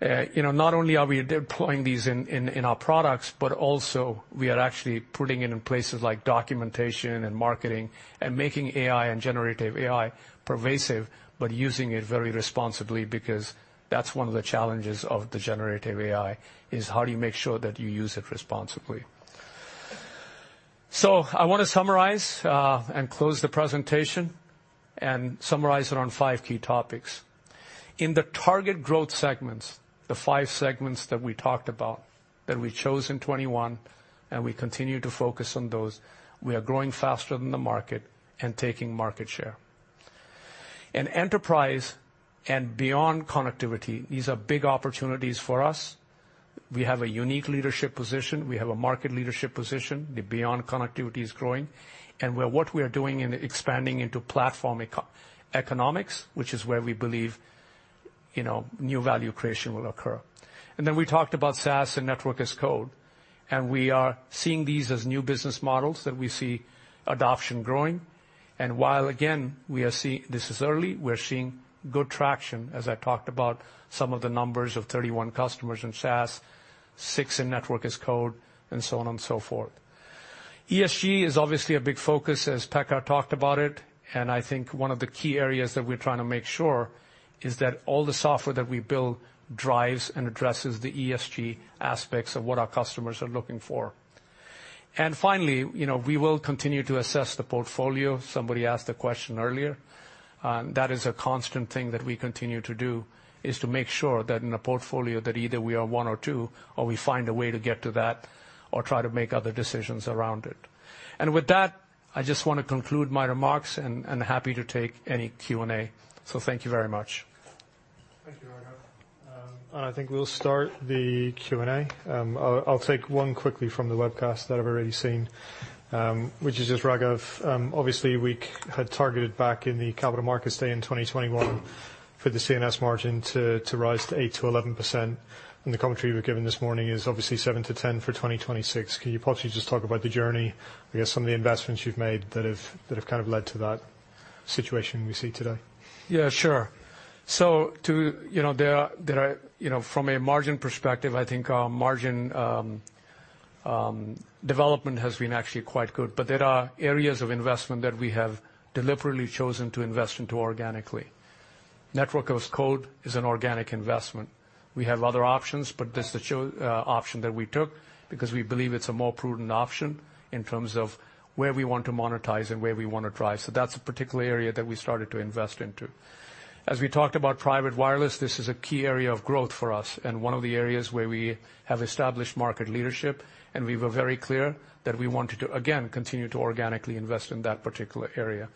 not only are we deploying these in our products, but also we are actually putting it in places like documentation and marketing and making AI and generative AI pervasive, but using it very responsibly because that's one of the challenges of the generative AI is how do you make sure that you use it responsibly. So I want to summarize and close the presentation and summarize it on five key topics. In the target growth segments, the five segments that we talked about that we chose in 2021, and we continue to focus on those, we are growing faster than the market and taking market share. Enterprise and beyond connectivity, these are big opportunities for us. We have a unique leadership position. We have a market leadership position. The beyond connectivity is growing. What we are doing in expanding into platform economics, which is where we believe new value creation will occur. And then we talked about SaaS and Network as Code. And we are seeing these as new business models that we see adoption growing. And while, again, we are seeing this is early, we're seeing good traction, as I talked about, some of the numbers of 31 customers in SaaS, six in Network as Code, and so on and so forth. ESG is obviously a big focus, as Pekka talked about it. And I think one of the key areas that we're trying to make sure is that all the software that we build drives and addresses the ESG aspects of what our customers are looking for. And finally, we will continue to assess the portfolio. Somebody asked the question earlier. That is a constant thing that we continue to do, is to make sure that in a portfolio that either we are one or two, or we find a way to get to that or try to make other decisions around it. And with that, I just want to conclude my remarks and happy to take any Q&A. So thank you very much. Thank you, Raghav. And I think we'll start the Q&A. I'll take one quickly from the webcast that I've already seen, which is just Raghav. Obviously, we had targeted back in the capital markets day in 2021 for the CNS margin to rise to 8%-11%. And the commentary we've given this morning is obviously 7%-10% for 2026. Can you possibly just talk about the journey, I guess, some of the investments you've made that have kind of led to that situation we see today? Yeah, sure. So from a margin perspective, I think margin development has been actually quite good. But there are areas of investment that we have deliberately chosen to invest into organically. Network as Code is an organic investment. We have other options, but this is the option that we took because we believe it's a more prudent option in terms of where we want to monetize and where we want to drive. So that's a particular area that we started to invest into. As we talked about private wireless, this is a key area of growth for us and one of the areas where we have established market leadership. And we were very clear that we wanted to, again, continue to organically invest in that particular area.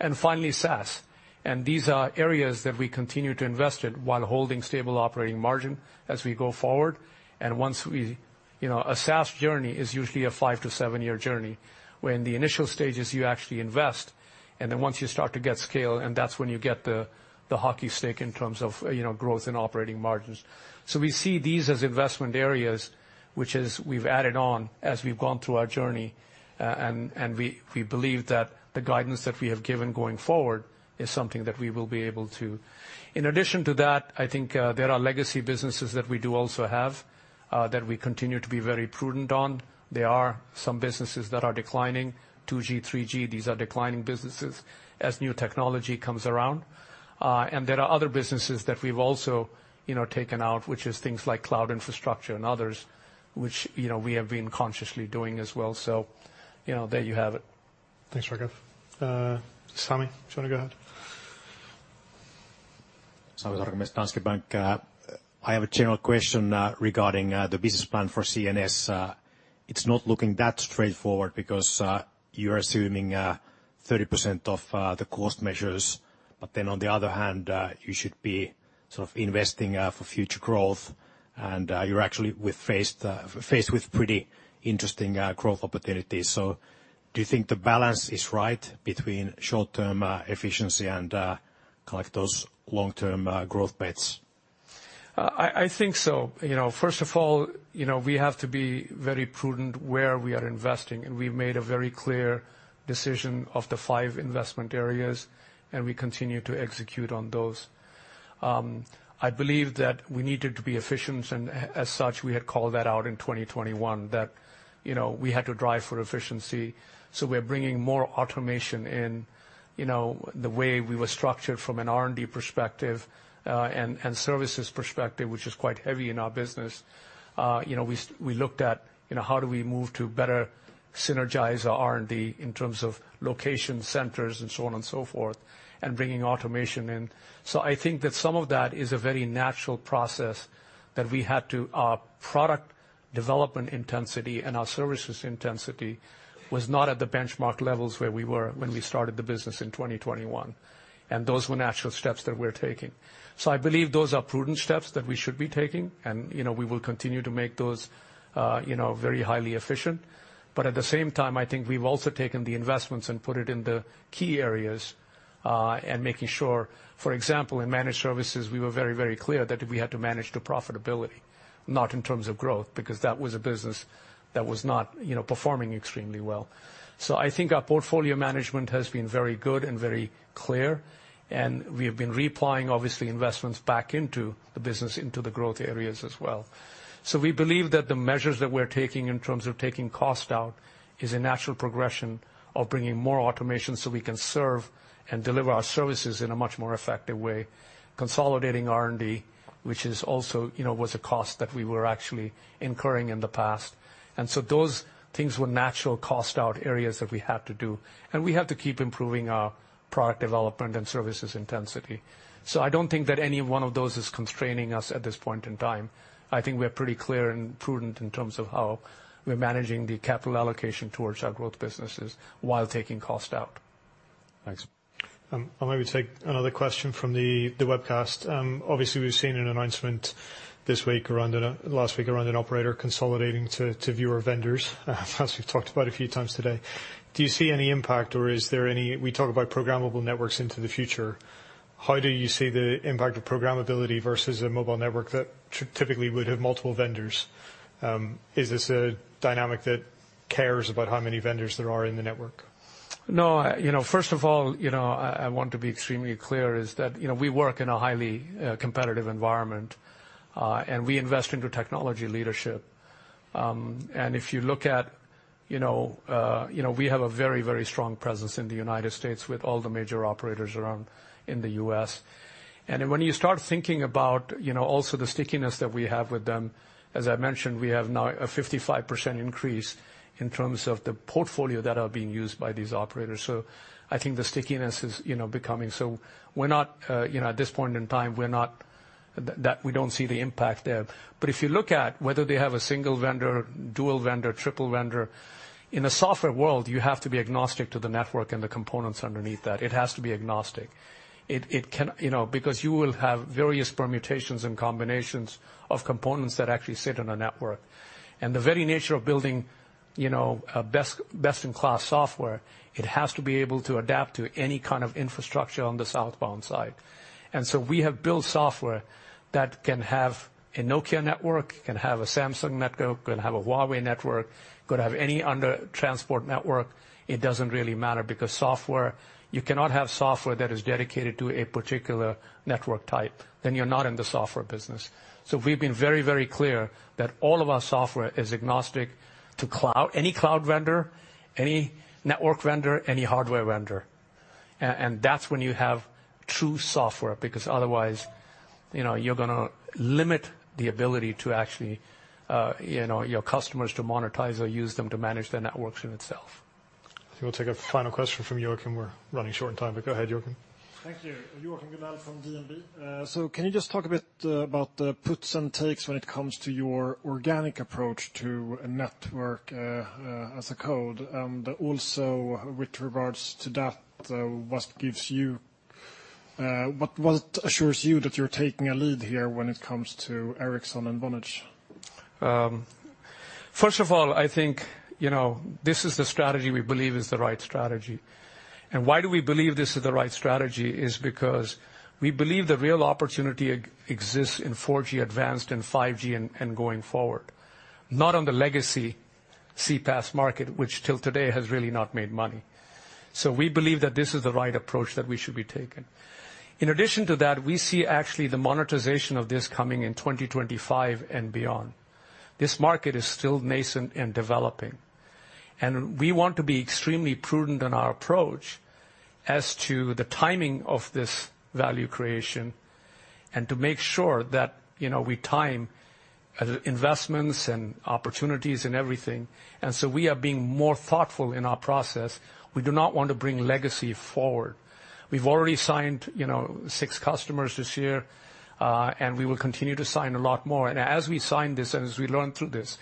And finally, SaaS. And these are areas that we continue to invest in while holding stable operating margin as we go forward. And once we have a SaaS journey is usually a five- to seven-year journey when the initial stages you actually invest. And then once you start to get scale, and that's when you get the hockey stick in terms of growth in operating margins. So we see these as investment areas, which we've added on as we've gone through our journey. And we believe that the guidance that we have given going forward is something that we will be able to. In addition to that, I think there are legacy businesses that we do also have that we continue to be very prudent on. There are some businesses that are declining, 2G, 3G. These are declining businesses as new technology comes around. And there are other businesses that we've also taken out, which is things like cloud infrastructure and others, which we have been consciously doing as well. So there you have it. Thanks, Raghav. Sami, do you want to go ahead? I was talking with Danske Bank. I have a general question regarding the business plan for CNS. It's not looking that straightforward because you are assuming 30% of the cost measures. But then on the other hand, you should be sort of investing for future growth. You're actually faced with pretty interesting growth opportunities. So do you think the balance is right between short-term efficiency and those long-term growth bets? I think so. First of all, we have to be very prudent where we are investing. We've made a very clear decision of the five investment areas. We continue to execute on those. I believe that we needed to be efficient. As such, we had called that out in 2021, that we had to drive for efficiency. So we're bringing more automation in the way we were structured from an R&D perspective and services perspective, which is quite heavy in our business. We looked at how do we move to better synergize our R&D in terms of location, centers, and so on and so forth, and bringing automation in. So I think that some of that is a very natural process that we had to our product development intensity and our services intensity was not at the benchmark levels where we were when we started the business in 2021. And those were natural steps that we're taking. So I believe those are prudent steps that we should be taking. And we will continue to make those very highly efficient. But at the same time, I think we've also taken the investments and put it in the key areas and making sure, for example, in managed services, we were very, very clear that we had to manage to profitability, not in terms of growth, because that was a business that was not performing extremely well. So I think our portfolio management has been very good and very clear. And we have been reinvesting, obviously, investments back into the business, into the growth areas as well. So we believe that the measures that we're taking in terms of taking cost out is a natural progression of bringing more automation so we can serve and deliver our services in a much more effective way, consolidating R&D, which also was a cost that we were actually incurring in the past. And so those things were natural cost out areas that we had to do. And we have to keep improving our product development and services intensity. So I don't think that any one of those is constraining us at this point in time. I think we're pretty clear and prudent in terms of how we're managing the capital allocation towards our growth businesses while taking cost out. Thanks. I'll maybe take another question from the webcast. Obviously, we've seen an announcement this week around last week around an operator consolidating to fewer vendors, as we've talked about a few times today. Do you see any impact, or is there any we talk about programmable networks into the future? How do you see the impact of programmability versus a mobile network that typically would have multiple vendors? Is this a dynamic that cares about how many vendors there are in the network? No, first of all, I want to be extremely clear is that we work in a highly competitive environment. We invest into technology leadership. If you look at, we have a very, very strong presence in the United States with all the major operators around in the U.S. When you start thinking about also the stickiness that we have with them, as I mentioned, we have now a 55% increase in terms of the portfolio that are being used by these operators. So I think the stickiness is becoming so we're not at this point in time, we're not that we don't see the impact there. But if you look at whether they have a single vendor, dual vendor, triple vendor, in a software world, you have to be agnostic to the network and the components underneath that. It has to be agnostic because you will have various permutations and combinations of components that actually sit in a network. And the very nature of building best-in-class software, it has to be able to adapt to any kind of infrastructure on the southbound side. And so we have built software that can have a Nokia network, can have a Samsung network, can have a Huawei network, could have any other transport network. It doesn't really matter because software you cannot have software that is dedicated to a particular network type. Then you're not in the software business. So we've been very, very clear that all of our software is agnostic to any cloud vendor, any network vendor, any hardware vendor. That's when you have true software because otherwise, you're going to limit the ability to actually your customers to monetize or use them to manage their networks in itself. I think we'll take a final question from Joachim. We're running short on time, but go ahead, Joachim. Thank you. Joachim Gunell from DNB. So can you just talk a bit about the puts and takes when it comes to your organic approach to a Network as Code and also with regards to that what gives you what assures you that you're taking a lead here when it comes to Ericsson and Vonage? First of all, I think this is the strategy we believe is the right strategy. And why do we believe this is the right strategy is because we believe the real opportunity exists in 4G advanced and 5G and going forward, not on the legacy CPaaS market, which till today has really not made money. So we believe that this is the right approach that we should be taking. In addition to that, we see actually the monetization of this coming in 2025 and beyond. This market is still nascent and developing. And we want to be extremely prudent in our approach as to the timing of this value creation and to make sure that we time investments and opportunities and everything. And so we are being more thoughtful in our process. We do not want to bring legacy forward. We've already signed six customers this year. We will continue to sign a lot more. As we sign this and as we learn through this,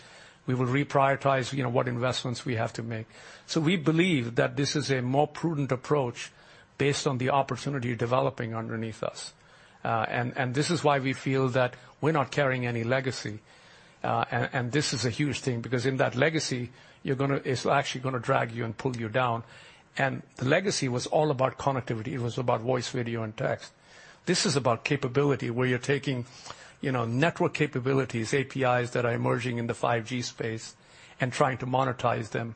we will reprioritize what investments we have to make. So we believe that this is a more prudent approach based on the opportunity developing underneath us. This is why we feel that we're not carrying any legacy. This is a huge thing because in that legacy, it's actually going to drag you and pull you down. The legacy was all about connectivity. It was about voice, video, and text. This is about capability where you're taking network capabilities, APIs that are emerging in the 5G space and trying to monetize them.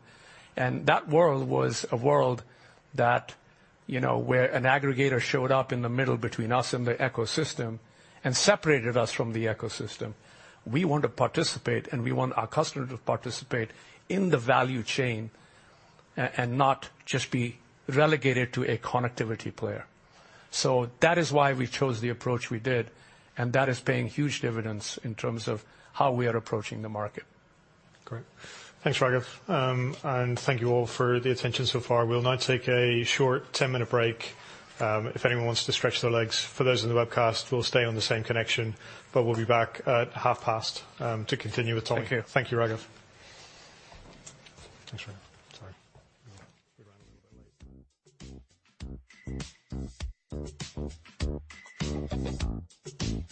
That world was a world where an aggregator showed up in the middle between us and the ecosystem and separated us from the ecosystem. We want to participate, and we want our customers to participate in the value chain and not just be relegated to a connectivity player. So that is why we chose the approach we did. And that is paying huge dividends in terms of how we are approaching the market. Great. Thanks, Raghav. Thank you all for the attention so far. We'll now take a short 10-minute break if anyone wants to stretch their legs. For those in the webcast, we'll stay on the same connection, but we'll be back at half past to continue with talking. Thank you, Raghav. Thanks, Raghav. Sorry. We ran a little bit late.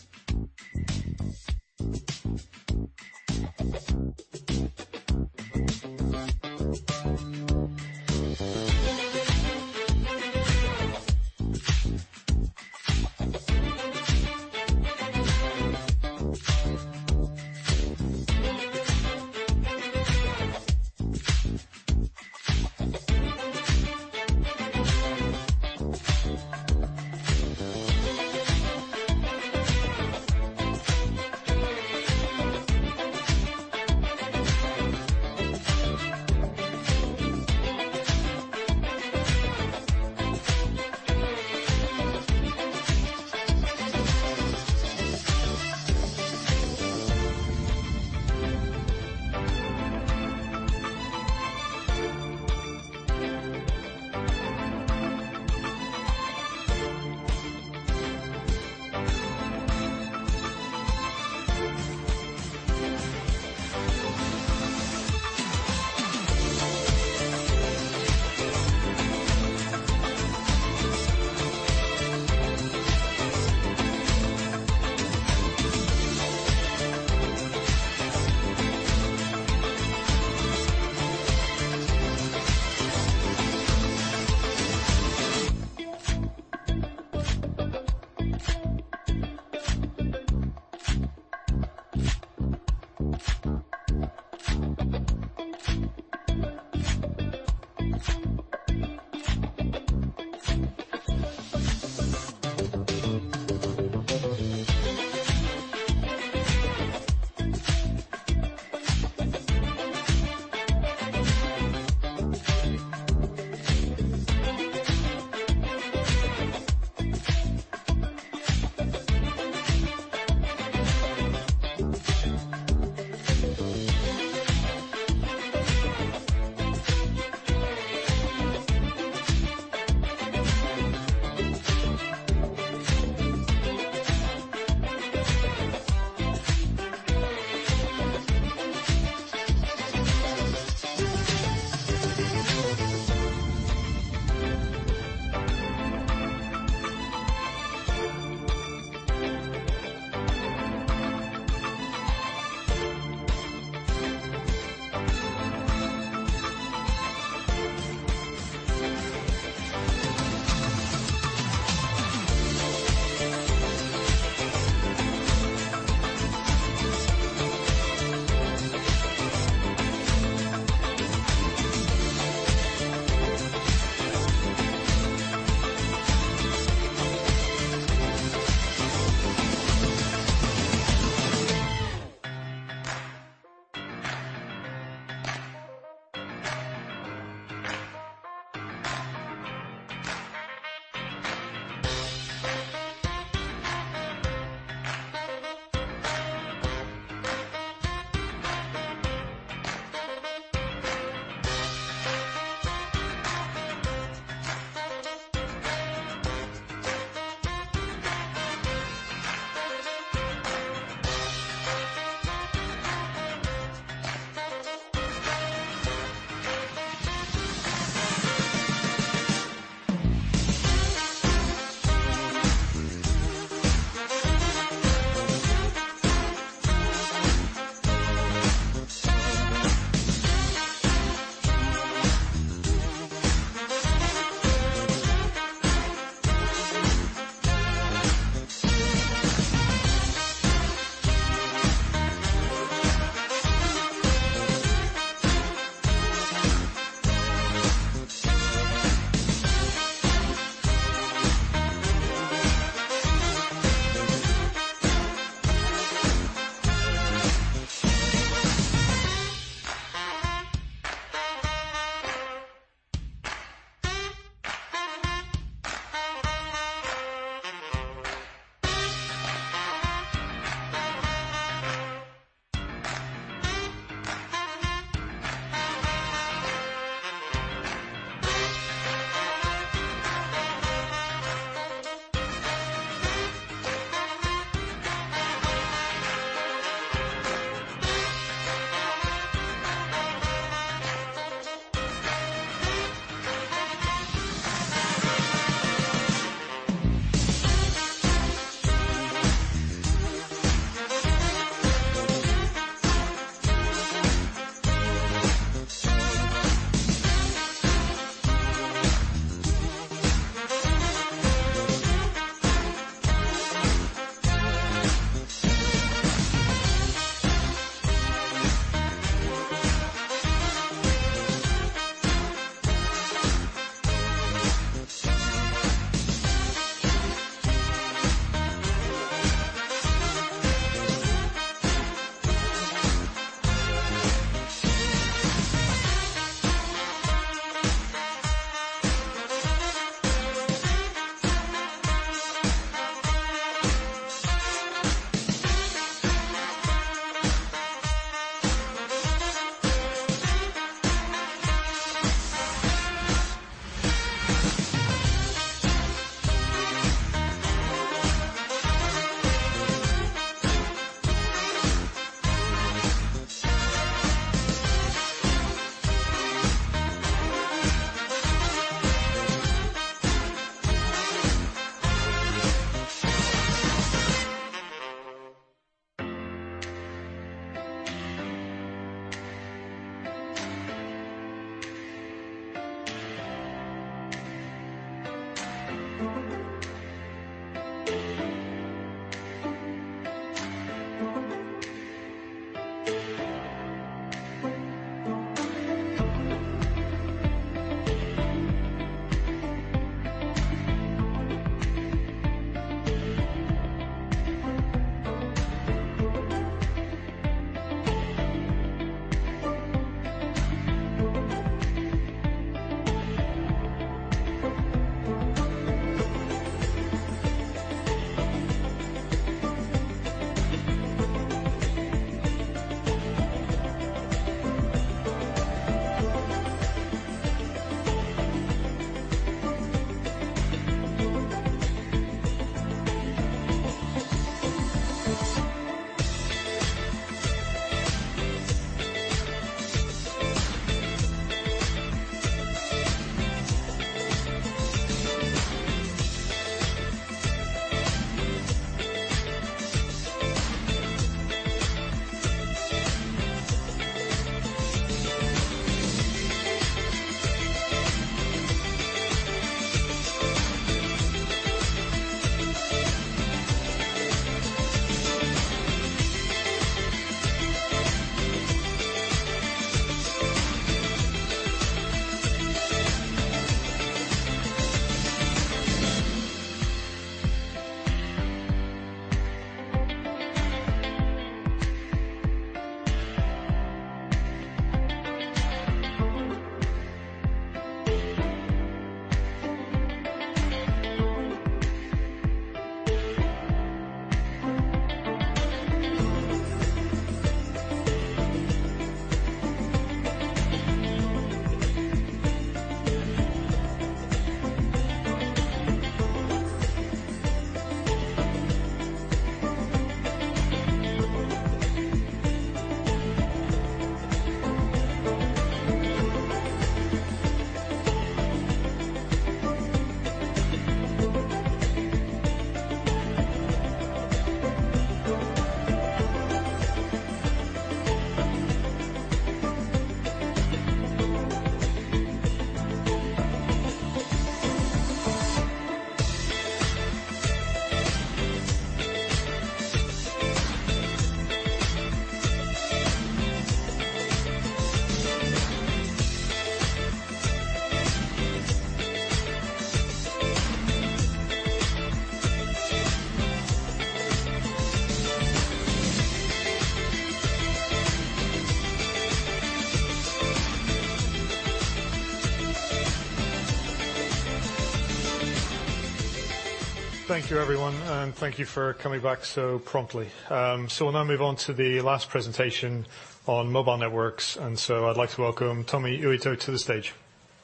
Thank you, everyone. And thank you for coming back so promptly. So we'll now move on to the last presentation on mobile networks. And so I'd like to welcome Tommi Uitto to the stage.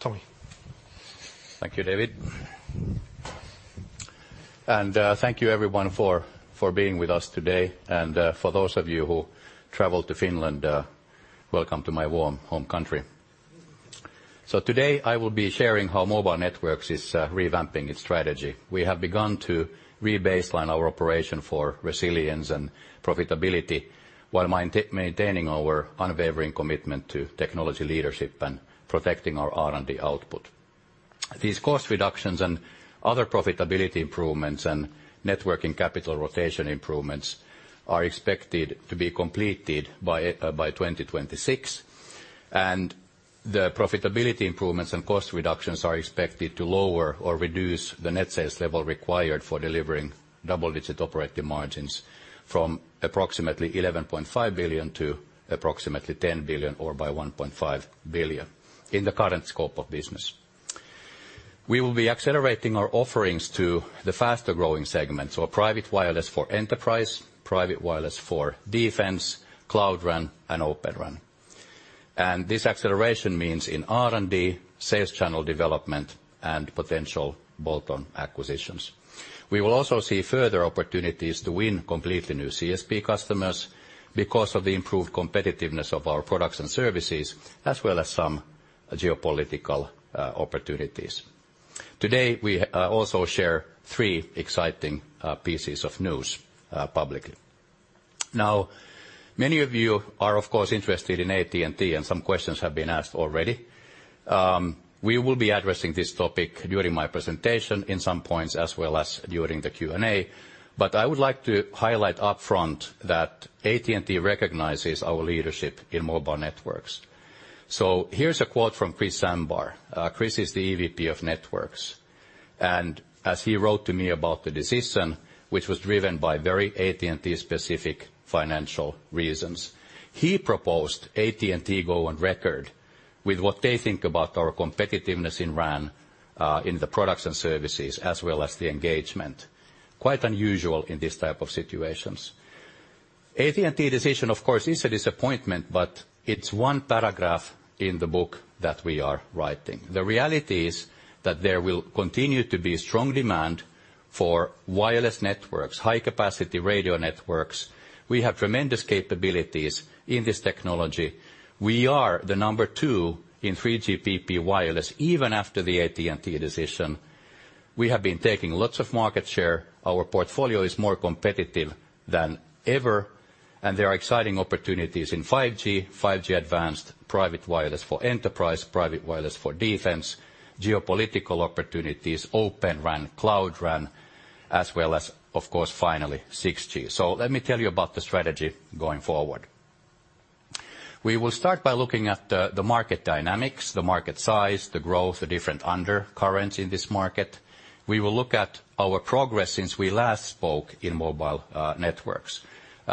Tommi. Thank you, David. Thank you, everyone, for being with us today. For those of you who travel to Finland, welcome to my warm home country. Today, I will be sharing how Mobile Networks is revamping its strategy. We have begun to rebaseline our operation for resilience and profitability while maintaining our unwavering commitment to technology leadership and protecting our R&D output. These cost reductions and other profitability improvements and net working capital rotation improvements are expected to be completed by 2026. The profitability improvements and cost reductions are expected to lower or reduce the net sales level required for delivering double-digit operating margins from approximately 11.5 billion to approximately 10 billion or by 1.5 billion in the current scope of business. We will be accelerating our offerings to the faster-growing segments, so private wireless for enterprise, private wireless for defense, Cloud RAN, and Open RAN. This acceleration means in R&D, sales channel development, and potential bolt-on acquisitions. We will also see further opportunities to win completely new CSP customers because of the improved competitiveness of our products and services, as well as some geopolitical opportunities. Today, we also share three exciting pieces of news publicly. Now, many of you are, of course, interested in AT&T, and some questions have been asked already. We will be addressing this topic during my presentation in some points as well as during the Q&A. But I would like to highlight upfront that AT&T recognizes our leadership in mobile networks. So here's a quote from Chris Sambar. Chris is the EVP of Networks. As he wrote to me about the decision, which was driven by very AT&T-specific financial reasons, he proposed AT&T go on record with what they think about our competitiveness in RAN in the products and services, as well as the engagement, quite unusual in this type of situations. AT&T decision, of course, is a disappointment, but it's one paragraph in the book that we are writing. The reality is that there will continue to be strong demand for wireless networks, high-capacity radio networks. We have tremendous capabilities in this technology. We are the number two in 3GPP wireless, even after the AT&T decision. We have been taking lots of market share. Our portfolio is more competitive than ever. There are exciting opportunities in 5G, 5G Advanced private wireless for enterprise, private wireless for defense, geopolitical opportunities, Open RAN, Cloud RAN, as well as, of course, finally, 6G. So let me tell you about the strategy going forward. We will start by looking at the market dynamics, the market size, the growth, the different undercurrents in this market. We will look at our progress since we last spoke in mobile networks,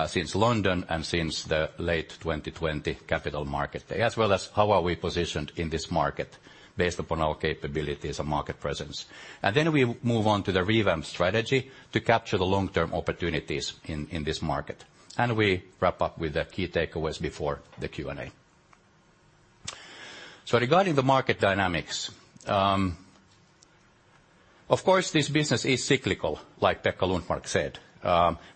since London and since the late 2020 capital market day, as well as how we are positioned in this market based upon our capabilities and market presence. Then we move on to the revamp strategy to capture the long-term opportunities in this market. We wrap up with the key takeaways before the Q&A. So regarding the market dynamics, of course, this business is cyclical, like Pekka Lundmark said.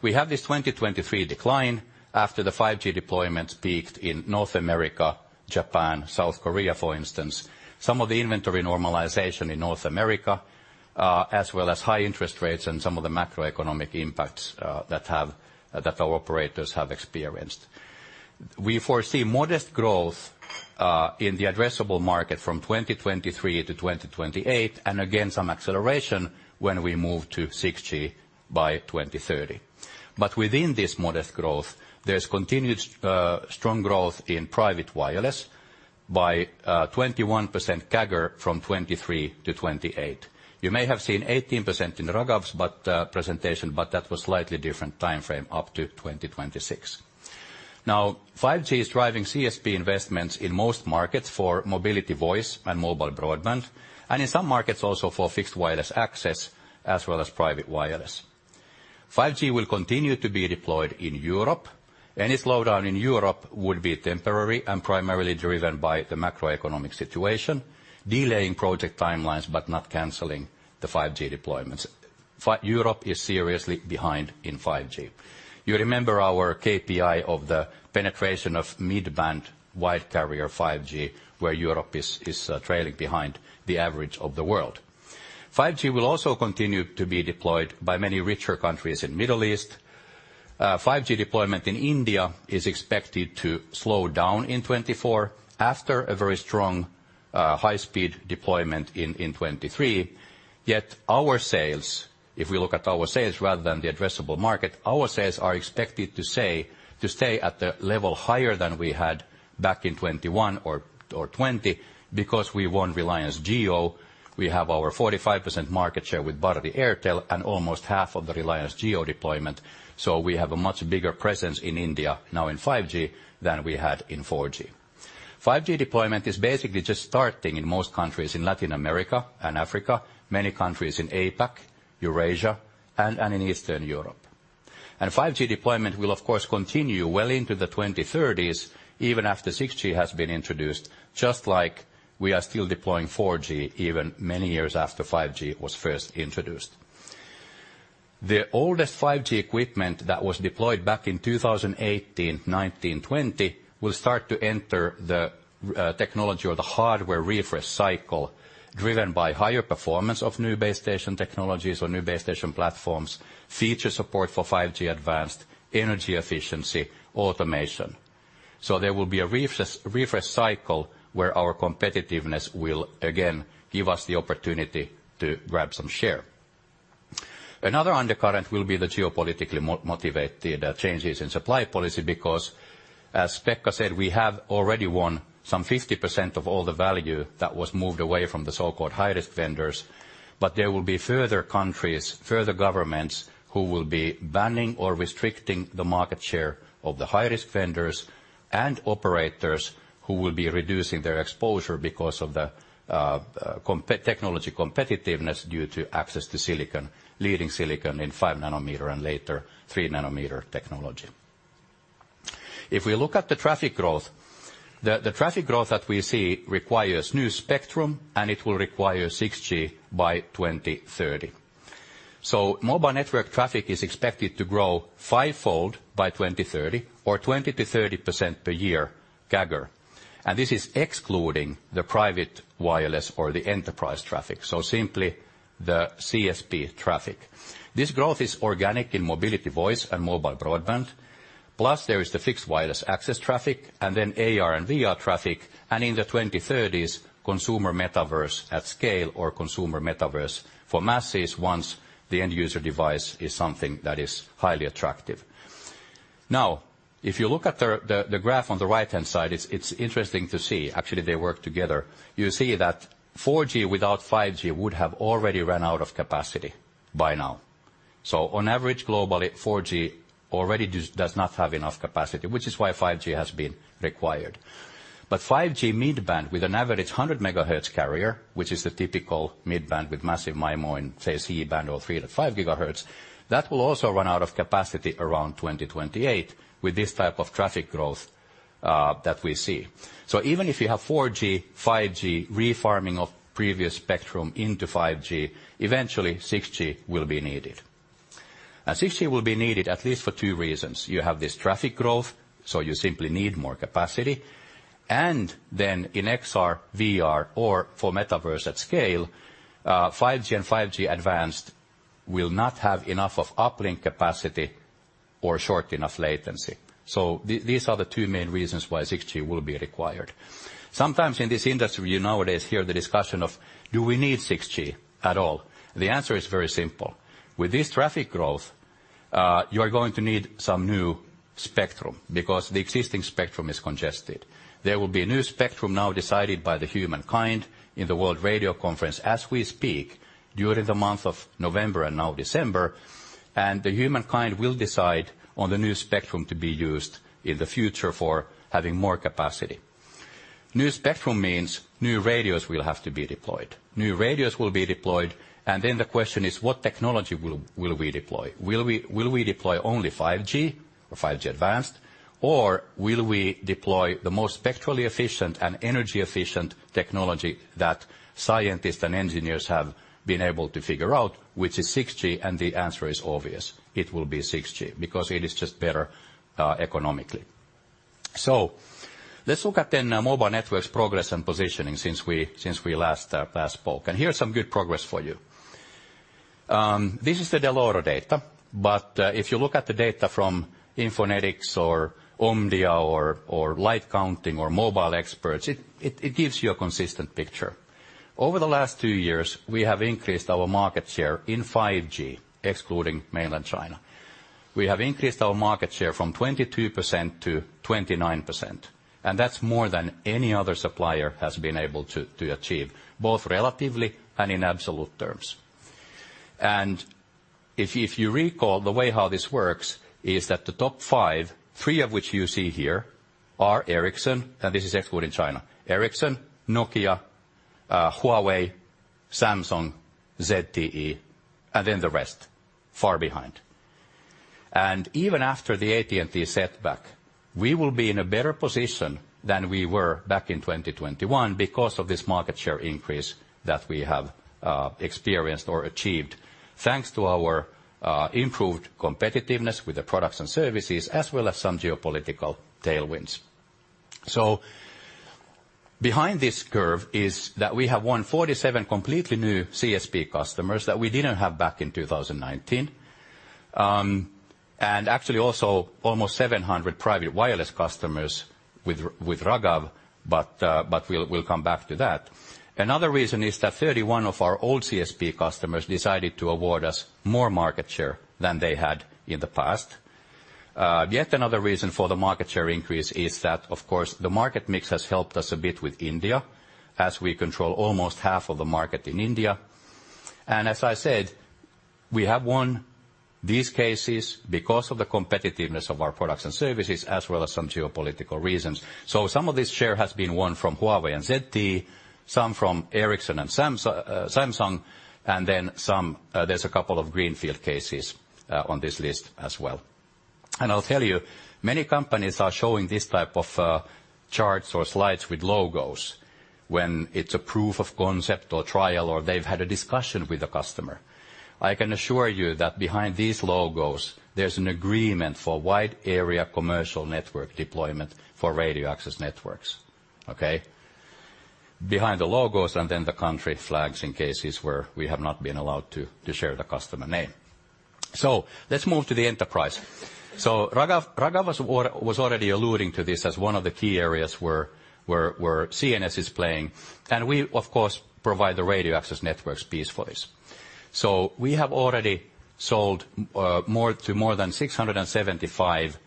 We have this 2023 decline after the 5G deployments peaked in North America, Japan, South Korea, for instance, some of the inventory normalization in North America, as well as high interest rates and some of the macroeconomic impacts that our operators have experienced. We foresee modest growth in the addressable market from 2023 to 2028, and again, some acceleration when we move to 6G by 2030. But within this modest growth, there's continued strong growth in private wireless by 21% CAGR from 2023 to 2028. You may have seen 18% in Raghav's presentation, but that was a slightly different time frame up to 2026. Now, 5G is driving CSP investments in most markets for mobility voice and mobile broadband, and in some markets also for fixed wireless access as well as private wireless. 5G will continue to be deployed in Europe. Any slowdown in Europe would be temporary and primarily driven by the macroeconomic situation, delaying project timelines but not canceling the 5G deployments. Europe is seriously behind in 5G. You remember our KPI of the penetration of mid-band wide carrier 5G, where Europe is trailing behind the average of the world. 5G will also continue to be deployed by many richer countries in the Middle East. 5G deployment in India is expected to slow down in 2024 after a very strong high-speed deployment in 2023. Yet our sales, if we look at our sales rather than the addressable market, our sales are expected to stay at the level higher than we had back in 2021 or 2020 because we won Reliance Jio. We have our 45% market share with Bharti Airtel and almost half of the Reliance Jio deployment. So we have a much bigger presence in India now in 5G than we had in 4G. 5G deployment is basically just starting in most countries in Latin America and Africa, many countries in APAC, Eurasia, and in Eastern Europe. And 5G deployment will, of course, continue well into the 2030s, even after 6G has been introduced, just like we are still deploying 4G even many years after 5G was first introduced. The oldest 5G equipment that was deployed back in 2018, 2019, 2020, will start to enter the technology or the hardware refresh cycle driven by higher performance of new base station technologies or new base station platforms, feature support for 5G Advanced, energy efficiency, automation. So there will be a refresh cycle where our competitiveness will again give us the opportunity to grab some share. Another undercurrent will be the geopolitically motivated changes in supply policy because, as Pekka said, we have already won some 50% of all the value that was moved away from the so-called high-risk vendors. But there will be further countries, further governments who will be banning or restricting the market share of the high-risk vendors and operators who will be reducing their exposure because of the technology competitiveness due to access to leading silicon in 5-nanometer and later 3-nanometer technology. If we look at the traffic growth, the traffic growth that we see requires new spectrum, and it will require 6G by 2030. So mobile network traffic is expected to grow 5-fold by 2030 or 20%-30% per year CAGR. And this is excluding the private wireless or the enterprise traffic, so simply the CSP traffic. This growth is organic in mobility voice and mobile broadband. Plus, there is the fixed wireless access traffic and then AR and VR traffic, and in the 2030s, consumer metaverse at scale or consumer metaverse for masses once the end user device is something that is highly attractive. Now, if you look at the graph on the right-hand side, it's interesting to see. Actually, they work together. You see that 4G without 5G would have already run out of capacity by now. So on average, globally, 4G already does not have enough capacity, which is why 5G has been required. But 5G mid-band with an average 100 MHz carrier, which is the typical mid-band with massive MIMO in, say, C-band or 3-5 GHz, that will also run out of capacity around 2028 with this type of traffic growth that we see. So even if you have 4G, 5G refarming of previous spectrum into 5G, eventually, 6G will be needed. 6G will be needed at least for two reasons. You have this traffic growth, so you simply need more capacity. Then in XR, VR, or for metaverse at scale, 5G and 5G Advanced will not have enough of uplink capacity or short enough latency. So these are the two main reasons why 6G will be required. Sometimes in this industry, you nowadays hear the discussion of, "Do we need 6G at all?" The answer is very simple. With this traffic growth, you are going to need some new spectrum because the existing spectrum is congested. There will be a new spectrum now decided by the humankind in the World Radio Conference as we speak during the month of November and now December. The humankind will decide on the new spectrum to be used in the future for having more capacity. New spectrum means new radios will have to be deployed. New radios will be deployed. Then the question is, what technology will we deploy? Will we deploy only 5G or 5G Advanced, or will we deploy the most spectrally efficient and energy efficient technology that scientists and engineers have been able to figure out, which is 6G? The answer is obvious. It will be 6G because it is just better economically. Let's look at the mobile networks progress and positioning since we last spoke. Here's some good progress for you. This is the Dell'Oro data. But if you look at the data from Infonetics or Omdia or LightCounting or Mobile Experts, it gives you a consistent picture. Over the last two years, we have increased our market share in 5G, excluding mainland China. We have increased our market share from 22% to 29%. That's more than any other supplier has been able to achieve, both relatively and in absolute terms. If you recall the way how this works is that the top five, three of which you see here, are Ericsson, and this is excluding China, Ericsson, Nokia, Huawei, Samsung, ZTE, and then the rest far behind. Even after the AT&T setback, we will be in a better position than we were back in 2021 because of this market share increase that we have experienced or achieved thanks to our improved competitiveness with the products and services, as well as some geopolitical tailwinds. Behind this curve is that we have won 47 completely new CSP customers that we didn't have back in 2019, and actually also almost 700 private wireless customers with Raghav, but we'll come back to that. Another reason is that 31 of our old CSP customers decided to award us more market share than they had in the past. Yet another reason for the market share increase is that, of course, the market mix has helped us a bit with India as we control almost half of the market in India. As I said, we have won these cases because of the competitiveness of our products and services, as well as some geopolitical reasons. Some of this share has been won from Huawei and ZTE, some from Ericsson and Samsung, and then there's a couple of greenfield cases on this list as well. I'll tell you, many companies are showing this type of charts or slides with logos when it's a proof of concept or trial, or they've had a discussion with the customer. I can assure you that behind these logos, there's an agreement for wide area commercial network deployment for radio access networks, okay? Behind the logos and then the country flags in cases where we have not been allowed to share the customer name. Let's move to the enterprise. Raghav was already alluding to this as one of the key areas where CNS is playing. We, of course, provide the radio access networks piece for this. We have already sold to more than 675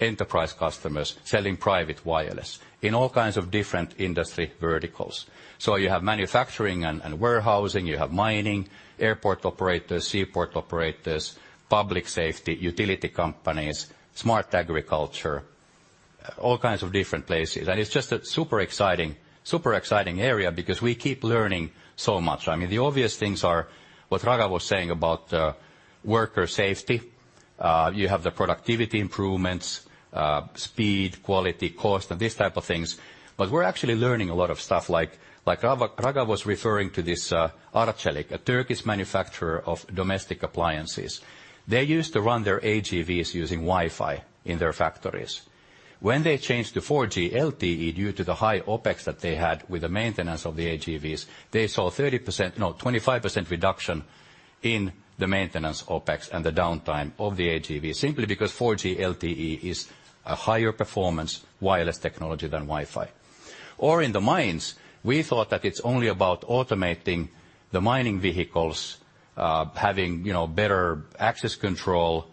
enterprise customers selling private wireless in all kinds of different industry verticals. So you have manufacturing and warehousing, you have mining, airport operators, seaport operators, public safety, utility companies, smart agriculture, all kinds of different places. And it's just a super exciting area because we keep learning so much. I mean, the obvious things are what Raghav was saying about worker safety. You have the productivity improvements, speed, quality, cost, and these type of things. But we're actually learning a lot of stuff. Like Raghav was referring to this Arçelik, a Turkish manufacturer of domestic appliances. They used to run their AGVs using Wi-Fi in their factories. When they changed to 4G LTE due to the high OPEX that they had with the maintenance of the AGVs, they saw 25% reduction in the maintenance OPEX and the downtime of the AGV simply because 4G LTE is a higher performance wireless technology than Wi-Fi. Or in the mines, we thought that it's only about automating the mining vehicles, having better access control,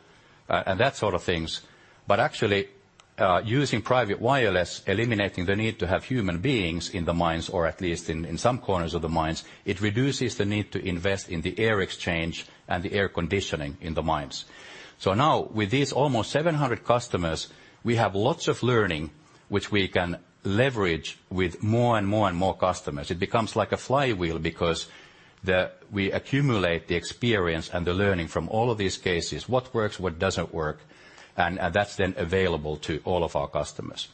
and that sort of things. But actually, using private wireless, eliminating the need to have human beings in the mines, or at least in some corners of the mines, it reduces the need to invest in the air exchange and the air conditioning in the mines. So now, with these almost 700 customers, we have lots of learning, which we can leverage with more and more and more customers. It becomes like a flywheel because we accumulate the experience and the learning from all of these cases, what works, what doesn't work, and that's then available to all of our customers.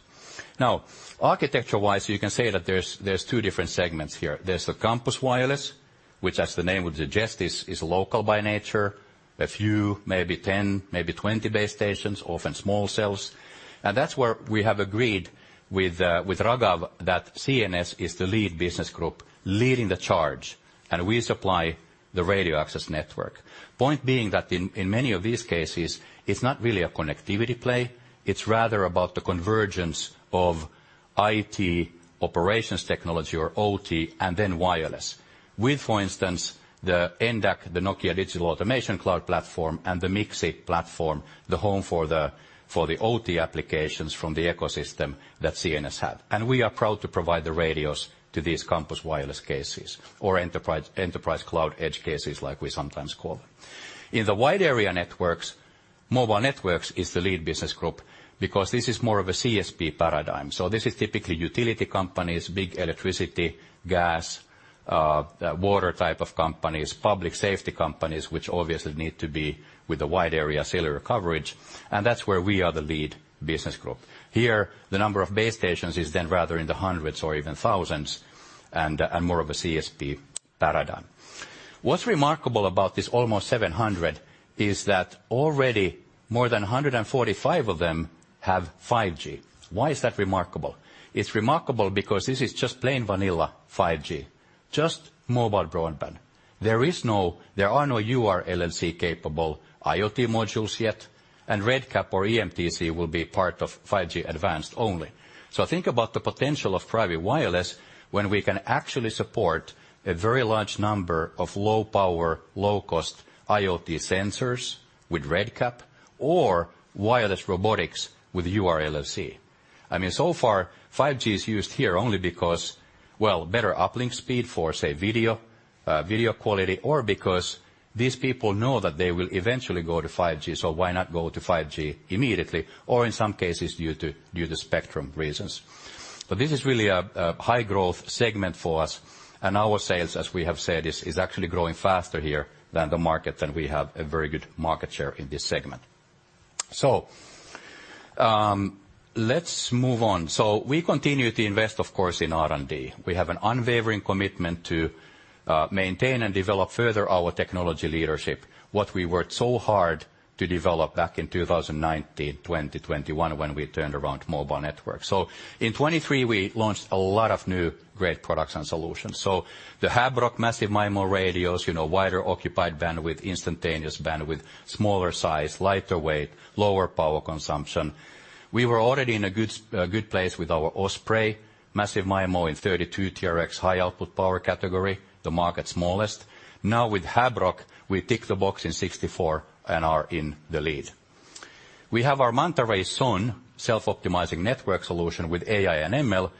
Now, architecture-wise, you can say that there's two different segments here. There's the campus wireless, which, as the name would suggest, is local by nature, a few, maybe 10, maybe 20 base stations, often small cells. And that's where we have agreed with Raghav that CNS is the lead business group leading the charge, and we supply the radio access network. Point being that in many of these cases, it's not really a connectivity play. It's rather about the convergence of IT operations technology or OT and then wireless, with, for instance, the NDAC, the Nokia Digital Automation Cloud Platform, and the MXIE platform, the home for the OT applications from the ecosystem that CNS had. And we are proud to provide the radios to these campus wireless cases or enterprise cloud edge cases, like we sometimes call them. In the wide area networks, Mobile Networks is the lead business group because this is more of a CSP paradigm. So this is typically utility companies, big electricity, gas, water type of companies, public safety companies, which obviously need to be with a wide area cellular coverage. And that's where we are the lead business group. Here, the number of base stations is then rather in the hundreds or even thousands and more of a CSP paradigm. What's remarkable about this almost 700 is that already more than 145 of them have 5G. Why is that remarkable? It's remarkable because this is just plain vanilla 5G, just mobile broadband. There are no URLLC capable IoT modules yet, and RedCap or eMTC will be part of 5G Advanced only. So think about the potential of private wireless when we can actually support a very large number of low power, low cost IoT sensors with RedCap or wireless robotics with URLLC. I mean, so far, 5G is used here only because, well, better uplink speed for, say, video quality or because these people know that they will eventually go to 5G, so why not go to 5G immediately or in some cases due to spectrum reasons? But this is really a high growth segment for us. And our sales, as we have said, is actually growing faster here than the market, and we have a very good market share in this segment. So let's move on. So we continue to invest, of course, in R&D. We have an unwavering commitment to maintain and develop further our technology leadership, what we worked so hard to develop back in 2019, 2021, when we turned around mobile networks. So in 2023, we launched a lot of new great products and solutions. So the Habrok massive MIMO radios, wider occupied bandwidth, instantaneous bandwidth, smaller size, lighter weight, lower power consumption. We were already in a good place with our Osprey massive MIMO in 32 TRX high output power category, the market smallest. Now, with Habrok, we tick the box in '64 and are in the lead. We have our MantaRay SON, self-optimizing network solution with AI and ML.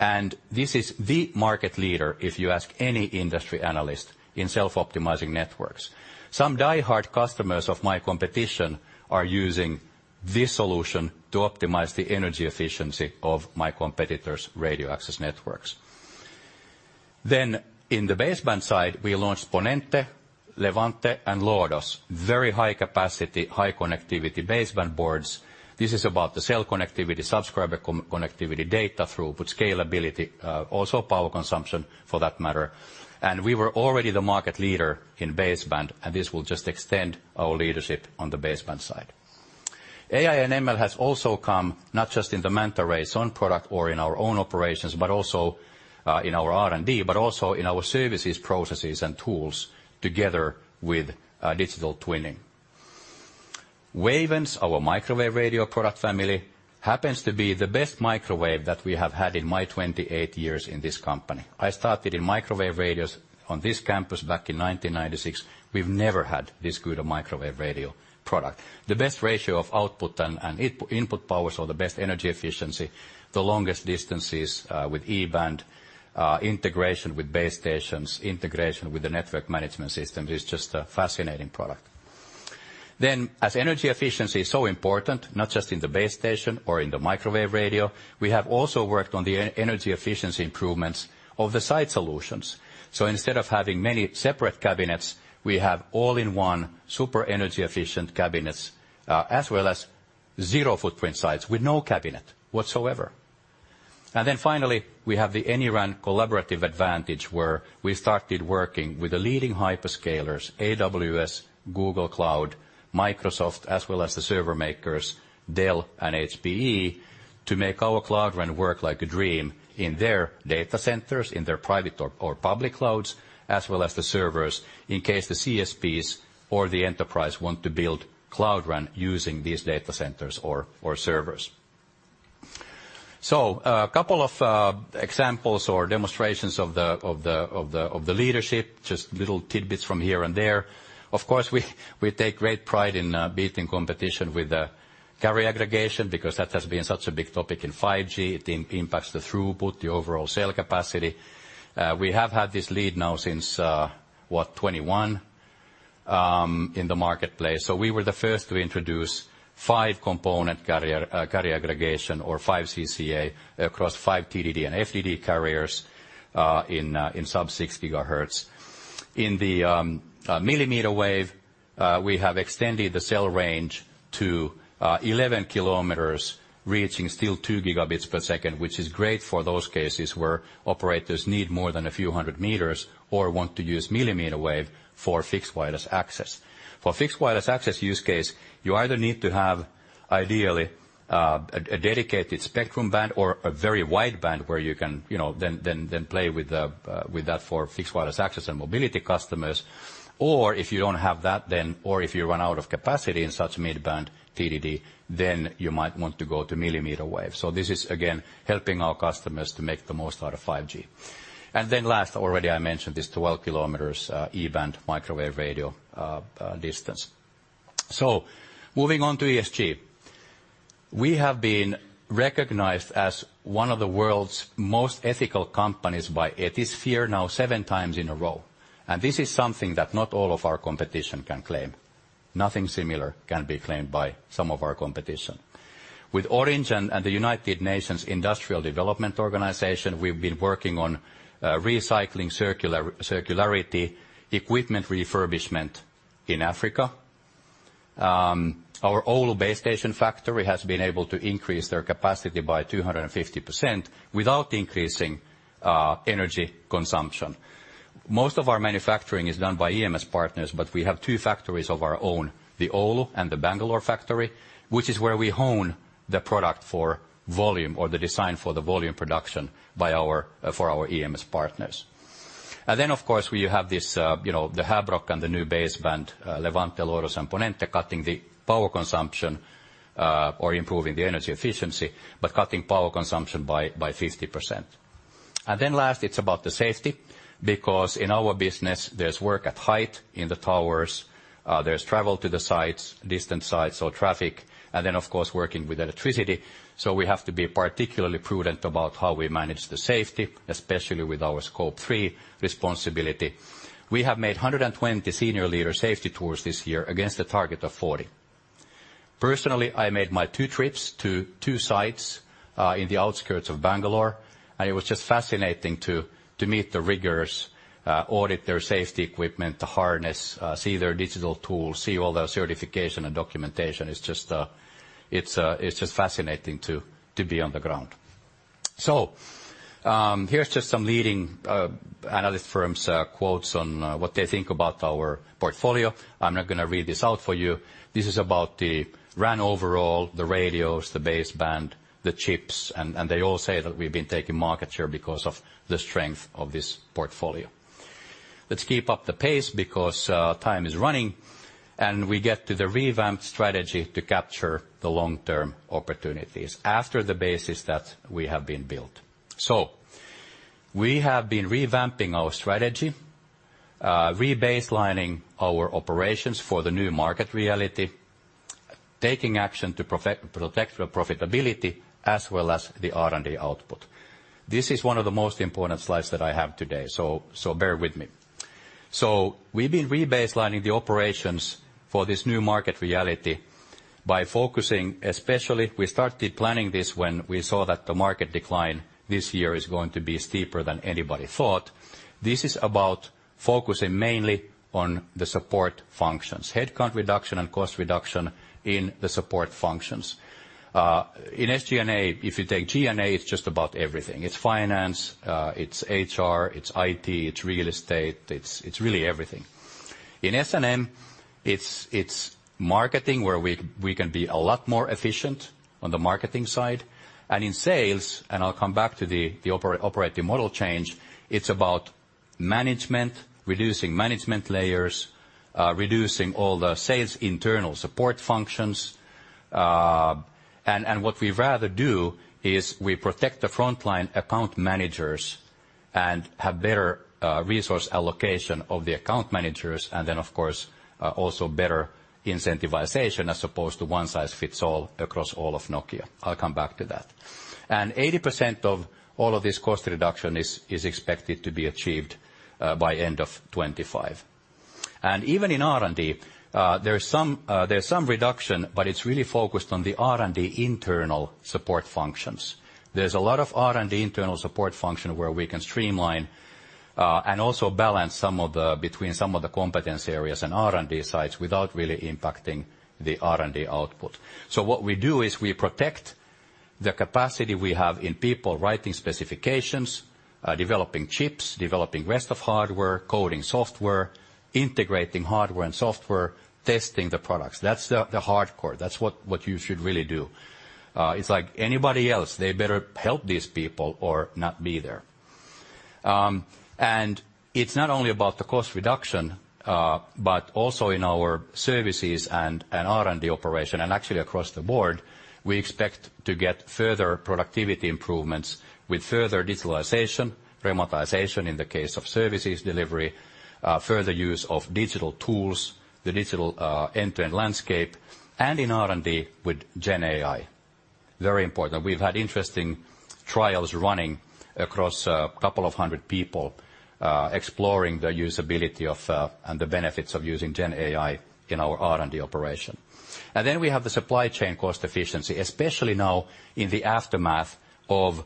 And this is the market leader if you ask any industry analyst in self-optimizing networks. Some diehard customers of my competition are using this solution to optimize the energy efficiency of my competitors' radio access networks. Then in the baseband side, we launched Ponente, Levante, and Lodos, very high capacity, high connectivity baseband boards. This is about the cell connectivity, subscriber connectivity, data throughput, scalability, also power consumption for that matter. We were already the market leader in baseband, and this will just extend our leadership on the baseband side. AI and ML has also come not just in the MantaRay SON product or in our own operations, but also in our R&D, but also in our services, processes, and tools together with digital twinning. Wavence, our microwave radio product family, happens to be the best microwave that we have had in my 28 years in this company. I started in microwave radios on this campus back in 1996. We've never had this good a microwave radio product. The best ratio of output and input powers or the best energy efficiency, the longest distances with E-band, integration with base stations, integration with the network management system is just a fascinating product. Then, as energy efficiency is so important, not just in the base station or in the microwave radio, we have also worked on the energy efficiency improvements of the site solutions. So instead of having many separate cabinets, we have all-in-one super energy efficient cabinets as well as zero footprint sites with no cabinet whatsoever. And then finally, we have the AnyRAN collaborative advantage where we started working with the leading hyperscalers, AWS, Google Cloud, Microsoft, as well as the server makers, Dell and HPE, to make our Cloud RAN work like a dream in their data centers, in their private or public clouds, as well as the servers in case the CSPs or the enterprise want to build Cloud RAN using these data centers or servers. So a couple of examples or demonstrations of the leadership, just little tidbits from here and there. Of course, we take great pride in beating competition with the carrier aggregation because that has been such a big topic in 5G. It impacts the throughput, the overall cell capacity. We have had this lead now since, what, 2021 in the marketplace. So we were the first to introduce 5-component carrier aggregation or 5 CCA across 5 TD D and FDD carriers in sub-6 GHz. In the millimeter wave, we have extended the cell range to 11 kilometers, reaching still 2 Gb per second, which is great for those cases where operators need more than a few hundred meters or want to use millimeter wave for fixed wireless access. For fixed wireless access use case, you either need to have ideally a dedicated spectrum band or a very wide band where you can then play with that for fixed wireless access and mobility customers. Or if you don't have that, then or if you run out of capacity in such midband TDD, then you might want to go to millimeter wave. So this is, again, helping our customers to make the most out of 5G. And then last, already I mentioned this 12 km E-band microwave radio distance. So moving on to ESG, we have been recognized as one of the world's most ethical companies by Ethisphere now seven times in a row. And this is something that not all of our competition can claim. Nothing similar can be claimed by some of our competition. With Orange and the United Nations Industrial Development Organization, we've been working on recycling circularity, equipment refurbishment in Africa. Our Oulu base station factory has been able to increase their capacity by 250% without increasing energy consumption. Most of our manufacturing is done by EMS partners, but we have two factories of our own, the Oulu and the Bangalore factory, which is where we hone the product for volume or the design for the volume production for our EMS partners. Of course, you have the Habrok and the new baseband Levante, Lodos and Ponente cutting the power consumption or improving the energy efficiency, but cutting power consumption by 50%. Last, it's about the safety because in our business, there's work at height in the towers. There's travel to the sites, distant sites or traffic, and then, of course, working with electricity. We have to be particularly prudent about how we manage the safety, especially with our scope three responsibility. We have made 120 senior leader safety tours this year against a target of 40. Personally, I made my two trips to two sites in the outskirts of Bangalore, and it was just fascinating to meet the workers, audit their safety equipment, their harnesses, see their digital tools, see all their certification and documentation. It's just fascinating to be on the ground. So here's just some leading analyst firms' quotes on what they think about our portfolio. I'm not going to read this out for you. This is about the RAN overall, the radios, the baseband, the chips, and they all say that we've been taking market share because of the strength of this portfolio. Let's keep up the pace because time is running, and we get to the revamped strategy to capture the long-term opportunities after the base that we have built. So we have been revamping our strategy, rebaselining our operations for the new market reality, taking action to protect profitability as well as the R&D output. This is one of the most important slides that I have today, so bear with me. So we've been rebaselining the operations for this new market reality by focusing especially. We started planning this when we saw that the market decline this year is going to be steeper than anybody thought. This is about focusing mainly on the support functions, headcount reduction and cost reduction in the support functions. In SG&A, if you take G&A, it's just about everything. It's finance, it's HR, it's IT, it's real estate, it's really everything. In S&M, it's marketing where we can be a lot more efficient on the marketing side. In sales, and I'll come back to the operating model change, it's about management, reducing management layers, reducing all the sales internal support functions. And what we rather do is we protect the frontline account managers and have better resource allocation of the account managers, and then, of course, also better incentivization as opposed to one size fits all across all of Nokia. I'll come back to that. And 80% of all of this cost reduction is expected to be achieved by end of 2025. And even in R&D, there's some reduction, but it's really focused on the R&D internal support functions. There's a lot of R&D internal support function where we can streamline and also balance some of the between some of the competence areas and R&D sites without really impacting the R&D output. So what we do is we protect the capacity we have in people writing specifications, developing chips, developing rest of hardware, coding software, integrating hardware and software, testing the products. That's the hardcore. That's what you should really do. It's like anybody else. They better help these people or not be there. And it's not only about the cost reduction, but also in our services and R&D operation, and actually across the board, we expect to get further productivity improvements with further digitalization, remotization in the case of services delivery, further use of digital tools, the digital end-to-end landscape, and in R&D with GenAI. Very important. We've had interesting trials running across a couple of hundred people exploring the usability and the benefits of using GenAI in our R&D operation. And then we have the supply chain cost efficiency, especially now in the aftermath of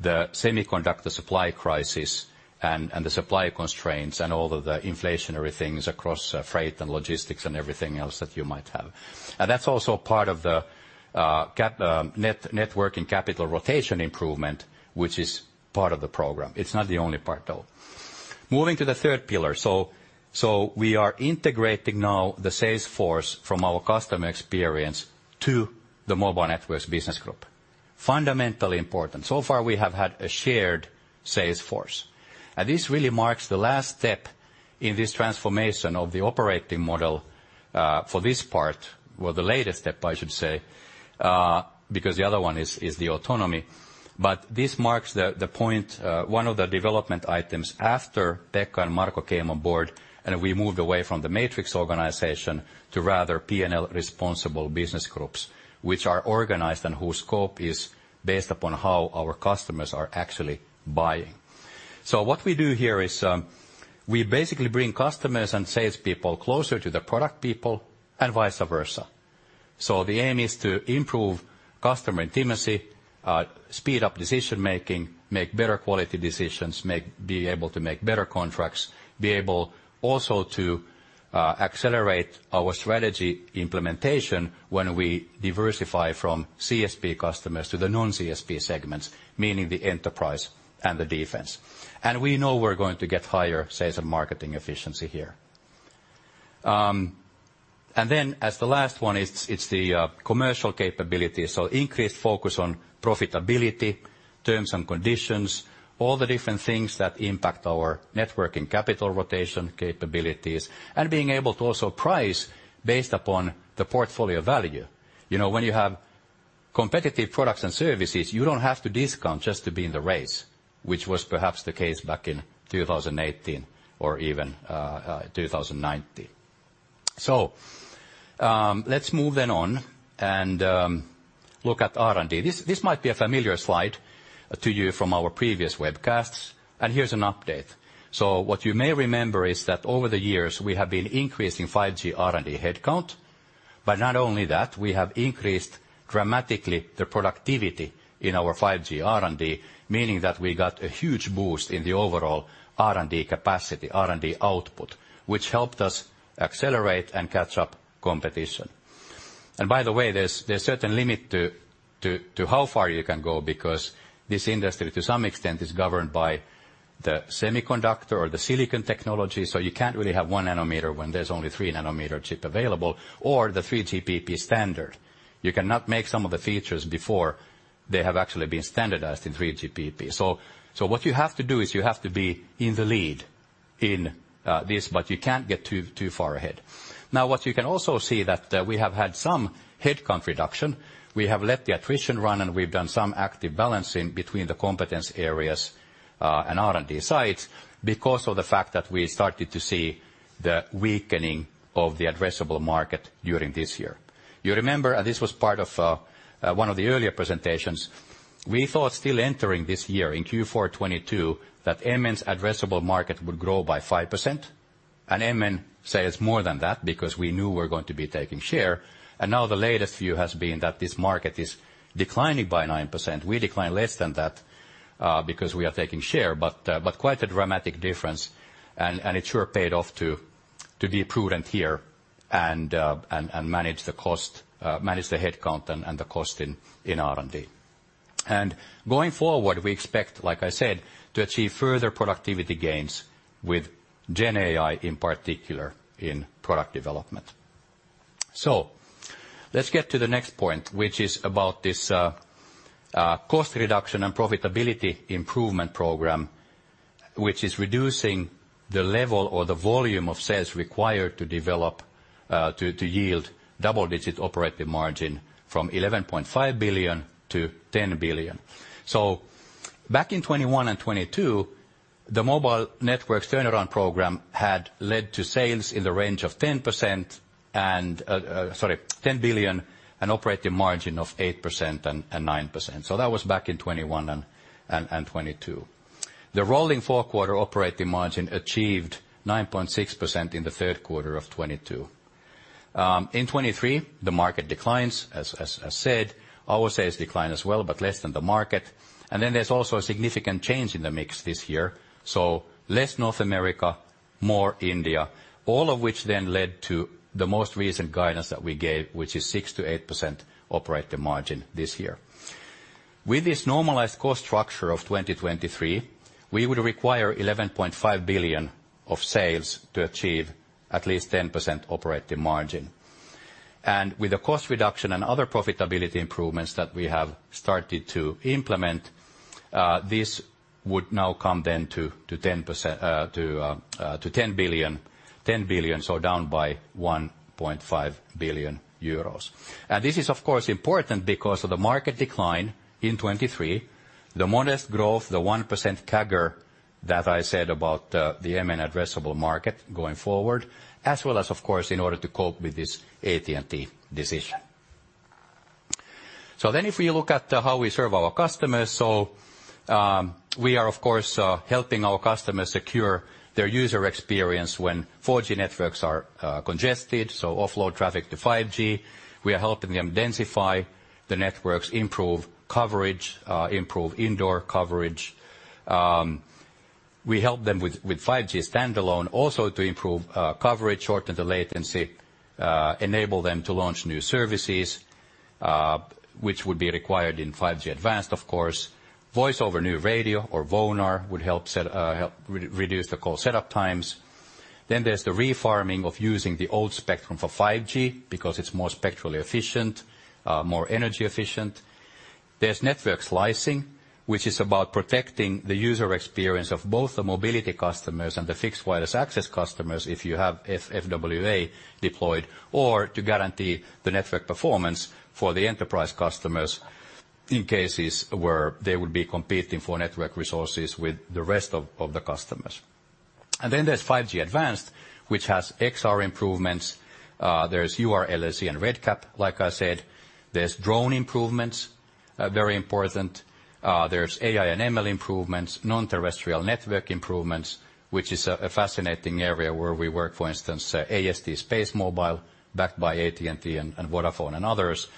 the semiconductor supply crisis and the supply constraints and all of the inflationary things across freight and logistics and everything else that you might have. And that's also part of the net working capital rotation improvement, which is part of the program. It's not the only part, though. Moving to the third pillar. So we are integrating now the sales force from our customer experience to the mobile networks business group. Fundamentally important. So far, we have had a shared sales force. And this really marks the last step in this transformation of the operating model for this part, well, the latest step, I should say, because the other one is the autonomy. This marks the point, one of the development items after Pekka and Marco came on board, and we moved away from the matrix organization to rather P&L responsible business groups, which are organized and whose scope is based upon how our customers are actually buying. So what we do here is we basically bring customers and salespeople closer to the product people and vice versa. So the aim is to improve customer intimacy, speed up decision making, make better quality decisions, be able to make better contracts, be able also to accelerate our strategy implementation when we diversify from CSP customers to the non-CSP segments, meaning the enterprise and the defense. And we know we're going to get higher sales and marketing efficiency here. And then as the last one, it's the commercial capability. Increased focus on profitability, terms and conditions, all the different things that impact our net working capital rotation capabilities, and being able to also price based upon the portfolio value. When you have competitive products and services, you don't have to discount just to be in the race, which was perhaps the case back in 2018 or even 2019. So let's move then on and look at R&D. This might be a familiar slide to you from our previous webcasts. Here's an update. So what you may remember is that over the years, we have been increasing 5G R&D headcount. But not only that, we have increased dramatically the productivity in our 5G R&D, meaning that we got a huge boost in the overall R&D capacity, R&D output, which helped us accelerate and catch up competition. And by the way, there's a certain limit to how far you can go because this industry, to some extent, is governed by the semiconductor or the silicon technology. So you can't really have 1 nanometer when there's only 3 nanometer chip available or the 3GPP standard. You cannot make some of the features before they have actually been standardized in 3GPP. So what you have to do is you have to be in the lead in this, but you can't get too far ahead. Now, what you can also see is that we have had some headcount reduction. We have let the attrition run, and we've done some active balancing between the competence areas and R&D sites because of the fact that we started to see the weakening of the addressable market during this year. You remember, and this was part of one of the earlier presentations, we thought still entering this year in Q4 2022 that MN's addressable market would grow by 5%. And MN says more than that because we knew we're going to be taking share. And now the latest view has been that this market is declining by 9%. We decline less than that because we are taking share, but quite a dramatic difference. And it sure paid off to be prudent here and manage the cost, manage the headcount and the cost in R&D. And going forward, we expect, like I said, to achieve further productivity gains with GenAI in particular in product development. So let's get to the next point, which is about this cost reduction and profitability improvement program, which is reducing the level or the volume of sales required to develop to yield double-digit operating margin from 11.5 billion to 10 billion. So back in 2021 and 2022, the Mobile Networks turnaround program had led to sales in the range of 10% and sorry, 10 billion and operating margin of 8% and 9%. So that was back in 2021 and 2022. The rolling four-quarter operating margin achieved 9.6% in the third quarter of 2022. In 2023, the market declines, as said. Our sales decline as well, but less than the market. And then there's also a significant change in the mix this year. So less North America, more India, all of which then led to the most recent guidance that we gave, which is 6%-8% operating margin this year. With this normalized cost structure of 2023, we would require 11.5 billion of sales to achieve at least 10% operating margin. With the cost reduction and other profitability improvements that we have started to implement, this would now come then to 10 billion, so down by 1.5 billion euros. This is, of course, important because of the market decline in 2023, the modest growth, the 1% CAGR that I said about the MN addressable market going forward, as well as, of course, in order to cope with this AT&T decision. If we look at how we serve our customers, we are, of course, helping our customers secure their user experience when 4G networks are congested, so offload traffic to 5G. We are helping them densify the networks, improve coverage, improve indoor coverage. We help them with 5G standalone also to improve coverage, shorten the latency, enable them to launch new services, which would be required in 5G Advanced, of course. Voice over New Radio or VoNR would help reduce the call setup times. Then there's the refarming of using the old spectrum for 5G because it's more spectrally efficient, more energy efficient. There's network slicing, which is about protecting the user experience of both the mobility customers and the fixed wireless access customers if you have FWA deployed, or to guarantee the network performance for the enterprise customers in cases where they would be competing for network resources with the rest of the customers. And then there's 5G Advanced, which has XR improvements. There's URLLC and RedCap, like I said. There's drone improvements, very important. There's AI and ML improvements, non-terrestrial network improvements, which is a fascinating area where we work, for instance, AST SpaceMobile backed by AT&T and Vodafone and others.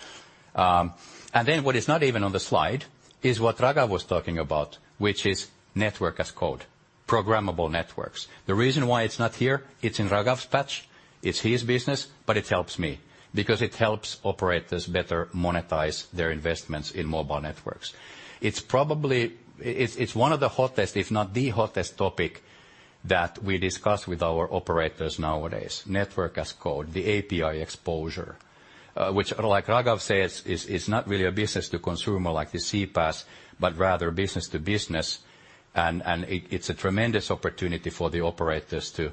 Then what is not even on the slide is what Raghav was talking about, which is Network as Code, programmable networks. The reason why it's not here, it's in Raghav's patch. It's his business, but it helps me because it helps operators better monetize their investments in mobile networks. It's one of the hottest, if not the hottest topic that we discuss with our operators nowadays, Network as Code, the API exposure, which, like Raghav says, is not really a business to consumer like the CPaaS, but rather business to business. And it's a tremendous opportunity for the operators to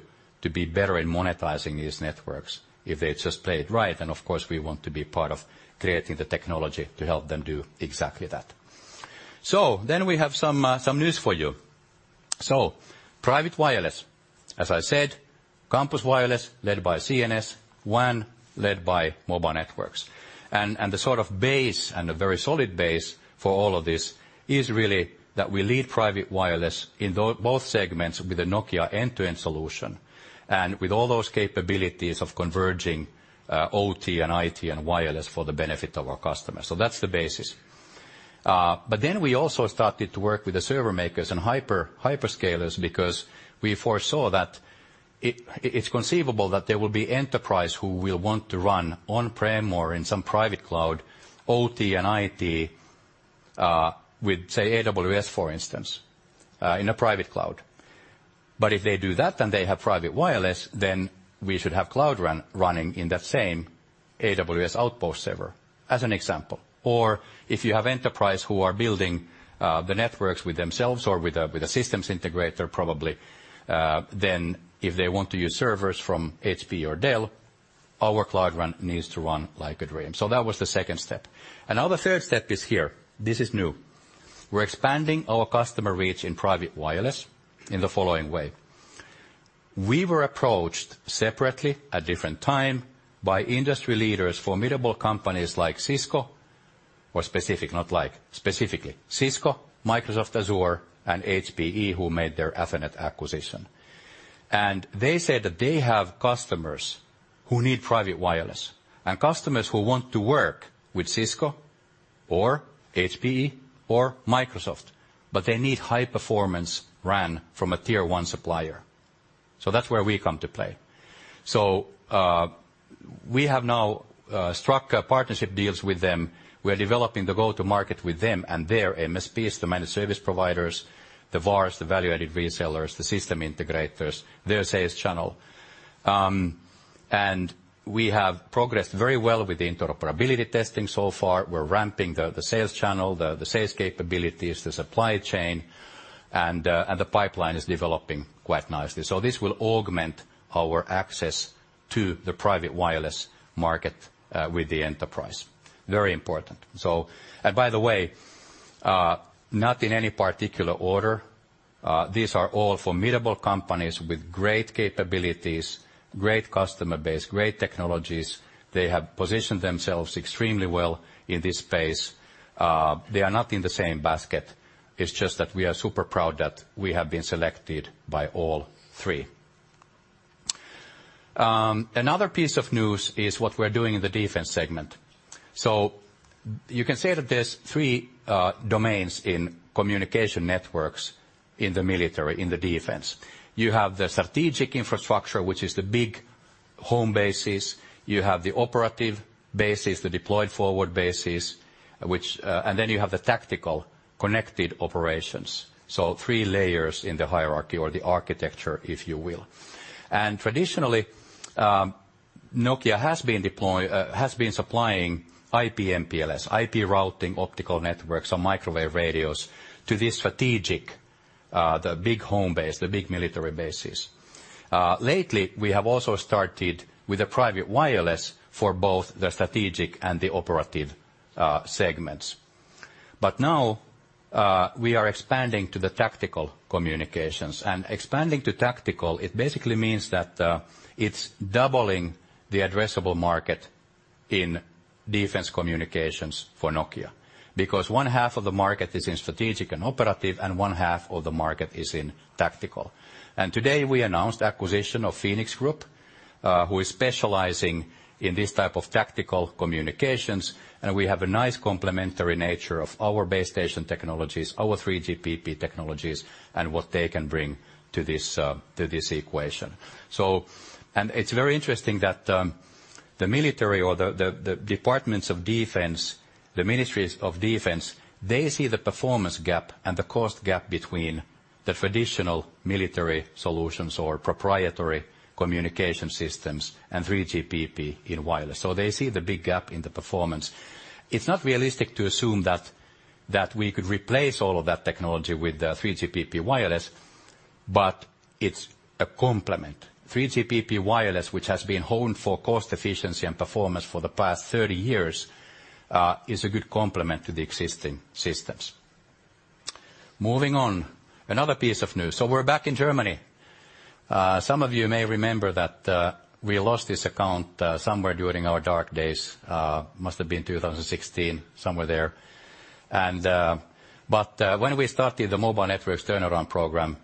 be better in monetizing these networks if they just play it right. Of course, we want to be part of creating the technology to help them do exactly that. So then we have some news for you. So private wireless, as I said, campus wireless led by CNS, WAN led by mobile networks. And the sort of base and a very solid base for all of this is really that we lead private wireless in both segments with the Nokia end-to-end solution and with all those capabilities of converging OT and IT and wireless for the benefit of our customers. So that's the basis. But then we also started to work with the server makers and hyperscalers because we foresaw that it's conceivable that there will be enterprise who will want to run on-prem or in some private cloud, OT and IT with, say, AWS, for instance, in a private cloud. But if they do that and they have private wireless, then we should have Cloud RAN running in that same AWS Outpost server, as an example. Or if you have enterprise who are building the networks with themselves or with a systems integrator, probably, then if they want to use servers from HP or Dell, our Cloud RAN needs to run like a dream. So that was the second step. And now the third step is here. This is new. We're expanding our customer reach in private wireless in the following way. We were approached separately at different time by industry leaders, formidable companies like Cisco, or specific, not like, specifically, Cisco, Microsoft Azure, and HPE, who made their Athonet acquisition. They said that they have customers who need private wireless and customers who want to work with Cisco or HPE or Microsoft, but they need high performance RAN from a tier one supplier. So that's where we come to play. So we have now struck partnership deals with them. We are developing the go-to-market with them and their MSPs, the managed service providers, the VARs, the value-added resellers, the system integrators, their sales channel. And we have progressed very well with the interoperability testing so far. We're ramping the sales channel, the sales capabilities, the supply chain, and the pipeline is developing quite nicely. So this will augment our access to the private wireless market with the enterprise. Very important. And by the way, not in any particular order. These are all formidable companies with great capabilities, great customer base, great technologies. They have positioned themselves extremely well in this space. They are not in the same basket. It's just that we are super proud that we have been selected by all three. Another piece of news is what we're doing in the defense segment. So you can say that there's three domains in communication networks in the military, in the defense. You have the strategic infrastructure, which is the big home bases. You have the operative bases, the deployed forward bases, and then you have the tactical connected operations. So three layers in the hierarchy or the architecture, if you will. And traditionally, Nokia has been supplying IP MPLS, IP routing, optical networks, and microwave radios to this strategic, the big home base, the big military bases. Lately, we have also started with the private wireless for both the strategic and the operative segments. Now we are expanding to the tactical communications. Expanding to tactical, it basically means that it's doubling the addressable market in defense communications for Nokia because one half of the market is in strategic and operative, and one half of the market is in tactical. Today we announced acquisition of Fenix Group, who is specializing in this type of tactical communications. We have a nice complementary nature of our base station technologies, our 3GPP technologies, and what they can bring to this equation. It's very interesting that the military or the departments of defense, the ministries of defense, they see the performance gap and the cost gap between the traditional military solutions or proprietary communication systems and 3GPP in wireless. So they see the big gap in the performance. It's not realistic to assume that we could replace all of that technology with the 3GPP wireless, but it's a complement. 3GPP wireless, which has been honed for cost efficiency and performance for the past 30 years, is a good complement to the existing systems. Moving on, another piece of news. So we're back in Germany. Some of you may remember that we lost this account somewhere during our dark days. Must have been 2016, somewhere there. But when we started the mobile networks turnaround program,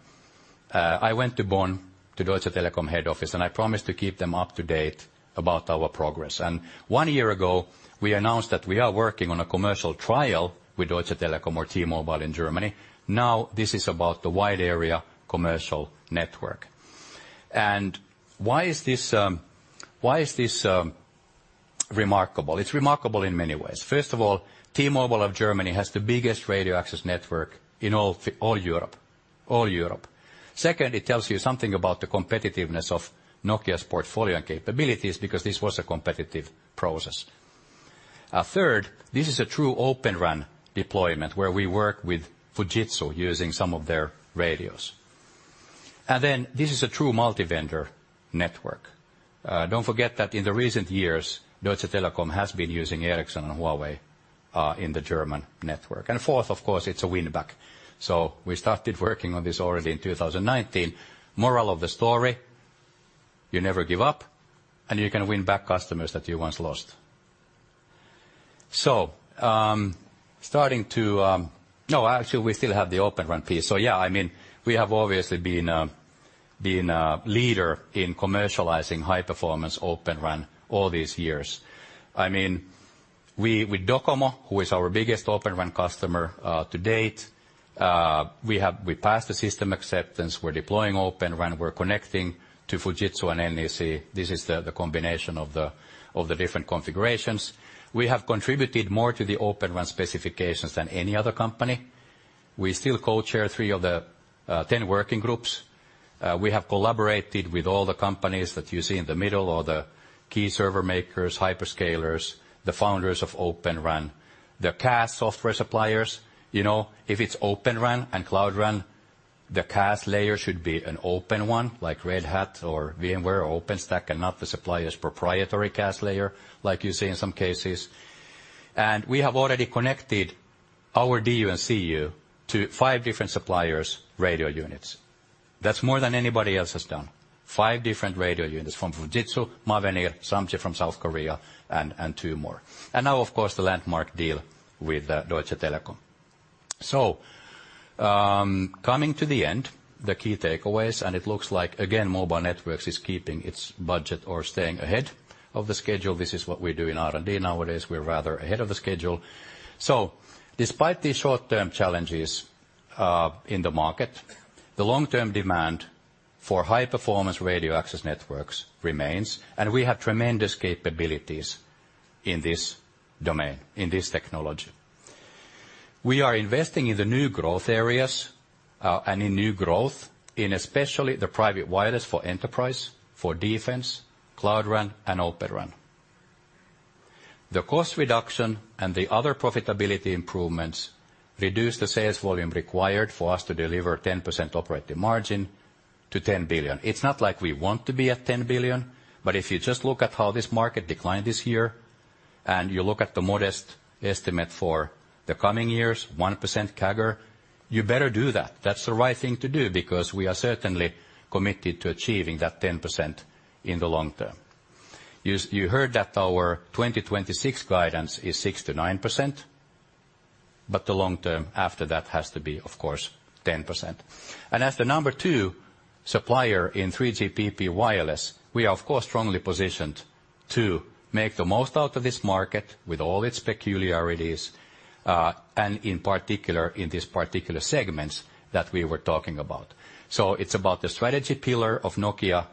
I went to Bonn, to Deutsche Telekom head office, and I promised to keep them up to date about our progress. And one year ago, we announced that we are working on a commercial trial with Deutsche Telekom or T-Mobile in Germany. Now this is about the wide area commercial network. And why is this remarkable? It's remarkable in many ways. First of all, T-Mobile of Germany has the biggest radio access network in all Europe. Second, it tells you something about the competitiveness of Nokia's portfolio and capabilities because this was a competitive process. Third, this is a true Open RAN deployment where we work with Fujitsu using some of their radios. And then this is a true multi-vendor network. Don't forget that in the recent years, Deutsche Telekom has been using Ericsson and Huawei in the German network. And fourth, of course, it's a win back. So we started working on this already in 2019. Moral of the story, you never give up, and you can win back customers that you once lost. So starting, no, actually, we still have the Open RAN piece. So yeah, I mean, we have obviously been a leader in commercializing high performance Open RAN all these years. I mean, with Docomo, who is our biggest Open RAN customer to date, we passed the system acceptance. We're deploying Open RAN. We're connecting to Fujitsu and NEC. This is the combination of the different configurations. We have contributed more to the Open RAN specifications than any other company. We still co-chair three of the 10 working groups. We have collaborated with all the companies that you see in the middle or the key server makers, hyperscalers, the founders of Open RAN, the CaaS software suppliers. If it's Open RAN and Cloud RAN, the CaaS layer should be an open one like Red Hat or VMware or OpenStack and not the supplier's proprietary CaaS layer, like you see in some cases. And we have already connected our DU and CU to five different suppliers' radio units. That's more than anybody else has done, five different radio units from Fujitsu, Mavenir, Samji from South Korea, and two more. And now, of course, the landmark deal with Deutsche Telekom. So coming to the end, the key takeaways, and it looks like, again, Mobile Networks is keeping its budget or staying ahead of the schedule. This is what we do in R&D nowadays. We're rather ahead of the schedule. So despite these short-term challenges in the market, the long-term demand for high performance radio access networks remains, and we have tremendous capabilities in this domain, in this technology. We are investing in the new growth areas and in new growth, especially the private wireless for enterprise, for defense, Cloud RAN, and Open RAN. The cost reduction and the other profitability improvements reduce the sales volume required for us to deliver 10% operating margin to 10 billion. It's not like we want to be at 10 billion, but if you just look at how this market declined this year and you look at the modest estimate for the coming years, 1% CAGR, you better do that. That's the right thing to do because we are certainly committed to achieving that 10% in the long term. You heard that our 2026 guidance is 6%-9%, but the long term after that has to be, of course, 10%. And as the number two supplier in 3GPP wireless, we are, of course, strongly positioned to make the most out of this market with all its peculiarities and in particular in these particular segments that we were talking about. So it's about the strategy pillar of Nokia,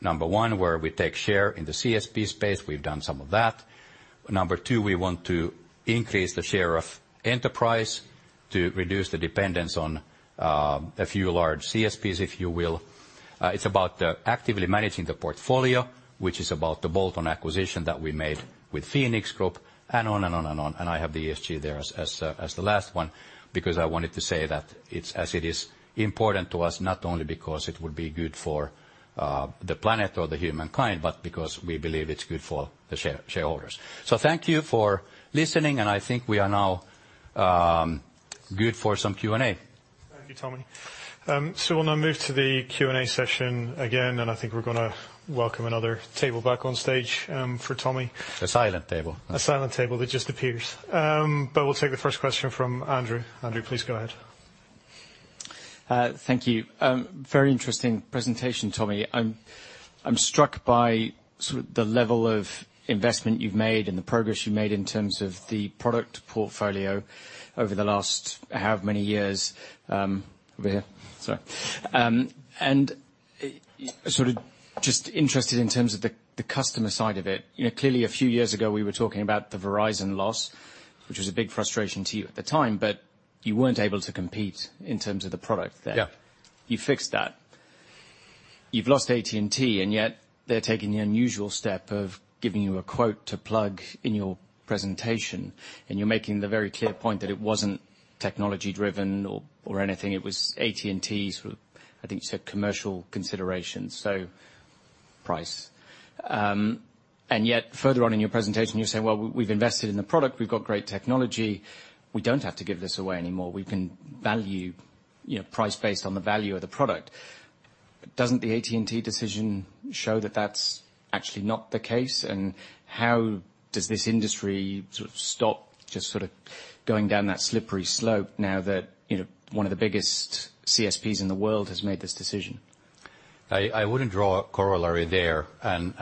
number one, where we take share in the CSP space. We've done some of that. Number two, we want to increase the share of enterprise to reduce the dependence on a few large CSPs, if you will. It's about actively managing the portfolio, which is about the Bolton acquisition that we made with Fenix Group and on and on and on. And I have the ESG there as the last one because I wanted to say that it's as it is important to us, not only because it would be good for the planet or the humankind, but because we believe it's good for the shareholders. So thank you for listening, and I think we are now good for some Q&A. Thank you, Tommi. So we'll now move to the Q&A session again, and I think we're going to welcome another table back on stage for Tommi. A silent table. A silent table that just appears. But we'll take the first question from Andrew. Andrew, please go ahead. Thank you. Very interesting presentation, Tommi. I'm struck by sort of the level of investment you've made and the progress you've made in terms of the product portfolio over the last how many years over here. Sorry. And sort of just interested in terms of the customer side of it. Clearly, a few years ago, we were talking about the Verizon loss, which was a big frustration to you at the time, but you weren't able to compete in terms of the product there. You fixed that. You've lost AT&T, and yet they're taking the unusual step of giving you a quote to plug in your presentation, and you're making the very clear point that it wasn't technology-driven or anything. It was AT&T's sort of, I think you said, commercial considerations. So price. And yet, further on in your presentation, you're saying, "Well, we've invested in the product. We've got great technology. We don't have to give this away anymore. We can value price based on the value of the product." Doesn't the AT&T decision show that that's actually not the case? And how does this industry sort of stop just sort of going down that slippery slope now that one of the biggest CSPs in the world has made this decision? I wouldn't draw a corollary there. And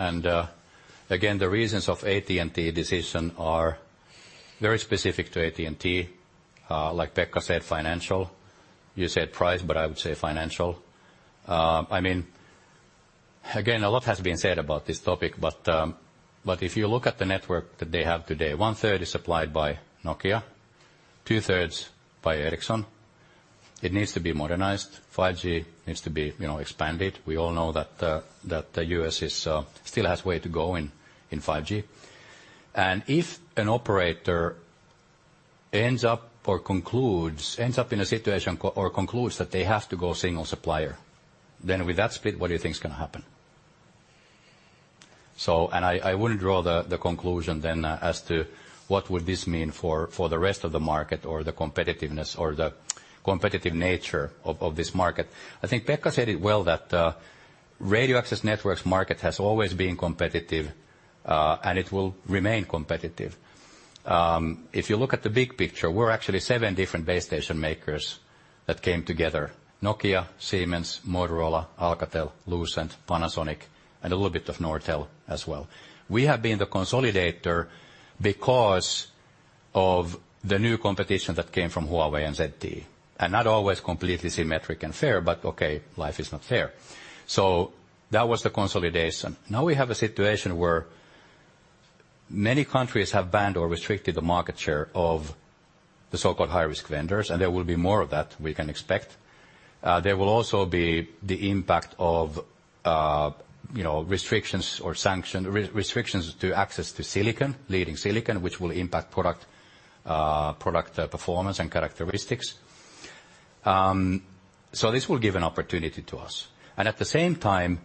again, the reasons of AT&T decision are very specific to AT&T. Like Pekka said, financial. You said price, but I would say financial. I mean, again, a lot has been said about this topic, but if you look at the network that they have today, one third is supplied by Nokia, two thirds by Ericsson. It needs to be modernized. 5G needs to be expanded. We all know that the U.S. still has way to go in 5G. And if an operator ends up or concludes ends up in a situation or concludes that they have to go single supplier, then with that split, what do you think is going to happen? And I wouldn't draw the conclusion then as to what would this mean for the rest of the market or the competitiveness or the competitive nature of this market. I think Pekka said it well, that radio access networks market has always been competitive, and it will remain competitive. If you look at the big picture, we're actually seven different base station makers that came together: Nokia, Siemens, Motorola, Alcatel, Lucent, Panasonic, and a little bit of Nortel as well. We have been the consolidator because of the new competition that came from Huawei and ZTE. And not always completely symmetric and fair, but okay, life is not fair. So that was the consolidation. Now we have a situation where many countries have banned or restricted the market share of the so-called high-risk vendors, and there will be more of that we can expect. There will also be the impact of restrictions or sanctions restrictions to access to silicon, leading silicon, which will impact product performance and characteristics. So this will give an opportunity to us. And at the same time,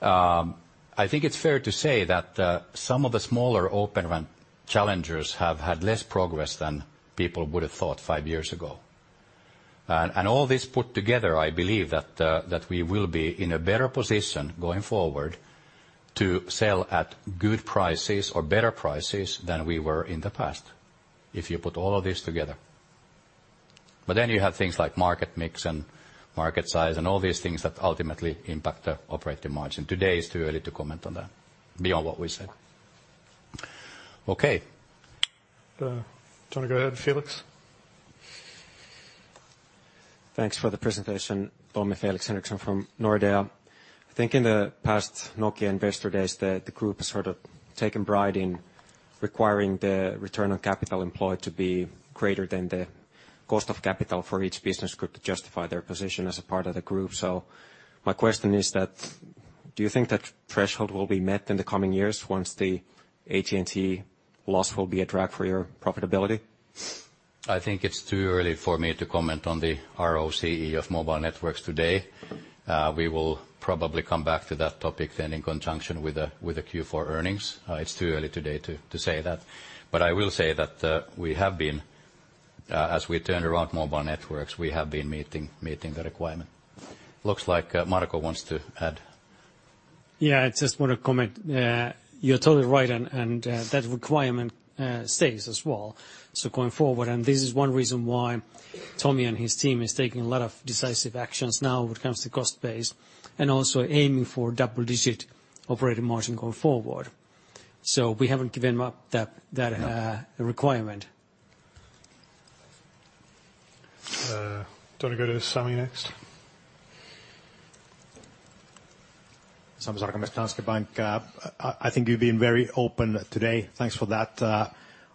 I think it's fair to say that some of the smaller Open RAN challengers have had less progress than people would have thought five years ago. And all this put together, I believe that we will be in a better position going forward to sell at good prices or better prices than we were in the past if you put all of this together. But then you have things like market mix and market size and all these things that ultimately impact the operating margin. Today is too early to comment on that beyond what we said. Okay. Do you want to go ahead, Felix? Thanks for the presentation, Tommi. Felix Henriksson from Nordea. I think in the past Nokia investor days, the group has sort of taken pride in requiring the return on capital employed to be greater than the cost of capital for each business group to justify their position as a part of the group. So my question is that do you think that threshold will be met in the coming years once the AT&T loss will be a drag for your profitability? I think it's too early for me to comment on the ROCE of mobile networks today. We will probably come back to that topic then in conjunction with the Q4 earnings. It's too early today to say that. But I will say that we have been, as we turned around Mobile Networks, we have been meeting the requirement. Looks like Marco wants to add. Yeah, I just want to comment. You're totally right, and that requirement stays as well. So going forward, and this is one reason why Tommi and his team is taking a lot of decisive actions now when it comes to cost base and also aiming for double-digit operating margin going forward. So we haven't given up that requirement. Do you want to go to Sami next? Sami Sarkamies, Danske Bank. I think you've been very open today. Thanks for that.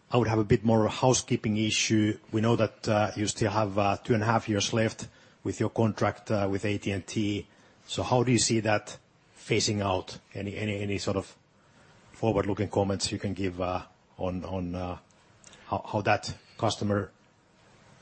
I would have a bit more of a housekeeping issue. We know that you still have 2.5 years left with your contract with AT&T. So how do you see that playing out? Any sort of forward-looking comments you can give on how that customer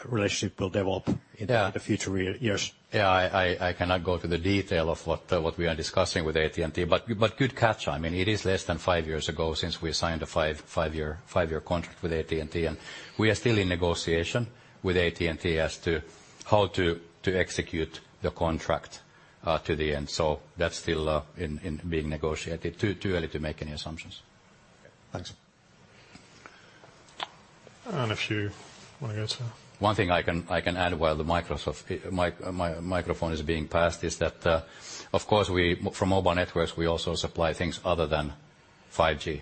relationship will develop in the future years? Yeah, I cannot go to the detail of what we are discussing with AT&T, but good catch. I mean, it is less than five years ago since we signed a five-year contract with AT&T, and we are still in negotiation with AT&T as to how to execute the contract to the end. So that's still being negotiated. Too early to make any assumptions. Thanks. And if you want to go to. One thing I can add while the microphone is being passed is that, of course, for mobile networks, we also supply things other than 5G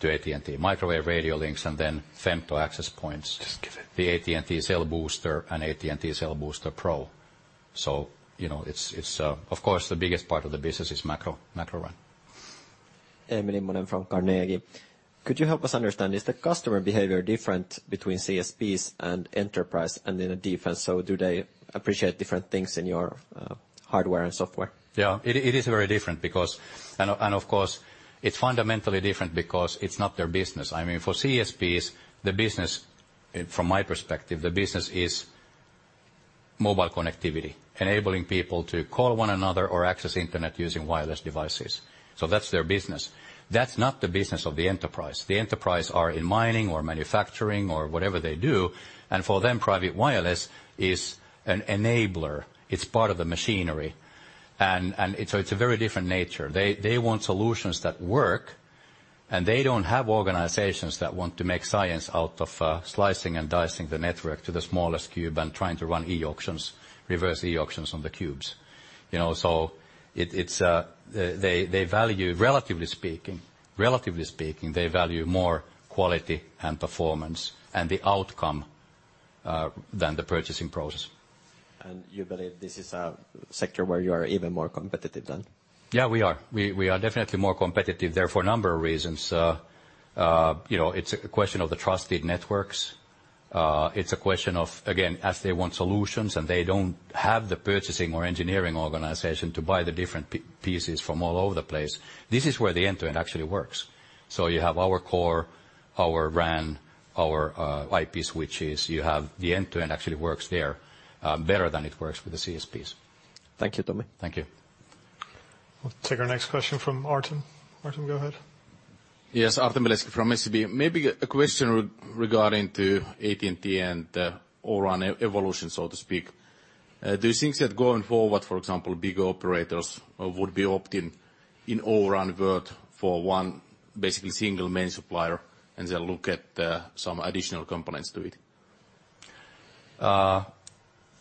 to AT&T: microwave radio links and then femto access points, the AT&T Cell Booster and AT&T Cell Booster Pro. So it's, of course, the biggest part of the business is macro RAN. Hey, minun nimeni on Frank Karniemäki. Could you help us understand, is the customer behavior different between CSPs and enterprise and in defense? So do they appreciate different things in your hardware and software? Yeah, it is very different because and, of course, it's fundamentally different because it's not their business. I mean, for CSPs, the business, from my perspective, the business is mobile connectivity, enabling people to call one another or access internet using wireless devices. So that's their business. That's not the business of the enterprise. The enterprise are in mining or manufacturing or whatever they do. And for them, private wireless is an enabler. It's part of the machinery. And so it's a very different nature. They want solutions that work, and they don't have organizations that want to make science out of slicing and dicing the network to the smallest cube and trying to run eAuctions, reverse eAuctions on the cubes. So they value, relatively speaking, relatively speaking, they value more quality and performance and the outcome than the purchasing process. And you believe this is a sector where you are even more competitive than? Yeah, we are. We are definitely more competitive there for a number of reasons. It's a question of the trusted networks. It's a question of, again, as they want solutions and they don't have the purchasing or engineering organization to buy the different pieces from all over the place, this is where the end-to-end actually works. So you have our core, our RAN, our IP switches. You have the end-to-end actually works there better than it works with the CSPs. Thank you, Tommi. Thank you. We'll take our next question from Artem. Artem, go ahead. Yes, Artem Beletski from SEB. Maybe a question regarding to AT&T and the O-RAN evolution, so to speak. Do you think that going forward, for example, bigger operators would be opting in O-RAN world for one, basically single main supplier, and they'll look at some additional components to it?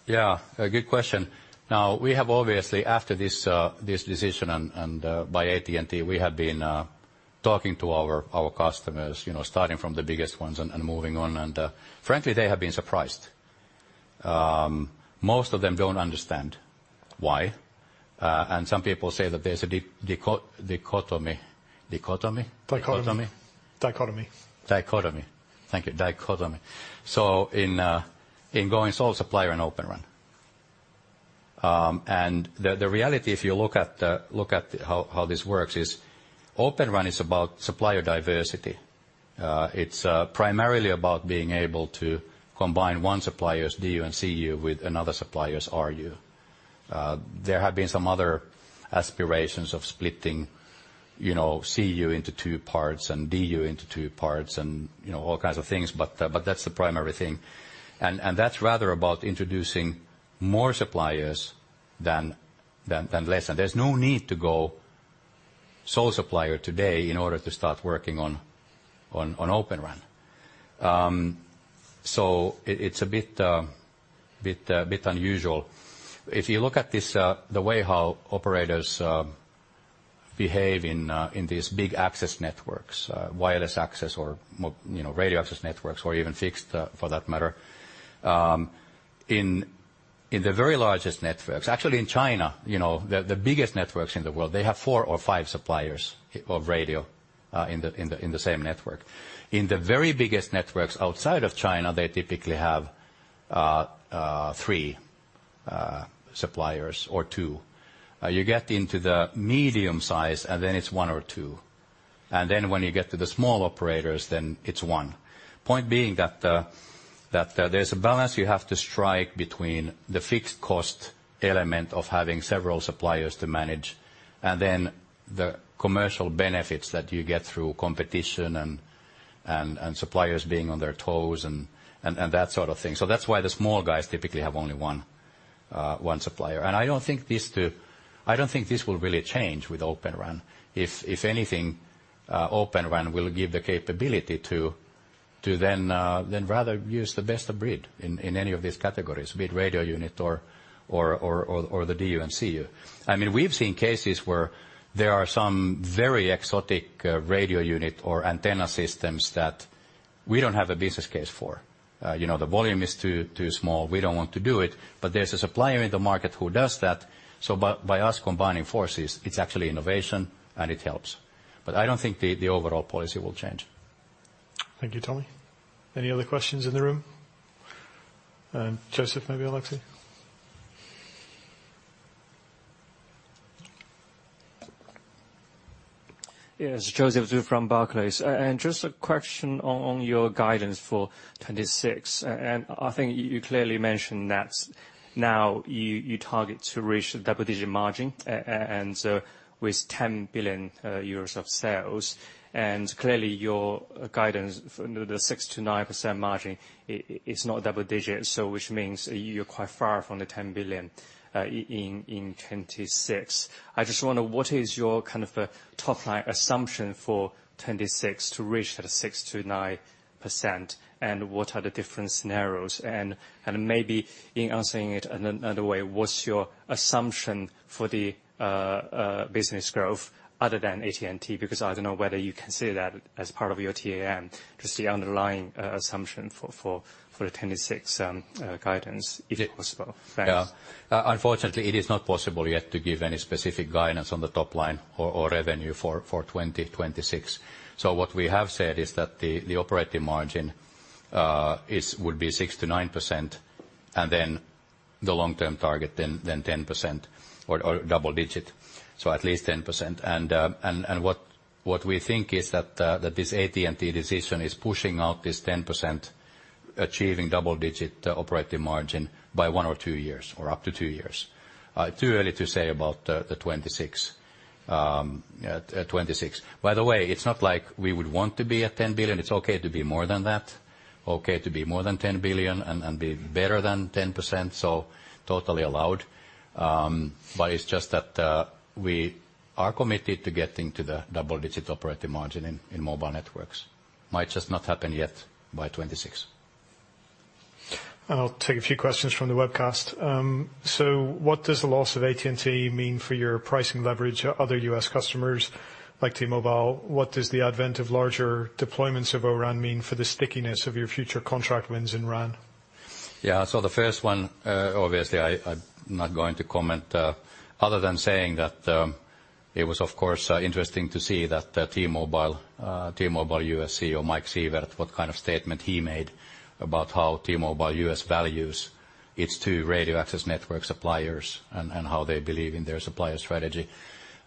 Yeah, good question. Now, we have obviously, after this decision by AT&T, we have been talking to our customers, starting from the biggest ones and moving on. And frankly, they have been surprised. Most of them don't understand why. Some people say that there's a dichotomy. Dichotomy? Dichotomy. Dichotomy. Dichotomy. Thank you. Dichotomy. So in going sole supplier and Open RAN. The reality, if you look at how this works, is Open RAN is about supplier diversity. It's primarily about being able to combine one supplier's DU and CU with another supplier's RU. There have been some other aspirations of splitting CU into two parts and DU into two parts and all kinds of things, but that's the primary thing. That's rather about introducing more suppliers than less. There's no need to go sole supplier today in order to start working on Open RAN. So it's a bit unusual. If you look at the way how operators behave in these big access networks, wireless access or radio access networks or even fixed, for that matter, in the very largest networks, actually in China, the biggest networks in the world, they have four or five suppliers of radio in the same network. In the very biggest networks outside of China, they typically have three suppliers or two. You get into the medium size, and then it's one or two. And then when you get to the small operators, then it's one. Point being that there's a balance you have to strike between the fixed cost element of having several suppliers to manage and then the commercial benefits that you get through competition and suppliers being on their toes and that sort of thing. So that's why the small guys typically have only one supplier. And I don't think this will really change with Open RAN. If anything, Open RAN will give the capability to then rather use the best of breed in any of these categories, be it radio unit or the DU and CU. I mean, we've seen cases where there are some very exotic radio unit or antenna systems that we don't have a business case for. The volume is too small. We don't want to do it. But there's a supplier in the market who does that. So by us combining forces, it's actually innovation, and it helps. But I don't think the overall policy will change. Thank you, Tommi. Any other questions in the room? Joseph, maybe, Alexey? Yeah, it's Joseph from Barclays. And just a question on your guidance for 2026. I think you clearly mentioned that now you target to reach double-digit margin with 10 billion euros of sales. Clearly, your guidance, the 6%-9% margin, is not double-digit, which means you're quite far from the 10 billion in 2026. I just wonder, what is your kind of top line assumption for 2026 to reach that 6%-9%, and what are the different scenarios? And maybe in answering it another way, what's your assumption for the business growth other than AT&T? Because I don't know whether you consider that as part of your TAM, just the underlying assumption for the 2026 guidance, if possible. Thanks. Yeah. Unfortunately, it is not possible yet to give any specific guidance on the top line or revenue for 2026. So what we have said is that the operating margin would be 6%-9%, and then the long-term target then 10% or double-digit. So at least 10%. And what we think is that this AT&T decision is pushing out this 10%, achieving double-digit operating margin by one or two years or up to two years. Too early to say about the 2026. By the way, it's not like we would want to be at 10 billion. It's okay to be more than that. Okay to be more than 10 billion and be better than 10%, so totally allowed. But it's just that we are committed to getting to the double-digit operating margin in Mobile Networks. Might just not happen yet by 2026. And I'll take a few questions from the webcast. So what does the loss of AT&T mean for your pricing leverage? Other US customers like T-Mobile, what does the advent of larger deployments of O-RAN mean for the stickiness of your future contract wins in RAN? Yeah, so the first one, obviously, I'm not going to comment other than saying that it was, of course, interesting to see that T-Mobile US CEO, Mike Sievert, what kind of statement he made about how T-Mobile US values its two radio access network suppliers and how they believe in their supplier strategy.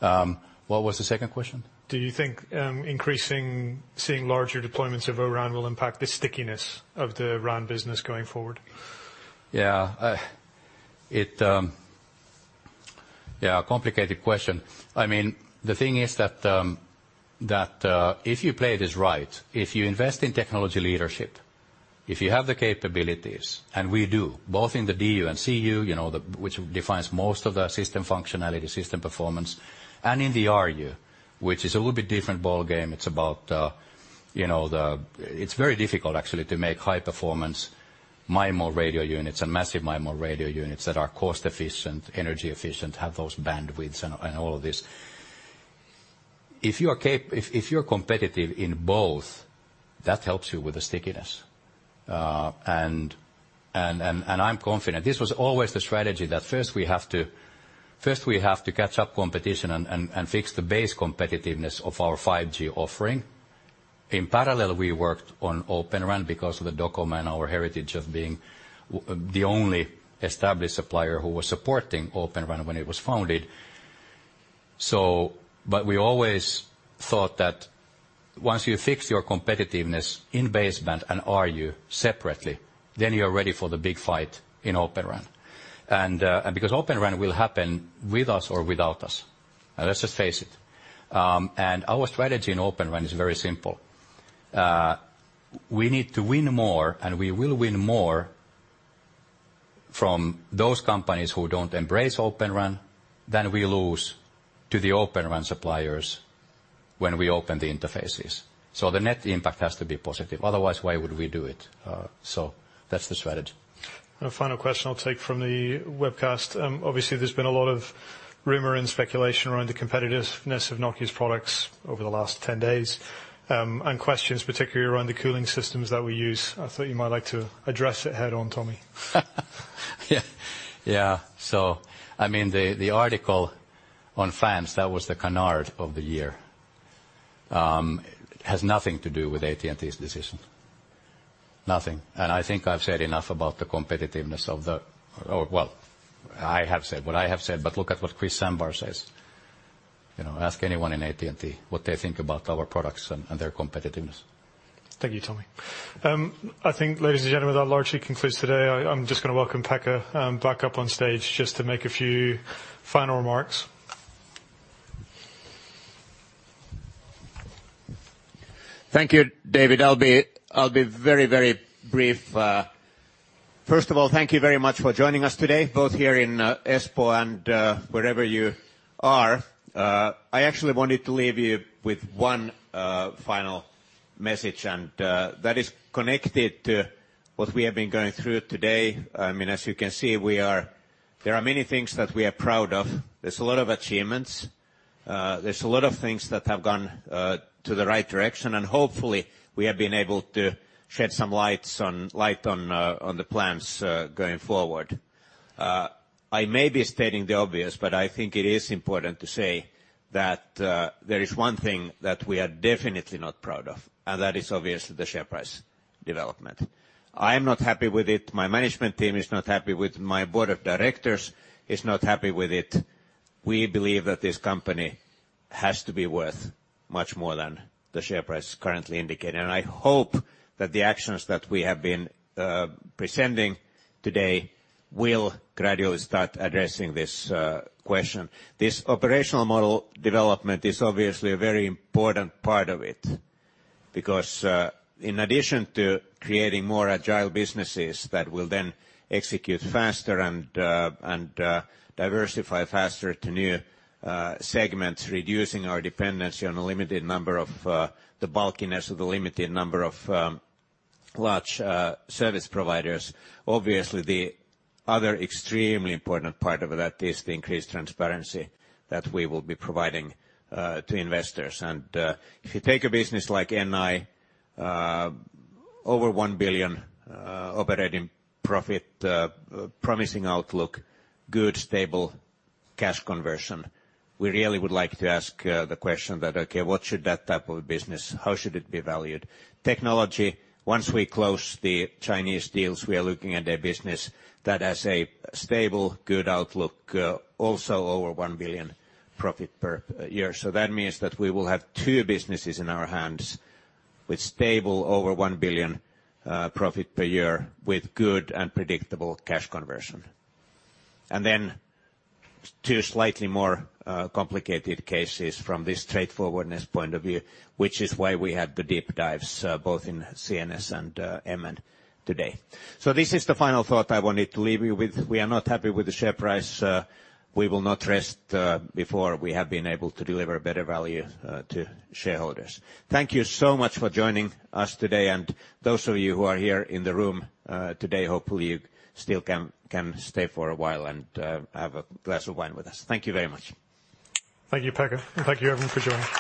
What was the second question? Do you think seeing larger deployments of O-RAN will impact the stickiness of the RAN business going forward? Yeah, complicated question. I mean, the thing is that if you play this right, if you invest in technology leadership, if you have the capabilities, and we do, both in the DU and CU, which defines most of the system functionality, system performance, and in the RU, which is a little bit different ballgame, it's very difficult, actually, to make high-performance MIMO radio units and massive MIMO radio units that are cost-efficient, energy-efficient, have those bandwidths and all of this. If you're competitive in both, that helps you with the stickiness. And I'm confident. This was always the strategy that first we have to catch up competition and fix the base competitiveness of our 5G offering. In parallel, we worked on Open RAN because of the DOCOMO and our heritage of being the only established supplier who was supporting Open RAN when it was founded. But we always thought that once you fix your competitiveness in baseband and RU separately, then you're ready for the big fight in Open RAN. And because Open RAN will happen with us or without us. And let's just face it. And our strategy in Open RAN is very simple. We need to win more, and we will win more from those companies who don't embrace Open RAN than we lose to the Open RAN suppliers when we open the interfaces. So the net impact has to be positive. Otherwise, why would we do it? So that's the strategy. And a final question I'll take from the webcast. Obviously, there's been a lot of rumor and speculation around the competitiveness of Nokia's products over the last 10 days and questions, particularly around the cooling systems that we use. I thought you might like to address it head-on, Tommy. Yeah. Yeah. So I mean, the article on fans, that was the canard of the year. It has nothing to do with AT&T's decision. Nothing. And I think I've said enough about the competitiveness of the well, I have said what I have said. But look at what Chris Sambar says. Ask anyone in AT&T what they think about our products and their competitiveness. Thank you, Tommi. I think, ladies and gentlemen, that largely concludes today. I'm just going to welcome Pekka back up on stage just to make a few final remarks. Thank you, David. I'll be very, very brief. First of all, thank you very much for joining us today, both here in Espoo and wherever you are. I actually wanted to leave you with one final message, and that is connected to what we have been going through today. I mean, as you can see, there are many things that we are proud of. There's a lot of achievements. There's a lot of things that have gone to the right direction. Hopefully, we have been able to shed some light on the plans going forward. I may be stating the obvious, but I think it is important to say that there is one thing that we are definitely not proud of, and that is obviously the share price development. I am not happy with it. My management team is not happy with it. My board of directors is not happy with it. We believe that this company has to be worth much more than the share price is currently indicating. I hope that the actions that we have been presenting today will gradually start addressing this question. This operational model development is obviously a very important part of it because, in addition to creating more agile businesses that will then execute faster and diversify faster to new segments, reducing our dependency on a limited number of the bulkiness of the limited number of large service providers, obviously, the other extremely important part of that is the increased transparency that we will be providing to investors. And if you take a business like NI, over EUR 1 billion operating profit, promising outlook, good, stable cash conversion, we really would like to ask the question that, okay, what should that type of business how should it be valued? Technology, once we close the Chinese deals, we are looking at their business that has a stable, good outlook, also over 1 billion profit per year. So that means that we will have two businesses in our hands with stable, over €1 billion profit per year, with good and predictable cash conversion. And then two slightly more complicated cases from this straightforwardness point of view, which is why we had the deep dives both in CNS and MN today. So this is the final thought I wanted to leave you with. We are not happy with the share price. We will not rest before we have been able to deliver better value to shareholders. Thank you so much for joining us today. And those of you who are here in the room today, hopefully, you still can stay for a while and have a glass of wine with us. Thank you very much. Thank you, Pekka. And thank you, David, for joining.